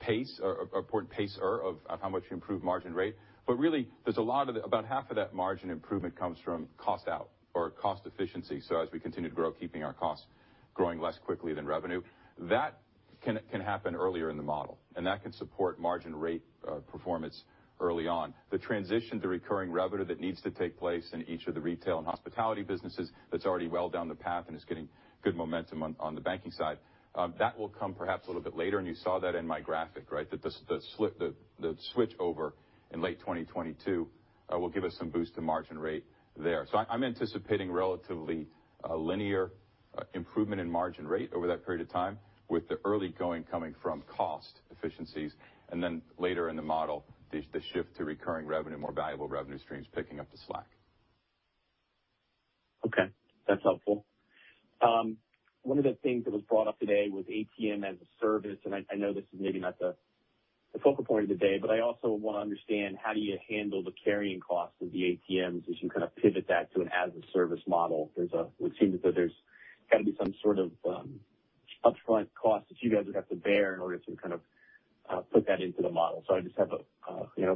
pacer of how much you improve margin rate. Really, about half of that margin improvement comes from cost out or cost efficiency. As we continue to grow, keeping our costs growing less quickly than revenue, that can happen earlier in the model, and that can support margin rate performance early on. The transition to recurring revenue that needs to take place in each of the retail and hospitality businesses, that's already well down the path and is getting good momentum on the banking side. That will come perhaps a little bit later. You saw that in my graphic, right? The switchover in late 2022 will give us some boost to margin rate there. I'm anticipating relatively linear improvement in margin rate over that period of time, with the early going coming from cost efficiencies, and then later in the model, the shift to recurring revenue, more valuable revenue streams picking up the slack. Okay. That's helpful. One of the things that was brought up today was ATM-as-a-Service. I know this is maybe not the focal point of the day, but I also want to understand how do you handle the carrying cost of the ATMs as you pivot that to an as-a-service model? It would seem as though there's got to be some sort of upfront cost that you guys would have to bear in order to put that into the model. I just have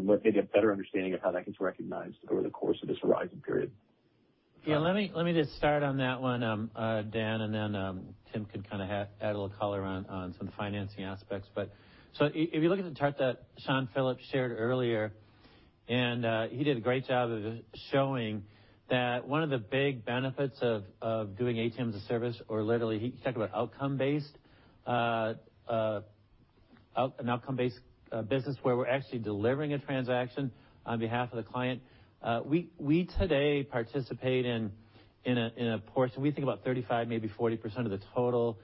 maybe a better understanding of how that gets recognized over the course of this horizon period. Yeah, let me just start on that one, Dan, and then Tim could add a little color on some of the financing aspects. If you look at the chart that Shawn Phillips shared earlier, he did a great job of showing that one of the big benefits of doing ATM-as-a-Service or literally he talked about an outcome-based business where we're actually delivering a transaction on behalf of the client. We today participate in a portion, we think about 35%, maybe 40% of the total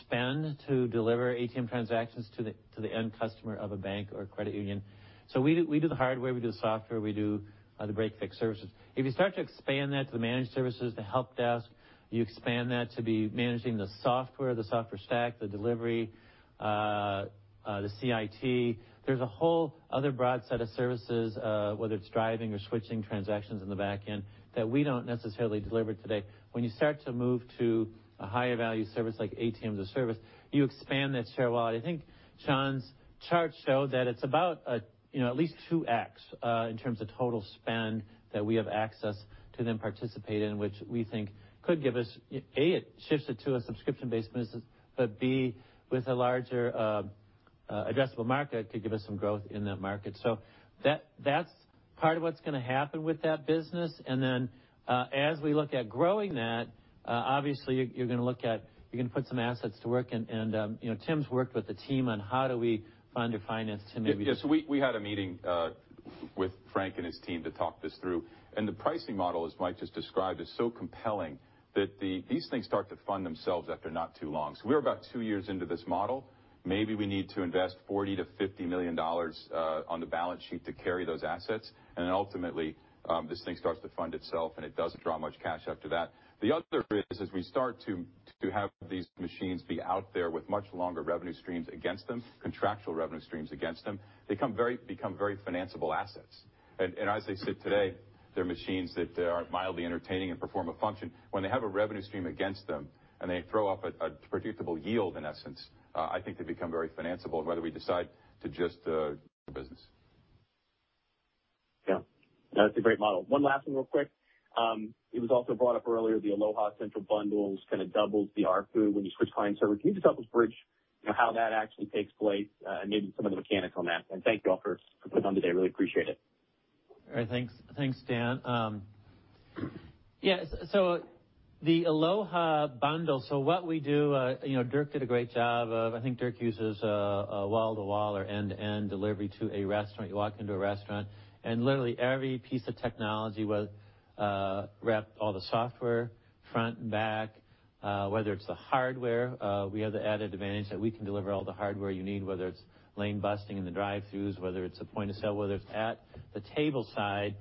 spend to deliver ATM transactions to the end customer of a bank or credit union. We do the hardware, we do the software, we do the break-fix services. If you start to expand that to the managed services, the help desk, you expand that to be managing the software, the software stack, the delivery, the CIT. There's a whole other broad set of services, whether it's driving or switching transactions on the back end that we don't necessarily deliver today. When you start to move to a higher value service like ATM-as-a-Service, you expand that share wallet. I think Shawn's chart showed that it's about at least 2x in terms of total spend that we have access to then participate in, which we think could give us, A, it shifts it to a subscription-based business, but B, with a larger addressable market, could give us some growth in that market. That's part of what's going to happen with that business. As we look at growing that, obviously you're going to put some assets to work, and Tim's worked with the team on how do we fund or finance. Yes, we had a meeting with Frank and his team to talk this through, the pricing model, as Mike just described, is so compelling that these things start to fund themselves after not too long. We're about two years into this model. Maybe we need to invest $40 million-$50 million on the balance sheet to carry those assets, ultimately, this thing starts to fund itself, it doesn't draw much cash after that. The other is as we start to have these machines be out there with much longer revenue streams against them, contractual revenue streams against them, they become very financiable assets. As they sit today, they're machines that aren't mildly entertaining and perform a function. When they have a revenue stream against them and they throw off a predictable yield, in essence, I think they become very financiable, and whether we decide to just a business. Yeah. No, that's a great model. One last thing real quick. It was also brought up earlier, the Aloha Essentials bundles kind of doubles the ARPU when you switch client service. Can you just help us bridge how that actually takes place and maybe some of the mechanics on that? Thank you all for coming on today. Really appreciate it. All right. Thanks, Dan. Yeah. The Aloha bundle, what we do, Dirk did a great job of, I think Dirk uses a wall-to-wall or end-to-end delivery to a restaurant. You walk into a restaurant and literally every piece of technology wrapped all the software front and back, whether it's the hardware, we have the added advantage that we can deliver all the hardware you need, whether it's lane busting in the drive-throughs, whether it's a point of sale, whether it's at the table side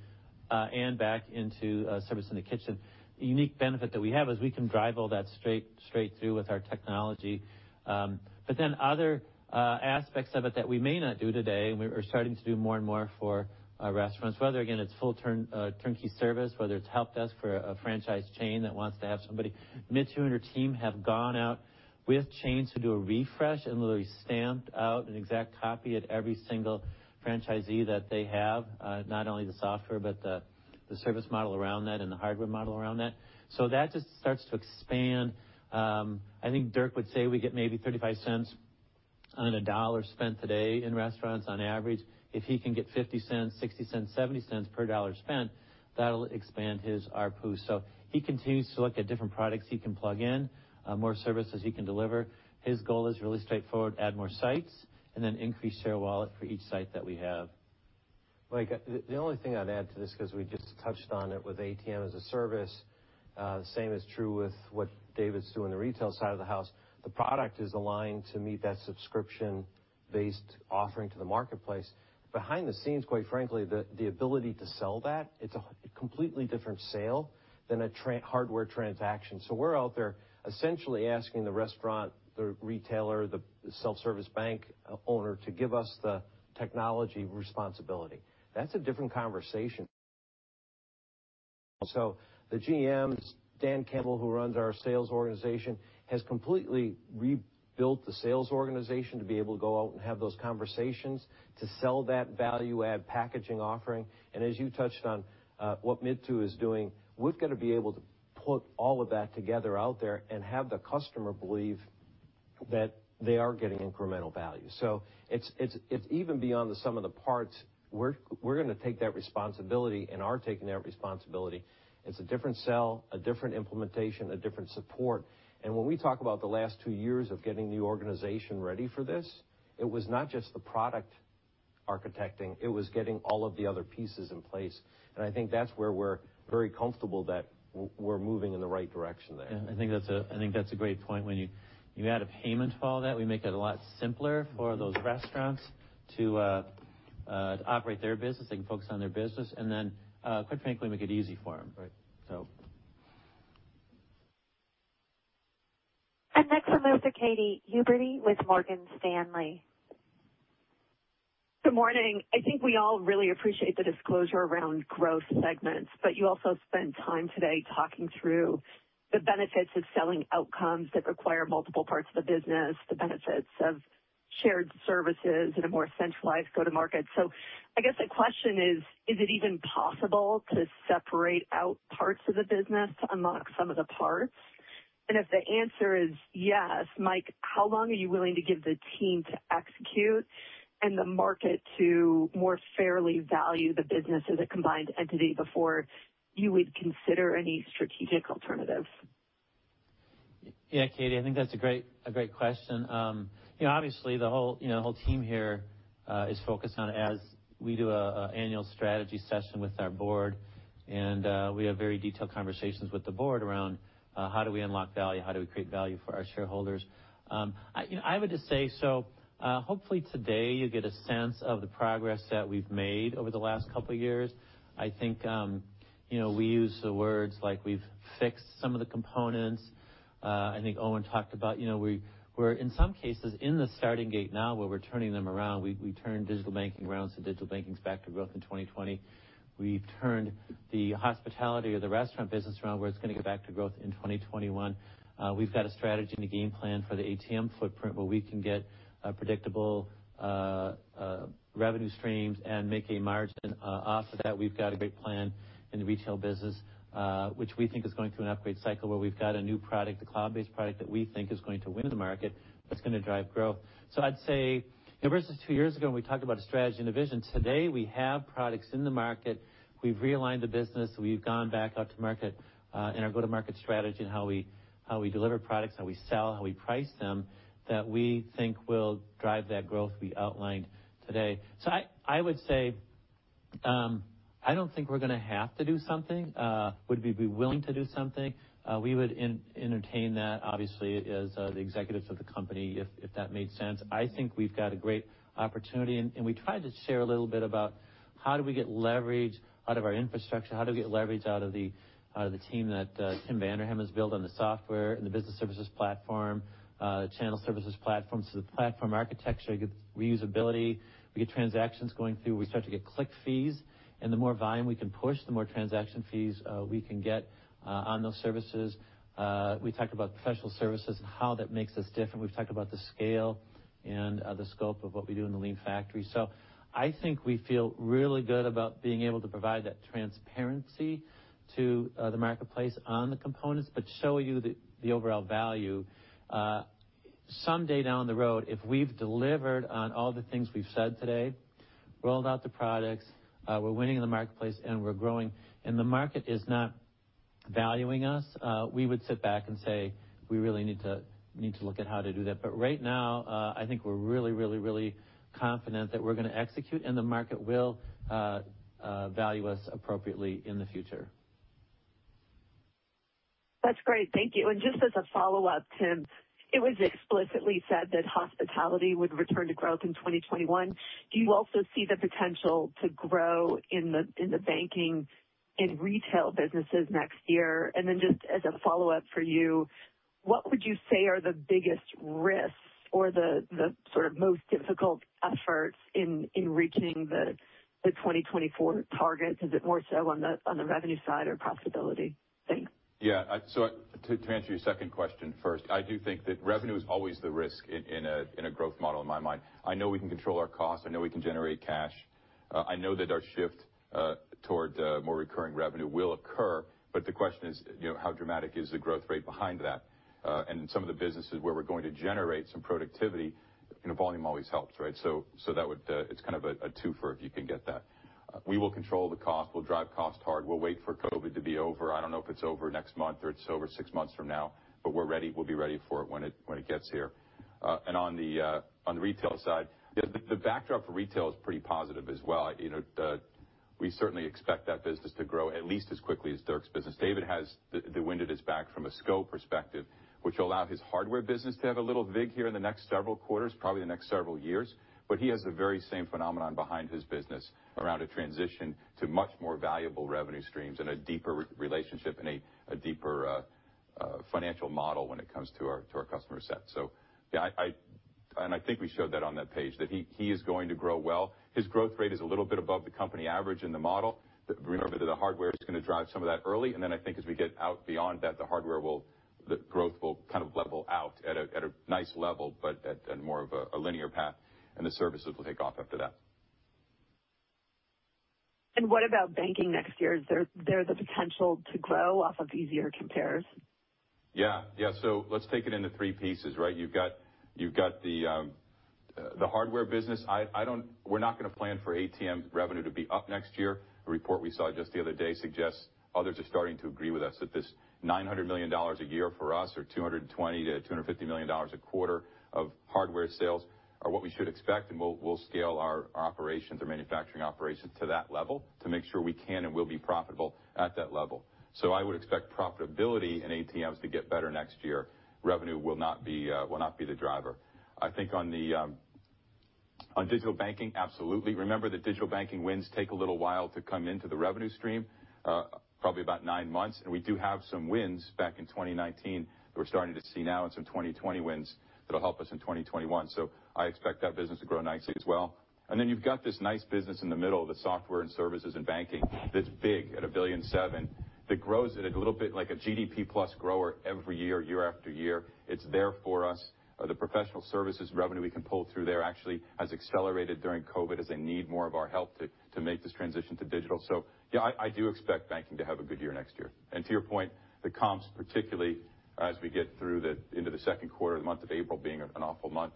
and back into service in the kitchen. The unique benefit that we have is we can drive all that straight through with our technology. Other aspects of it that we may not do today, and we're starting to do more and more for restaurants, whether again, it's full turnkey service, whether it's helpdesk for a franchise chain that wants to have somebody. Mithu and her team have gone out with chains to do a refresh and literally stamped out an exact copy at every single franchisee that they have. Not only the software, but the service model around that and the hardware model around that. That just starts to expand. I think Dirk would say we get maybe $0.35 on a dollar spent today in restaurants on average, if he can get $0.50, $0.60, $0.70 per dollar spent, that'll expand his ARPU. He continues to look at different products he can plug in, more services he can deliver. His goal is really straightforward, add more sites, and then increase share wallet for each site that we have. Mike, the only thing I'd add to this, because we just touched on it with ATM-as-a-Service, the same is true with what David's doing on the retail side of the house. The product is aligned to meet that subscription-based offering to the marketplace. Behind the scenes, quite frankly, the ability to sell that, it's a completely different sale than a hardware transaction. We're out there essentially asking the restaurant, the retailer, the self-service bank owner to give us the technology responsibility. That's a different conversation. The GMs, Dan Campbell, who runs our sales organization, has completely rebuilt the sales organization to be able to go out and have those conversations to sell that value-add packaging offering. As you touched on what Mithu is doing, we've got to be able to put all of that together out there and have the customer believe that they are getting incremental value. It's even beyond the sum of the parts. We're going to take that responsibility and are taking that responsibility. It's a different sell, a different implementation, a different support. When we talk about the last two years of getting the organization ready for this, it was not just the product architecting, it was getting all of the other pieces in place, and I think that's where we're very comfortable that we're moving in the right direction there. Yeah, I think that's a great point. When you add a payment to all that, we make it a lot simpler for those restaurants to operate their business. They can focus on their business, and then quite frankly, make it easy for them. Right. So. Next we'll move to Katy Huberty with Morgan Stanley. Good morning. I think we all really appreciate the disclosure around growth segments, but you also spent time today talking through the benefits of selling outcomes that require multiple parts of the business, the benefits of shared services in a more centralized go-to market. I guess the question is it even possible to separate out parts of the business to unlock some of the parts? If the answer is yes, Mike, how long are you willing to give the team to execute and the market to more fairly value the business as a combined entity before you would consider any strategic alternatives? Yeah, Katy, I think that's a great question. The whole team here is focused on as we do an annual strategy session with our board, and we have very detailed conversations with the board around how do we unlock value? How do we create value for our shareholders? I would just say, hopefully today you get a sense of the progress that we've made over the last couple of years. I think we use the words like we've fixed some of the components. I think Owen talked about we're in some cases in the starting gate now where we're turning them around. We turned digital banking around, digital banking is back to growth in 2020. We've turned the hospitality or the restaurant business around where it's going to get back to growth in 2021. We've got a strategy and a game plan for the ATM footprint where we can get predictable revenue streams and make a margin off of that. We've got a great plan in the retail business which we think is going through an upgrade cycle where we've got a new product, a cloud-based product that we think is going to win in the market that's going to drive growth. I'd say versus two years ago, when we talked about a strategy and a vision, today, we have products in the market. We've realigned the business. We've gone back out to market in our go-to-market strategy and how we deliver products, how we sell, how we price them that we think will drive that growth we outlined today. I would say, I don't think we're going to have to do something. Would we be willing to do something? We would entertain that, obviously, as the executives of the company if that made sense. I think we've got a great opportunity. We tried to share a little bit about how do we get leverage out of our infrastructure, how do we get leverage out of the team that Tim Vanderham has built on the software and the business services platform, the Channel Services Platform. The platform architecture, you get reusability. We get transactions going through. We start to get click fees. The more volume we can push, the more transaction fees we can get on those services. We talked about Professional Services and how that makes us different. We've talked about the scale and the scope of what we do in the lean factory. I think we feel really good about being able to provide that transparency to the marketplace on the components but show you the overall value. Someday down the road, if we've delivered on all the things we've said today, rolled out the products, we're winning in the marketplace and we're growing and the market is not valuing us, we would sit back and say, we really need to look at how to do that. Right now, I think we're really confident that we're going to execute and the market will value us appropriately in the future. That's great. Thank you. Just as a follow-up, Tim, it was explicitly said that hospitality would return to growth in 2021. Do you also see the potential to grow in the banking and retail businesses next year? Just as a follow-up for you, what would you say are the biggest risks or the sort of most difficult efforts in reaching the 2024 targets? Is it more so on the revenue side or profitability? Thanks. Yeah. To answer your second question first, I do think that revenue is always the risk in a growth model in my mind. I know we can control our costs. I know we can generate cash. I know that our shift toward more recurring revenue will occur, the question is how dramatic is the growth rate behind that? In some of the businesses where we're going to generate some productivity, volume always helps. It's kind of a two-fer if you can get that. We will control the cost. We'll drive cost hard. We'll wait for COVID to be over. I don't know if it's over next month or it's over six months from now, but we'll be ready for it when it gets here. On the retail side, the backdrop for retail is pretty positive as well. We certainly expect that business to grow at least as quickly as Dirk's business. David has the wind at his back from a scope perspective, which will allow his hardware business to have a little vig here in the next several quarters, probably the next several years. He has the very same phenomenon behind his business around a transition to much more valuable revenue streams and a deeper relationship and a deeper financial model when it comes to our customer set. I think we showed that on that page, that he is going to grow well. His growth rate is a little bit above the company average in the model. Remember that the hardware is going to drive some of that early, I think as we get out beyond that, the growth will kind of level out at a nice level, but at more of a linear path, and the services will take off after that. What about banking next year? Is there the potential to grow off of easier compares? Yeah. Let's take it into three pieces. You've got the hardware business. We're not going to plan for ATM revenue to be up next year. A report we saw just the other day suggests others are starting to agree with us that this $900 million a year for us, or $220 million-$250 million a quarter of hardware sales are what we should expect, and we'll scale our operations, our manufacturing operations to that level to make sure we can and will be profitable at that level. I would expect profitability in ATMs to get better next year. Revenue will not be the driver. I think on digital banking, absolutely. Remember that digital banking wins take a little while to come into the revenue stream, probably about nine months, and we do have some wins back in 2019 that we're starting to see now and some 2020 wins that'll help us in 2021. I expect that business to grow nicely as well. You've got this nice business in the middle of the software and services and banking that's big at $1.7 billion, that grows at a little bit like a GDP plus grower every year after year. It's there for us. The professional services revenue we can pull through there actually has accelerated during COVID as they need more of our help to make this transition to digital. Yeah, I do expect banking to have a good year next year. To your point, the comps, particularly as we get into the second quarter, the month of April being an awful month,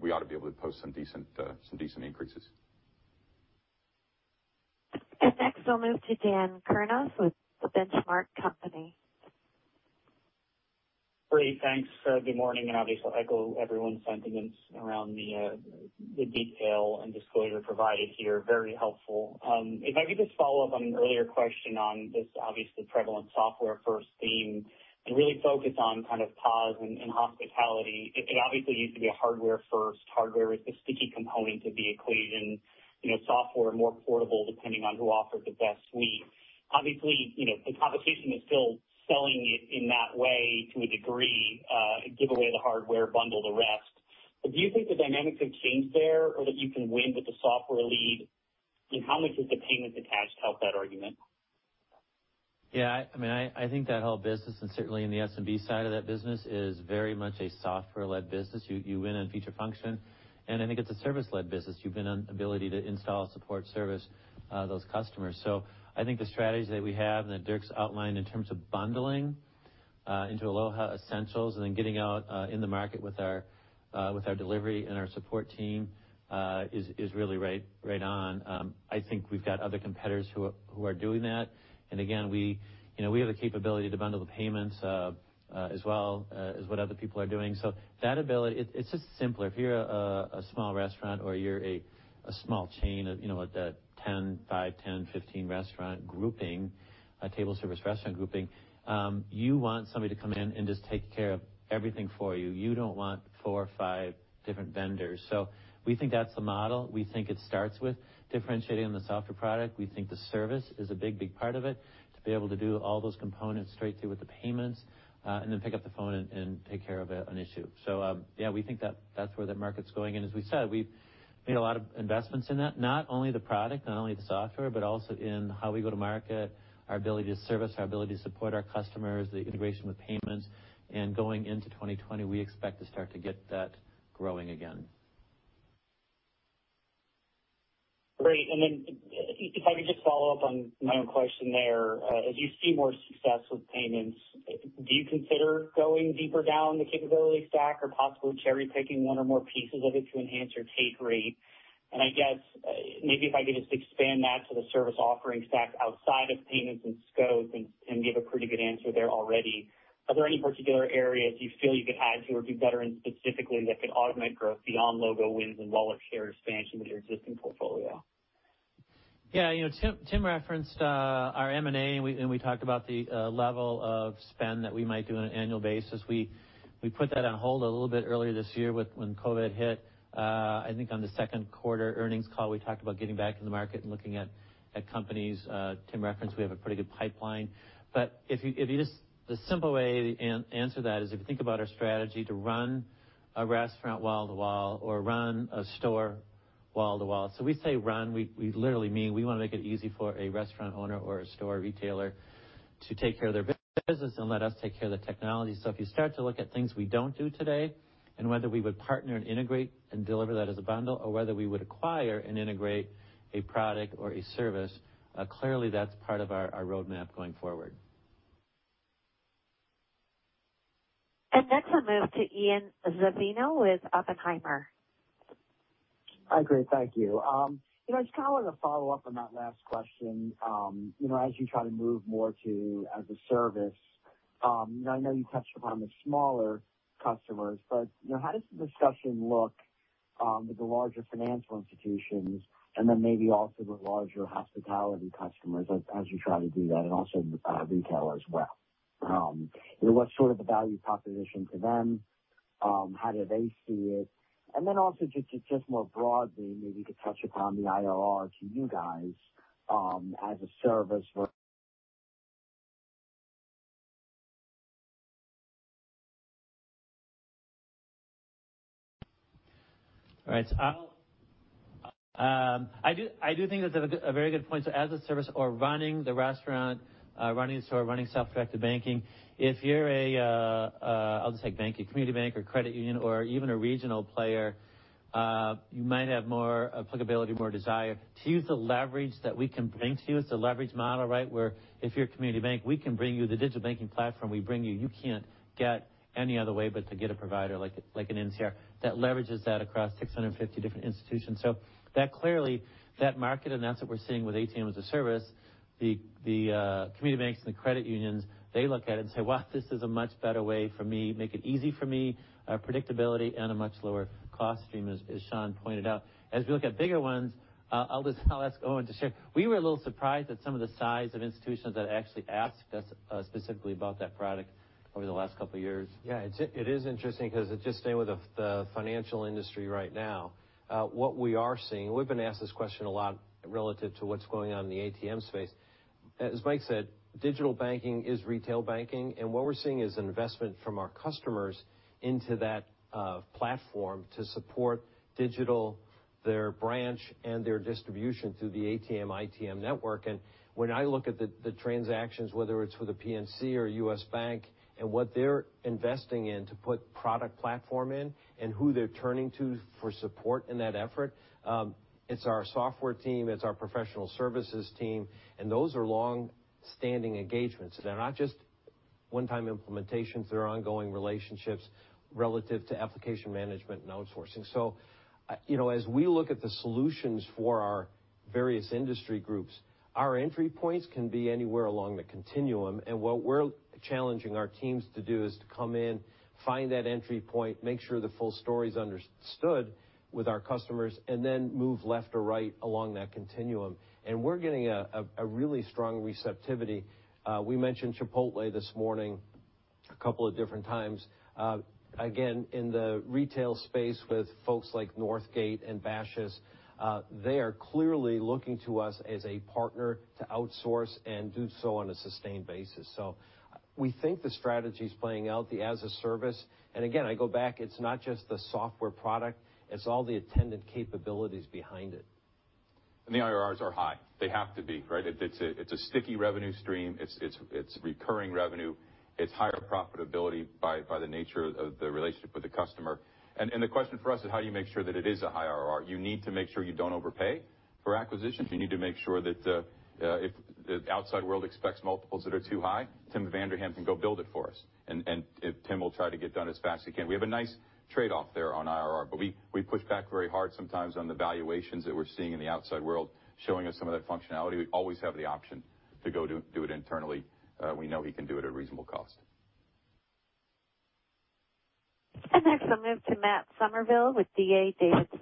we ought to be able to post some decent increases. Next, I'll move to Dan Kurnos with The Benchmark Company. Great. Thanks. Good morning. Obviously, I echo everyone's sentiments around the detail and disclosure provided here. Very helpful. If I could just follow up on an earlier question on this obviously prevalent software-first theme and really focus on POS and hospitality. It obviously used to be a hardware-first. Hardware is the sticky component of the equation. Software, more portable, depending on who offers the best suite. Obviously, the conversation is still selling it in that way to a degree, give away the hardware, bundle the rest. Do you think the dynamics have changed there or that you can win with the software lead? How much does the payments attached help that argument? Yeah. I think that whole business, and certainly in the SMB side of that business, is very much a software-led business. You win on feature function, and I think it's a service-led business. You win on ability to install, support, service those customers. I think the strategies that we have and that Dirk's outlined in terms of bundling into Aloha Essentials and then getting out in the market with our delivery and our support team is really right on. I think we've got other competitors who are doing that. Again, we have the capability to bundle the payments as well as what other people are doing. It's just simpler. If you're a small restaurant or you're a small chain, a five, 10, 15 restaurant grouping, a table service restaurant grouping, you want somebody to come in and just take care of everything for you. You don't want four or five different vendors. We think that's the model. We think it starts with differentiating on the software product. We think the service is a big part of it, to be able to do all those components straight through with the payments, and then pick up the phone and take care of an issue. Yeah, we think that's where the market's going. As we said, we've made a lot of investments in that, not only the product, not only the software, but also in how we go to market, our ability to service, our ability to support our customers, the integration with payments. Going into 2020, we expect to start to get that growing again. Great. If I could just follow up on my own question there. As you see more success with payments, do you consider going deeper down the capability stack or possibly cherry-picking one or more pieces of it to enhance your take rate? I guess maybe if I could just expand that to the service offering stack outside of payments and scopes and give a pretty good answer there already. Are there any particular areas you feel you could add to or do better in specifically that could augment growth beyond logo wins and wallet share expansion with your existing portfolio? Yeah. Tim referenced our M&A, we talked about the level of spend that we might do on an annual basis. We put that on hold a little bit earlier this year when COVID hit. I think on the second quarter earnings call, we talked about getting back in the market and looking at companies. Tim referenced we have a pretty good pipeline. The simple way to answer that is if you think about our strategy to run a restaurant wall-to-wall or run a store wall-to-wall. We say run, we literally mean we want to make it easy for a restaurant owner or a store retailer to take care of their business and let us take care of the technology. If you start to look at things we don't do today and whether we would partner and integrate and deliver that as a bundle or whether we would acquire and integrate a product or a service, clearly that's part of our roadmap going forward. Next, we'll move to Ian Zaffino with Oppenheimer. Great. Thank you. I just wanted to follow up on that last question. As you try to move more to as-a-service, I know you touched upon the smaller customers, but how does the discussion look with the larger financial institutions and then maybe also the larger hospitality customers as you try to do that, and also retail as well? What's the value proposition to them? How do they see it? Then also, just more broadly, maybe you could touch upon the IRR to you guys as a service. All right. I do think that's a very good point. As-a-service or running the restaurant, running a store, running self-directed banking, if you're a community bank or credit union or even a regional player, you might have more applicability, more desire to use the leverage that we can bring to you. It's a leverage model where if you're a community bank, we can bring you the digital banking platform we bring you can't get any other way but to get a provider like an NCR that leverages that across 650 different institutions. Clearly, that market, and that's what we're seeing with ATM-as-a-Service, the community banks and the credit unions, they look at it and say, "Well, this is a much better way for me, make it easy for me, predictability and a much lower cost stream," as Shawn pointed out. As we look at bigger ones, I'll ask Owen to share. We were a little surprised at some of the size of institutions that actually asked us specifically about that product over the last couple of years. It is interesting because just staying with the financial industry right now, what we are seeing, we've been asked this question a lot relative to what's going on in the ATM space. As Mike said, digital banking is retail banking, and what we're seeing is investment from our customers into that platform to support digital, their branch, and their distribution through the ATM, ITM network. When I look at the transactions, whether it's for the PNC or U.S. Bank, and what they're investing in to put product platform in and who they're turning to for support in that effort, it's our software team, it's our professional services team, and those are long-standing engagements. They're not just one-time implementations. They're ongoing relationships relative to application management and outsourcing. As we look at the solutions for our various industry groups, our entry points can be anywhere along the continuum, and what we're challenging our teams to do is to come in, find that entry point, make sure the full story's understood with our customers, and then move left or right along that continuum. We're getting a really strong receptivity. We mentioned Chipotle this morning a couple of different times. In the retail space with folks like Northgate and Bashas', they are clearly looking to us as a partner to outsource and do so on a sustained basis. We think the strategy's playing out, the as-a-service. Again, I go back, it's not just the software product, it's all the attendant capabilities behind it. The IRRs are high. They have to be. It's a sticky revenue stream. It's recurring revenue. It's higher profitability by the nature of the relationship with the customer. The question for us is how do you make sure that it is a high IRR? You need to make sure you don't overpay for acquisitions. You need to make sure that if the outside world expects multiples that are too high, Tim Vanderham can go build it for us, and Tim will try to get it done as fast as he can. We have a nice trade-off there on IRR. We push back very hard sometimes on the valuations that we're seeing in the outside world, showing us some of that functionality. We always have the option to go do it internally. We know he can do it at reasonable cost. Next, I'll move to Matt Summerville with D.A. Davidson.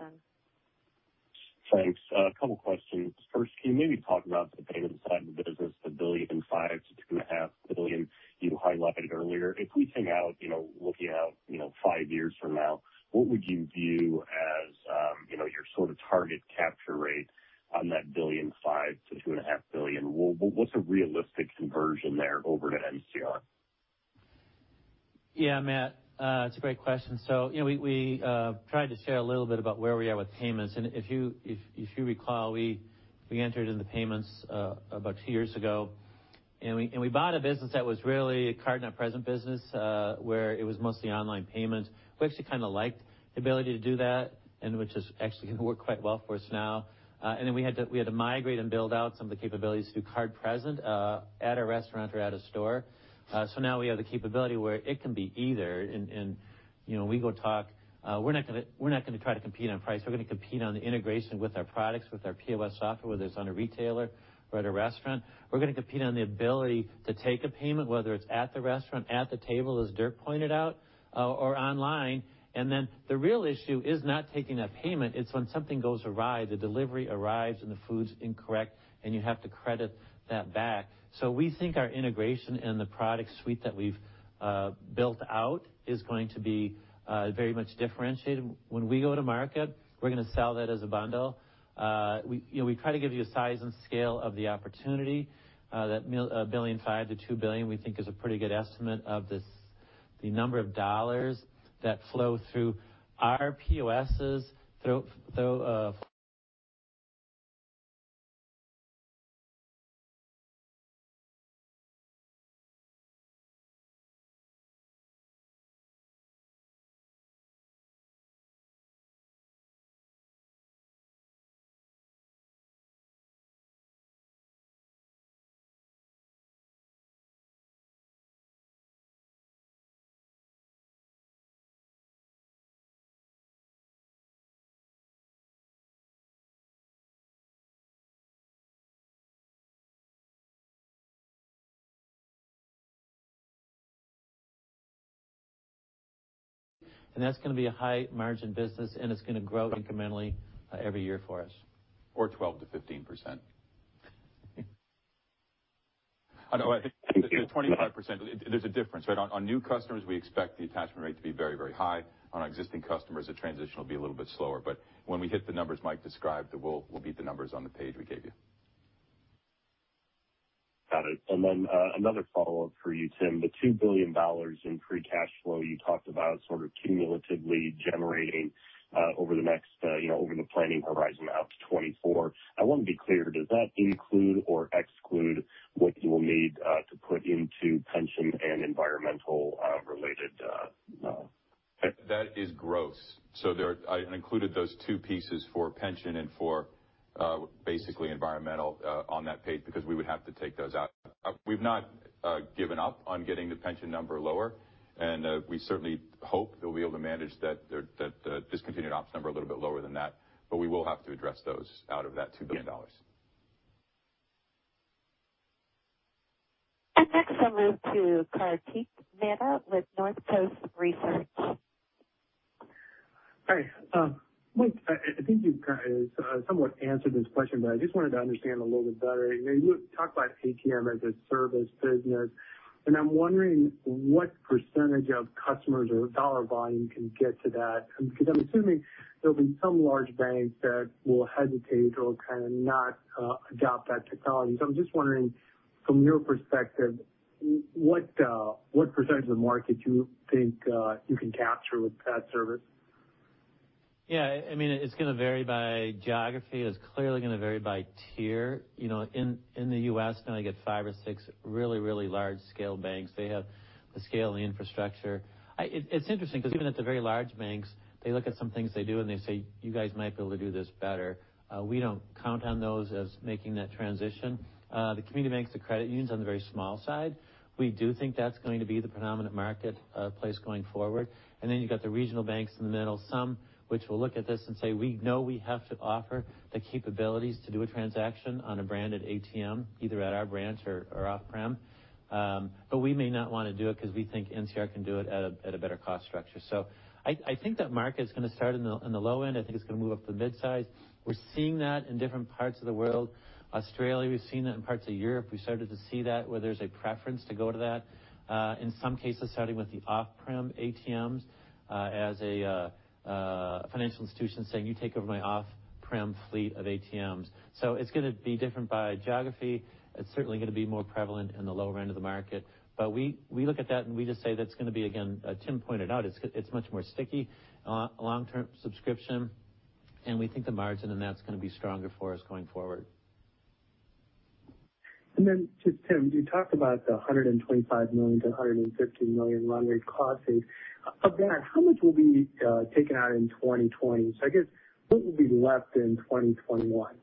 Thanks. A couple questions. First, can you maybe talk about the payment side of the business, the $1.5 billion-$2.5 billion you highlighted earlier? If we think out looking out five years from now, what would you view as your target capture rate on that $1.5 billion-$2.5 billion? What's a realistic conversion there over to NCR? Yeah, Matt, it's a great question. We tried to share a little bit about where we are with payments. If you recall, we entered in the payments about two years ago, and we bought a business that was really a card-not-present business, where it was mostly online payment. We actually liked the ability to do that, and which is actually going to work quite well for us now. Then we had to migrate and build out some of the capabilities to card present at a restaurant or at a store. Now we have the capability where it can be either, and we go talk. We're not going to try to compete on price. We're going to compete on the integration with our products, with our POS software, whether it's on a retailer or at a restaurant. We're going to compete on the ability to take a payment, whether it's at the restaurant, at the table, as Dirk pointed out, or online. The real issue is not taking that payment, it's when something goes awry, the delivery arrives, and the food's incorrect, and you have to credit that back. We think our integration and the product suite that we've built out is going to be very much differentiated. When we go to market, we're going to sell that as a bundle. We try to give you a size and scale of the opportunity. That $1.5 billion-$2 billion we think is a pretty good estimate of the number of dollars that flow through our POSs. That's going to be a high margin business, and it's going to grow incrementally every year for us. Or 12%-15%. I know, I think- Thank you. ...25%, there's a difference, right? On new customers, we expect the attachment rate to be very high. On our existing customers, the transition will be a little bit slower. When we hit the numbers Mike described, we'll beat the numbers on the page we gave you. Got it. Then another follow-up for you, Tim. The $2 billion in free cash flow you talked about cumulatively generating over the planning horizon out to 2024, I want to be clear, does that include or exclude what you will need to put into pension and environmental-related- That is gross. I included those two pieces for pension and for basically environmental on that page because we would have to take those out. We've not given up on getting the pension number lower, and we certainly hope that we'll be able to manage the discontinued ops number a little bit lower than that, but we will have to address those out of that $2 billion. Next I'll move to Kartik Mehta with Northcoast Research. Hi. Mike, I think you somewhat answered this question, but I just wanted to understand a little bit better. You talk about ATM-as-a-Service business, and I'm wondering what percentage of customers or dollar volume can get to that, because I'm assuming there'll be some large banks that will hesitate or not adopt that technology. I'm just wondering from your perspective, what percentage of the market do you think you can capture with that service? Yeah. It's going to vary by geography. It's clearly going to vary by tier. In the U.S., going to get five or six really large-scale banks. They have the scale and the infrastructure. It's interesting because even at the very large banks, they look at some things they do and they say, "You guys might be able to do this better." We don't count on those as making that transition. The community banks, the credit unions on the very small side, we do think that's going to be the predominant marketplace going forward. You've got the regional banks in the middle, some which will look at this and say, "We know we have to offer the capabilities to do a transaction on a branded ATM, either at our branch or off-prem. We may not want to do it because we think NCR can do it at a better cost structure." I think that market is going to start in the low end. I think it's going to move up to the midsize. We're seeing that in different parts of the world. Australia, we've seen that in parts of Europe. We started to see that where there's a preference to go to that. In some cases, starting with the off-prem ATMs, as a financial institution saying, "You take over my off-prem fleet of ATMs." It's going to be different by geography. It's certainly going to be more prevalent in the lower end of the market. We look at that and we just say that's going to be, again, Tim pointed out, it's much more sticky, long-term subscription, and we think the margin in that's going to be stronger for us going forward. Just Tim, you talked about the $125 million-$150 million run rate cost save. Of that, how much will be taken out in 2020? I guess what will be left in 2021?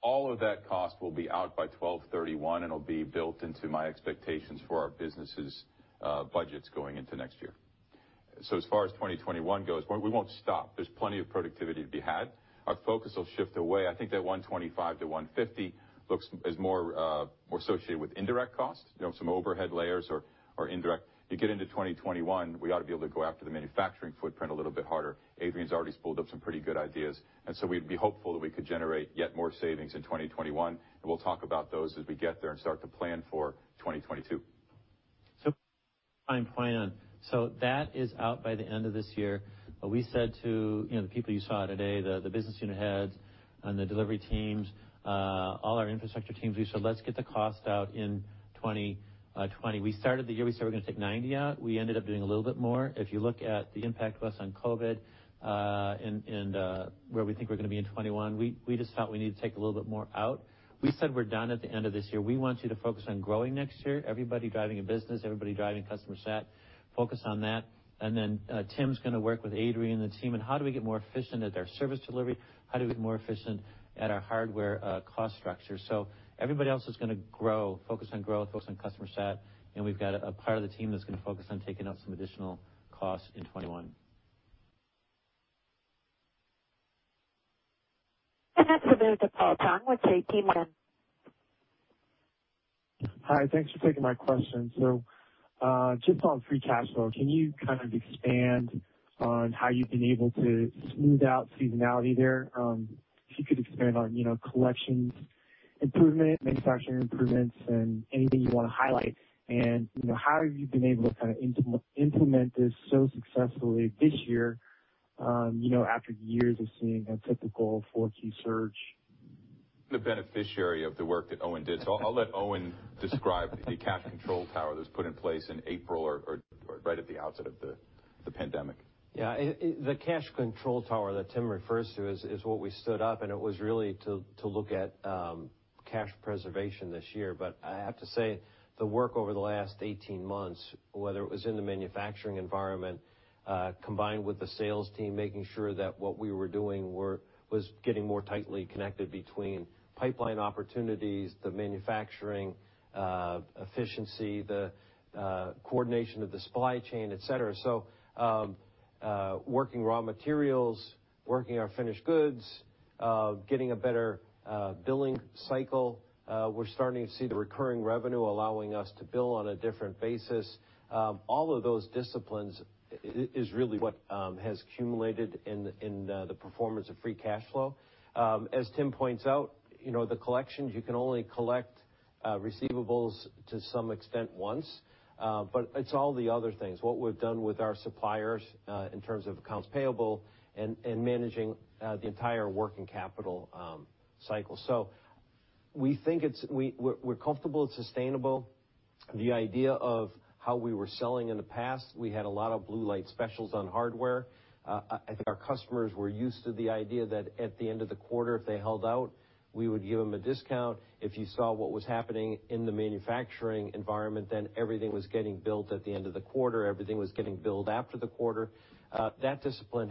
All of that cost will be out by December 31 and it'll be built into my expectations for our businesses' budgets going into next year. As far as 2021 goes, we won't stop. There's plenty of productivity to be had. Our focus will shift away. I think that $125 million-$150 million is more associated with indirect costs, some overhead layers or indirect. You get into 2021, we ought to be able to go after the manufacturing footprint a little bit harder. Adrian's already spooled up some pretty good ideas, we'd be hopeful that we could generate yet more savings in 2021, we'll talk about those as we get there and start to plan for 2022. Time plan. That is out by the end of this year. We said to the people you saw today, the business unit heads and the delivery teams, all our infrastructure teams, we said let's get the cost out in 2020. We started the year, we said we're going to take $90 million out. We ended up doing a little bit more. If you look at the impact to us on COVID, and where we think we're going to be in 2021, we just felt we needed to take a little bit more out. We said we're done at the end of this year. We want you to focus on growing next year. Everybody driving a business, everybody driving customer sat, focus on that. Tim's going to work with Adrian and the team on how do we get more efficient at our service delivery? How do we get more efficient at our hardware cost structure? Everybody else is going to grow, focus on growth, focus on customer sat, and we've got a part of the team that's going to focus on taking out some additional costs in 2021. Next we'll go to Paul Chung with JPMorgan. Hi. Thanks for taking my question. Just on free cash flow, can you expand on how you've been able to smooth out seasonality there? If you could expand on collections improvement, manufacturing improvements, and anything you want to highlight. How have you been able to implement this so successfully this year after years of seeing a typical 4Q surge? The beneficiary of the work that Owen did. I'll let Owen describe the cash control tower that was put in place in April or right at the outset of the pandemic. Yeah. The cash control tower that Tim refers to is what we stood up, and it was really to look at cash preservation this year. I have to say, the work over the last 18 months, whether it was in the manufacturing environment, combined with the sales team, making sure that what we were doing was getting more tightly connected between pipeline opportunities, the manufacturing efficiency, the coordination of the supply chain, et cetera. Working raw materials, working our finished goods, getting a better billing cycle. We're starting to see the recurring revenue allowing us to bill on a different basis. All of those disciplines is really what has accumulated in the performance of free cash flow. As Tim points out, the collections, you can only collect receivables to some extent once. It's all the other things, what we've done with our suppliers, in terms of accounts payable and managing the entire working capital cycle. We're comfortable it's sustainable. The idea of how we were selling in the past, we had a lot of blue light specials on hardware. I think our customers were used to the idea that at the end of the quarter, if they held out, we would give them a discount. If you saw what was happening in the manufacturing environment, then everything was getting built at the end of the quarter, everything was getting billed after the quarter. That discipline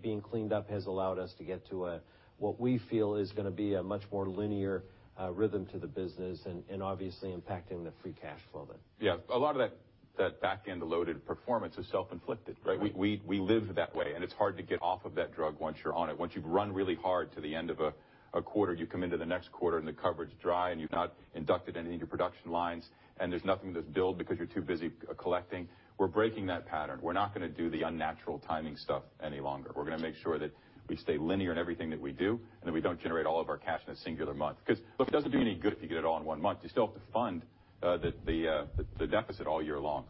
being cleaned up has allowed us to get to what we feel is going to be a much more linear rhythm to the business and obviously impacting the free cash flow then. Yeah, a lot of that back-end loaded performance is self-inflicted, right? We lived that way, and it's hard to get off of that drug once you're on it. Once you've run really hard to the end of a quarter, you come into the next quarter and the coverage is dry and you've not inducted any of your production lines, and there's nothing to build because you're too busy collecting. We're breaking that pattern. We're not going to do the unnatural timing stuff any longer. We're going to make sure that we stay linear in everything that we do, and that we don't generate all of our cash in a singular month. Look, it doesn't do you any good if you get it all in one month. You still have to fund the deficit all year long.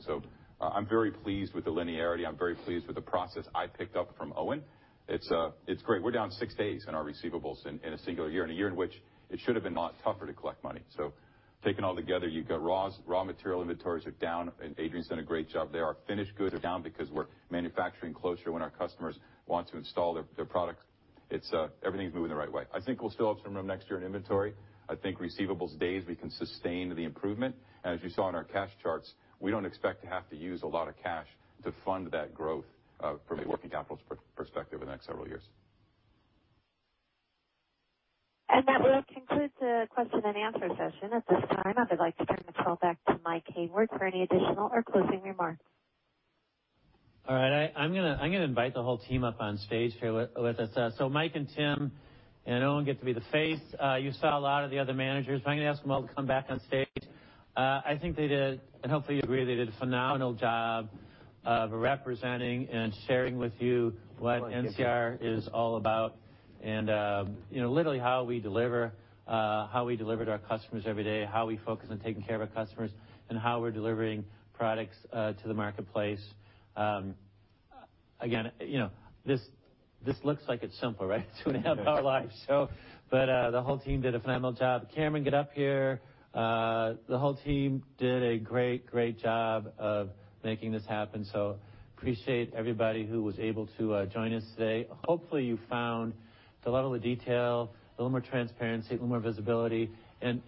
I'm very pleased with the linearity. I'm very pleased with the process I picked up from Owen. It's great. We're down six days in our receivables in a singular year. In a year in which it should have been a lot tougher to collect money. Taken all together, you've got raw material inventories are down, Adrian's done a great job there. Our finished goods are down because we're manufacturing closer when our customers want to install their product. Everything's moving the right way. I think we'll still have some room next year in inventory. I think receivables days we can sustain the improvement. As you saw in our cash charts, we don't expect to have to use a lot of cash to fund that growth from a working capital perspective in the next several years. That will conclude the question and answer session. At this time, I would like to turn the call back to Mike Hayford for any additional or closing remarks. All right. I am going to invite the whole team up on stage here with us. Mike and Tim and Owen get to be the face. You saw a lot of the other managers. If I can ask them all to come back on stage. I think they did, and hopefully you agree, they did a phenomenal job of representing and sharing with you what NCR is all about, and literally how we deliver to our customers every day, how we focus on taking care of our customers, and how we are delivering products to the marketplace. Again, this looks like it is simple, right? Two and a half hour live show, but the whole team did a phenomenal job. Cameron, get up here. The whole team did a great job of making this happen. Appreciate everybody who was able to join us today. Hopefully, you found a lot of the detail, a little more transparency, a little more visibility, and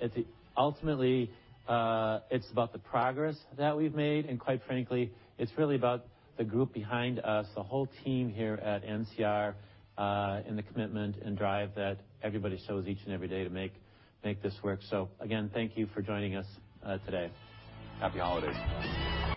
ultimately, it's about the progress that we've made, and quite frankly, it's really about the group behind us, the whole team here at NCR, and the commitment and drive that everybody shows each and every day to make this work. Again, thank you for joining us today. Happy holidays.